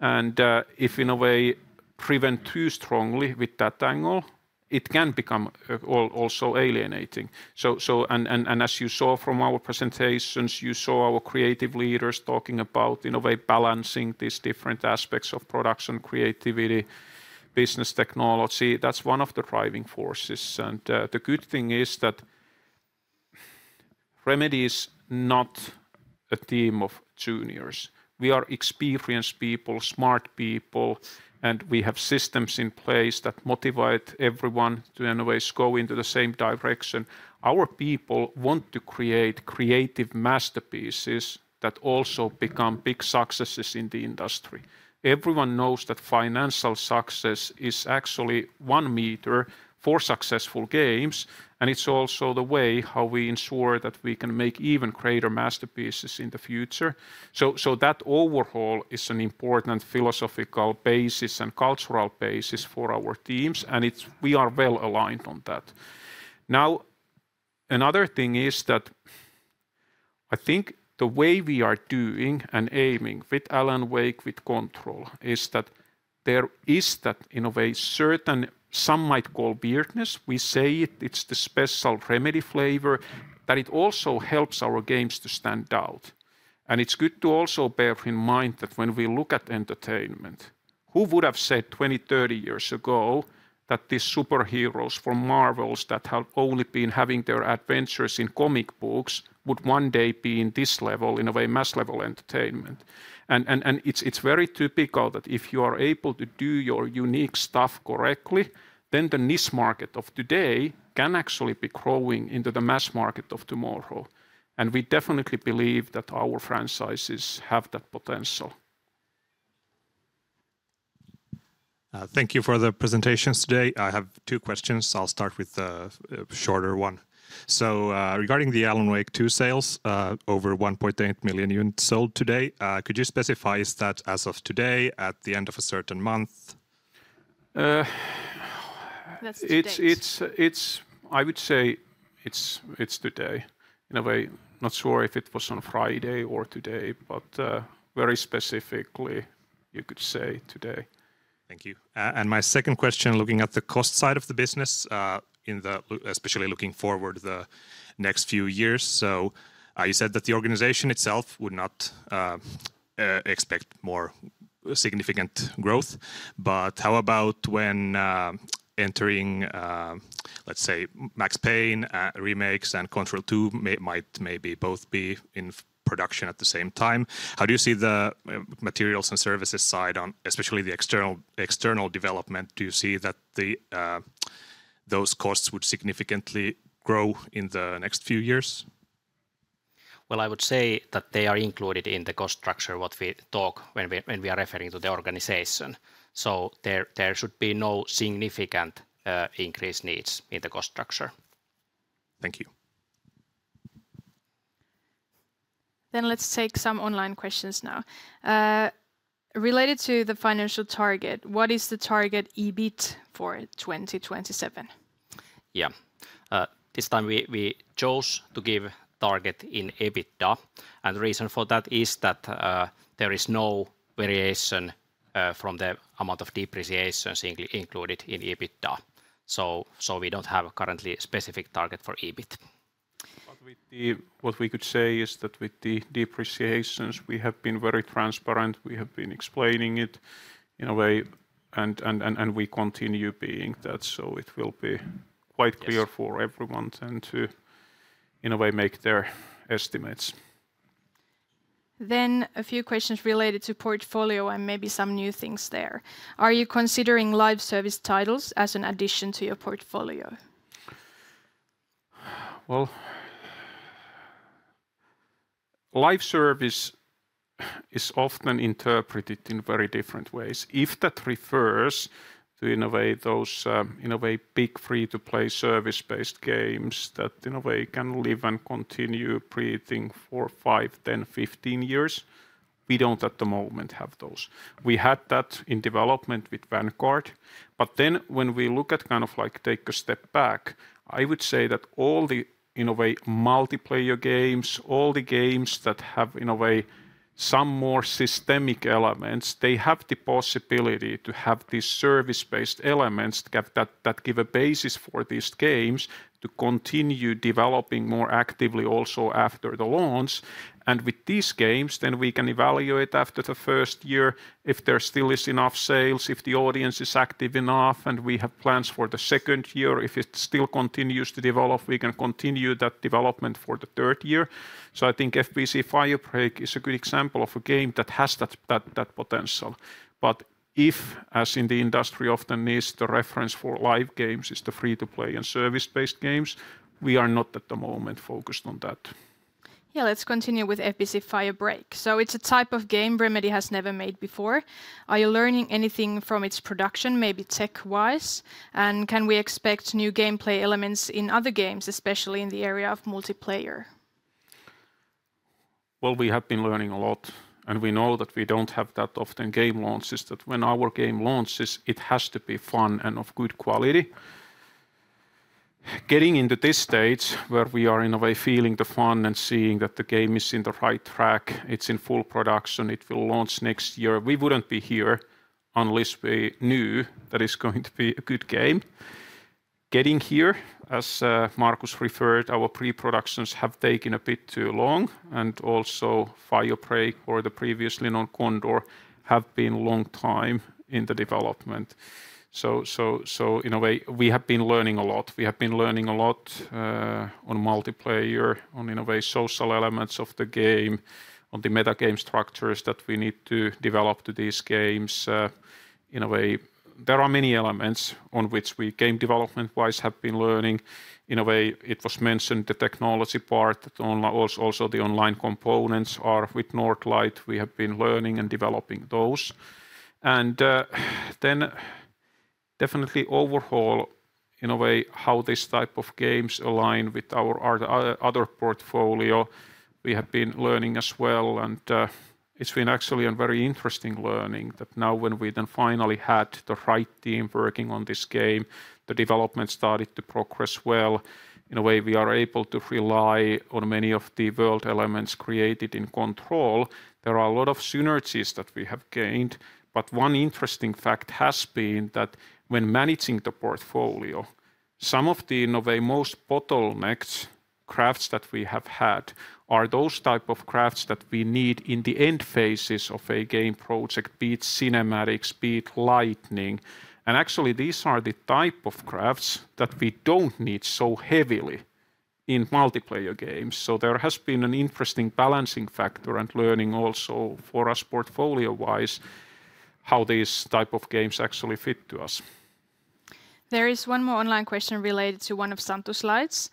And if, in a way, prevent too strongly with that angle, it can become also alienating. And as you saw from our presentations, you saw our creative leaders talking about, in a way, balancing these different aspects of production, creativity, business technology. That's one of the driving forces. And the good thing is that Remedy is not a team of juniors. We are experienced people, smart people, and we have systems in place that motivate everyone to, in a way, go into the same direction. Our people want to create creative masterpieces that also become big successes in the industry. Everyone knows that financial success is actually one metric for successful games. And it's also the way how we ensure that we can make even greater masterpieces in the future. So that overall is an important philosophical basis and cultural basis for our teams. And we are well aligned on that. Now, another thing is that I think the way we are doing and aiming with Alan Wake with Control is that there is that, in a way, certain some might call weirdness. We say it, it's the special Remedy flavor that it also helps our games to stand out. And it's good to also bear in mind that when we look at entertainment, who would have said 20, 30 years ago that these superheroes from Marvel's that have only been having their adventures in comic books would one day be in this level, in a way, mass level entertainment? And it's very typical that if you are able to do your unique stuff correctly, then the niche market of today can actually be growing into the mass market of tomorrow. And we definitely believe that our franchises have that potential.
Thank you for the presentations today. I have two questions. I'll start with the shorter one. So regarding the Alan Wake 2 sales, over 1.8 million units sold today, could you specify is that as of today, at the end of a certain month?
I would say it's today. In a way, not sure if it was on Friday or today, but very specifically, you could say today.
Thank you. And my second question, looking at the cost side of the business, especially looking forward the next few years. So you said that the organization itself would not expect more significant growth. But how about when entering, let's say, Max Payne remakes and Control 2 might maybe both be in production at the same time? How do you see the materials and services side, especially the external development? Do you see that those costs would significantly grow in the next few years?
Well, I would say that they are included in the cost structure what we talk when we are referring to the organization. So there should be no significant increase needs in the cost structure.
Thank you.
Then let's take some online questions now. Related to the financial target, what is the target EBIT for 2027?
Yeah. This time we chose to give target in EBITDA. And the reason for that is that there is no variation from the amount of depreciations included in EBITDA. So we don't have currently a specific target for EBIT.
What we could say is that with the depreciations, we have been very transparent. We have been explaining it in a way, and we continue being that. So it will be quite clear for everyone then to, in a way, make their estimates.
Then a few questions related to portfolio and maybe some new things there. Are you considering live service titles as an addition to your portfolio?
Live service is often interpreted in very different ways. If that refers to, in a way, those, in a way, big free-to-play service-based games that, in a way, can live and continue breathing for five, 10, 15 years, we don't at the moment have those. We had that in development with Vanguard. But then when we look at kind of like take a step back, I would say that all the, in a way, multiplayer games, all the games that have, in a way, some more systemic elements, they have the possibility to have these service-based elements that give a basis for these games to continue developing more actively also after the launch. With these games, then we can evaluate after the first year if there still is enough sales, if the audience is active enough, and we have plans for the second year. If it still continues to develop, we can continue that development for the third year. I think FBC: Firebreak is a good example of a game that has that potential. But if, as in the industry often is, the reference for live games is the free-to-play and service-based games, we are not at the moment focused on that.
Yeah, let's continue with FBC: Firebreak. It's a type of game Remedy has never made before. Are you learning anything from its production, maybe tech-wise? And can we expect new gameplay elements in other games, especially in the area of multiplayer?
We have been learning a lot. We know that we don't have that often game launches that when our game launches, it has to be fun and of good quality. Getting into this stage where we are in a way feeling the fun and seeing that the game is in the right track, it's in full production, it will launch next year, we wouldn't be here unless we knew that it's going to be a good game. Getting here, as Markus Mäki referred, our pre-productions have taken a bit too long. Also, Firebreak or the previously known Condor have been a long time in the development. So in a way, we have been learning a lot. We have been learning a lot on multiplayer, on in a way social elements of the game, on the meta game structures that we need to develop to these games. In a way, there are many elements on which we, game development-wise, have been learning. In a way, it was mentioned the technology part that also the online components are with Northlight. We have been learning and developing those. And then definitely overall, in a way, how this type of games align with our other portfolio, we have been learning as well. And it's been actually a very interesting learning that now when we then finally had the right team working on this game, the development started to progress well. In a way, we are able to rely on many of the world elements created in Control. There are a lot of synergies that we have gained. One interesting fact has been that when managing the portfolio, some of the in a way most bottlenecks crafts that we have had are those type of crafts that we need in the end phases of a game project, be it cinematics, be it lighting. Actually, these are the type of crafts that we don't need so heavily in multiplayer games. There has been an interesting balancing factor and learning also for us portfolio-wise how these type of games actually fit to us.
There is one more online question related to one of Santtu's slides.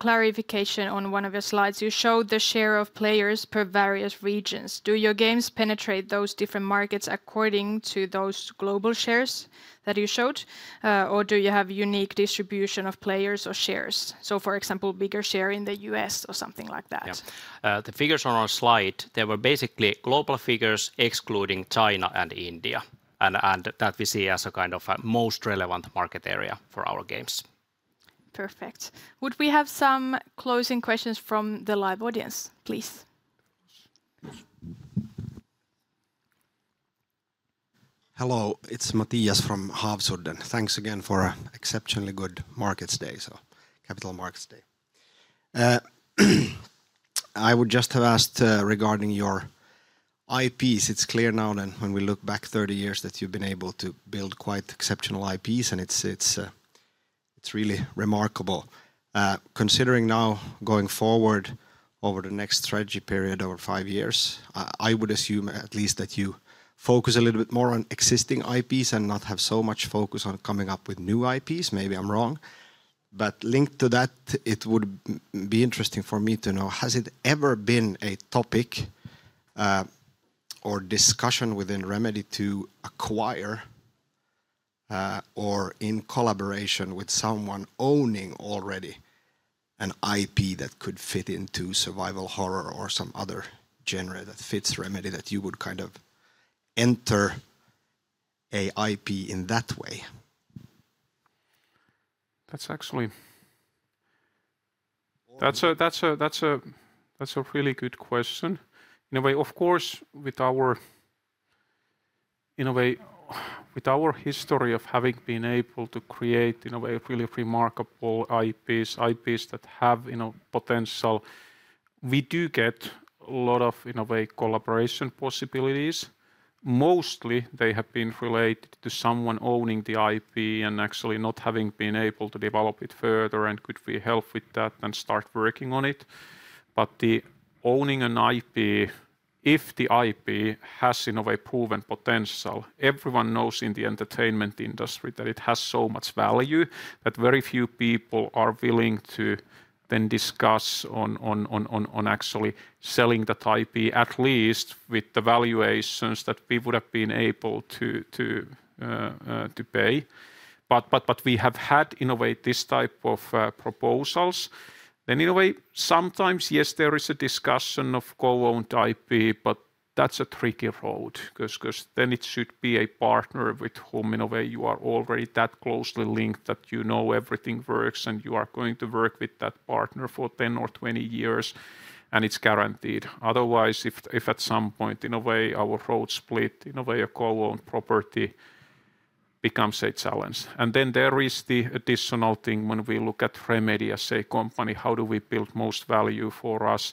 Clarification on one of your slides. You showed the share of players per various regions. Do your games penetrate those different markets according to those global shares that you showed? Or do you have unique distribution of players or shares? So, for example, bigger share in the US or something like that.
The figures on our slide, they were basically global figures excluding China and India. And that we see as a kind of most relevant market area for our games.
Perfect. Would we have some closing questions from the live audience, please?
Hello, it's Matias from Havsudden. Thanks again for an exceptionally good markets day, so Capital Markets Day. I would just have asked regarding your IPs. It's clear now when we look back 30 years that you've been able to build quite exceptional IPs, and it's really remarkable. Considering now going forward over the next strategy period over five years, I would assume at least that you focus a little bit more on existing IPs and not have so much focus on coming up with new IPs. Maybe I'm wrong. But linked to that, it would be interesting for me to know, has it ever been a topic or discussion within Remedy to acquire or in collaboration with someone owning already an IP that could fit into survival horror or some other genre that fits Remedy that you would kind of enter an IP in that way?
That's actually a really good question. In a way, of course, with our history of having been able to create in a way really remarkable IPs, IPs that have potential, we do get a lot of in a way collaboration possibilities. Mostly they have been related to someone owning the IP and actually not having been able to develop it further and could we help with that and start working on it. But the owning an IP, if the IP has in a way proven potential, everyone knows in the entertainment industry that it has so much value that very few people are willing to then discuss on actually selling that IP, at least with the valuations that we would have been able to pay. But we have had in a way this type of proposals. Then in a way, sometimes yes, there is a discussion of co-owned IP, but that's a tricky road because then it should be a partner with whom in a way you are already that closely linked that you know everything works and you are going to work with that partner for 10 or 20 years and it's guaranteed. Otherwise, if at some point in a way our road split in a way a co-owned property becomes a challenge. And then there is the additional thing when we look at Remedy as a company, how do we build most value for us?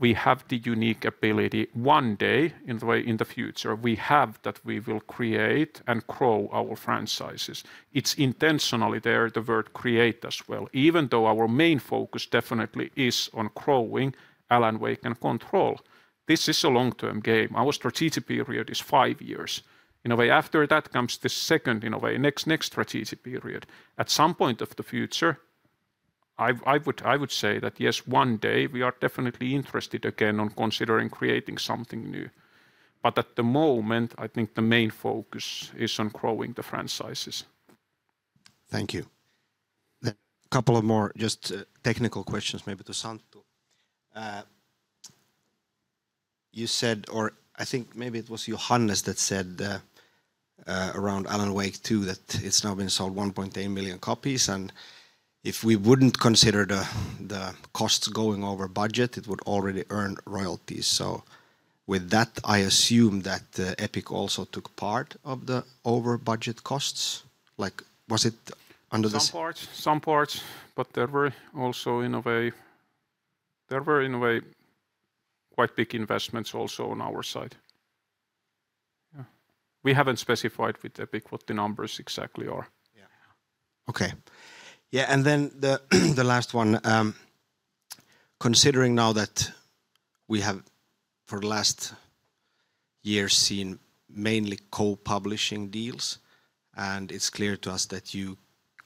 We have the unique ability one day in the way in the future we have that we will create and grow our franchises. It's intentionally there the word create as well. Even though our main focus definitely is on growing Alan Wake and Control. This is a long-term game. Our strategic period is five years. In a way, after that comes the second in a way next strategic period. At some point of the future, I would say that yes, one day we are definitely interested again on considering creating something new. But at the moment, I think the main focus is on growing the franchises.
Thank you. A couple of more just technical questions maybe to Santtu. You said, or I think maybe it was Johannes that said around Alan Wake 2 that it's now been sold 1.8 million copies. And if we wouldn't consider the costs going over budget, it would already earn royalties. So with that, I assume that Epic also took part of the over budget costs. Like was it under the...
Some parts, but there were also in a way quite big investments also on our side. We haven't specified with Epic what the numbers exactly are. Yeah.
Okay. Yeah. And then the last one, considering now that we have for the last year seen mainly co-publishing deals, and it's clear to us that you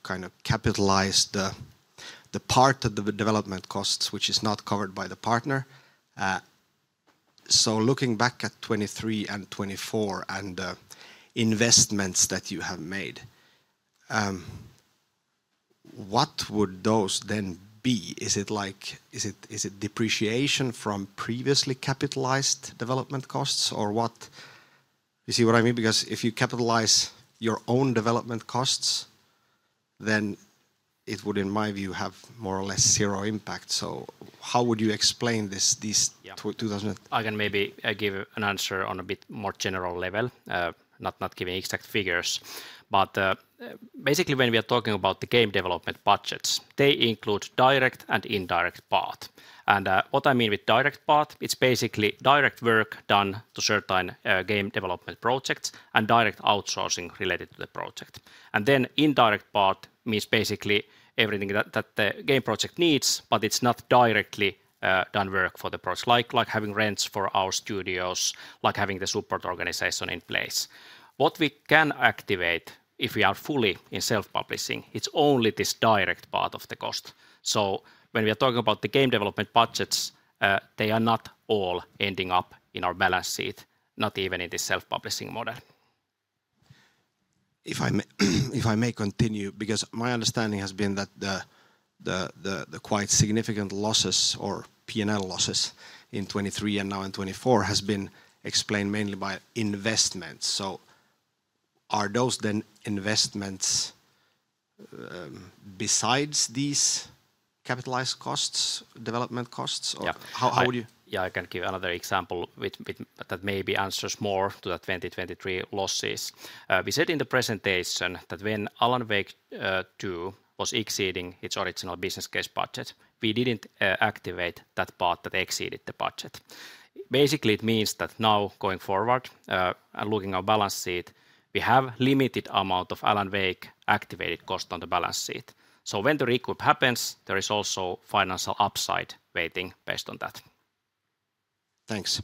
kind of capitalized the part of the development costs, which is not covered by the partner. Looking back at 2023 and 2024 and the investments that you have made, what would those then be? Is it like is it depreciation from previously capitalized development costs or what? You see what I mean? Because if you capitalize your own development costs, then it would in my view have more or less zero impact. So how would you explain this 2000...
I can maybe give an answer on a bit more general level, not giving exact figures. But basically when we are talking about the game development budgets, they include direct and indirect part. And what I mean with direct part, it's basically direct work done to certain game development projects and direct outsourcing related to the project. And then the indirect part means basically everything that the game project needs, but it's not directly done work for the project, like having rents for our studios, like having the support organization in place. What we can activate if we are fully in self-publishing, it's only this direct part of the cost. So when we are talking about the game development budgets, they are not all ending up in our balance sheet, not even in the self-publishing model.
If I may continue, because my understanding has been that the quite significant losses or P&L losses in 2023 and now in 2024 has been explained mainly by investments. So are those then investments besides these capitalized costs, development costs?
Yeah, I can give another example that maybe answers more to the 2023 losses. We said in the presentation that when Alan Wake 2 was exceeding its original business case budget, we didn't activate that part that exceeded the budget. Basically, it means that now going forward and looking at our balance sheet, we have a limited amount of Alan Wake activated cost on the balance sheet. So when the recoup happens, there is also financial upside waiting based on that.
Thanks.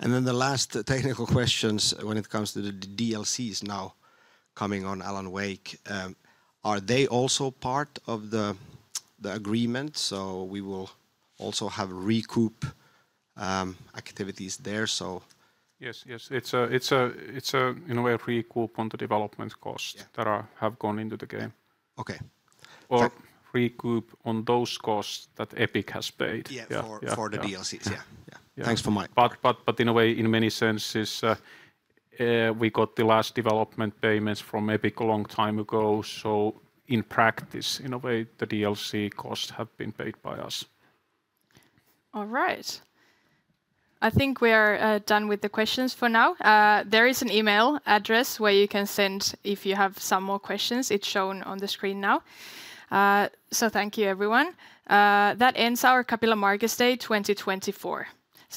Then the last technical questions when it comes to the DLCs now coming on Alan Wake, are they also part of the agreement? So we will also have recoup activities there. So
Yes, yes. It's a, in a way, recoup on the development costs that have gone into the game.
Okay.
Or recoup on those costs that Epic has paid.
Yes,
for the DLCs. Yeah.
Thanks for my question.
But in a way, in many senses, we got the last development payments from Epic a long time ago. So in practice, in a way, the DLC costs have been paid by us.
All right. I think we are done with the questions for now. There is an email address where you can send if you have some more questions. It's shown on the screen now. So thank you, everyone. That ends our Capital Markets Day 2024.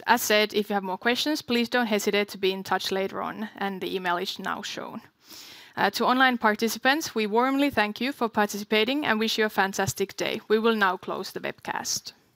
As said, if you have more questions, please don't hesitate to be in touch later on. And the email is now shown. To online participants, we warmly thank you for participating and wish you a fantastic day. We will now close the webcast.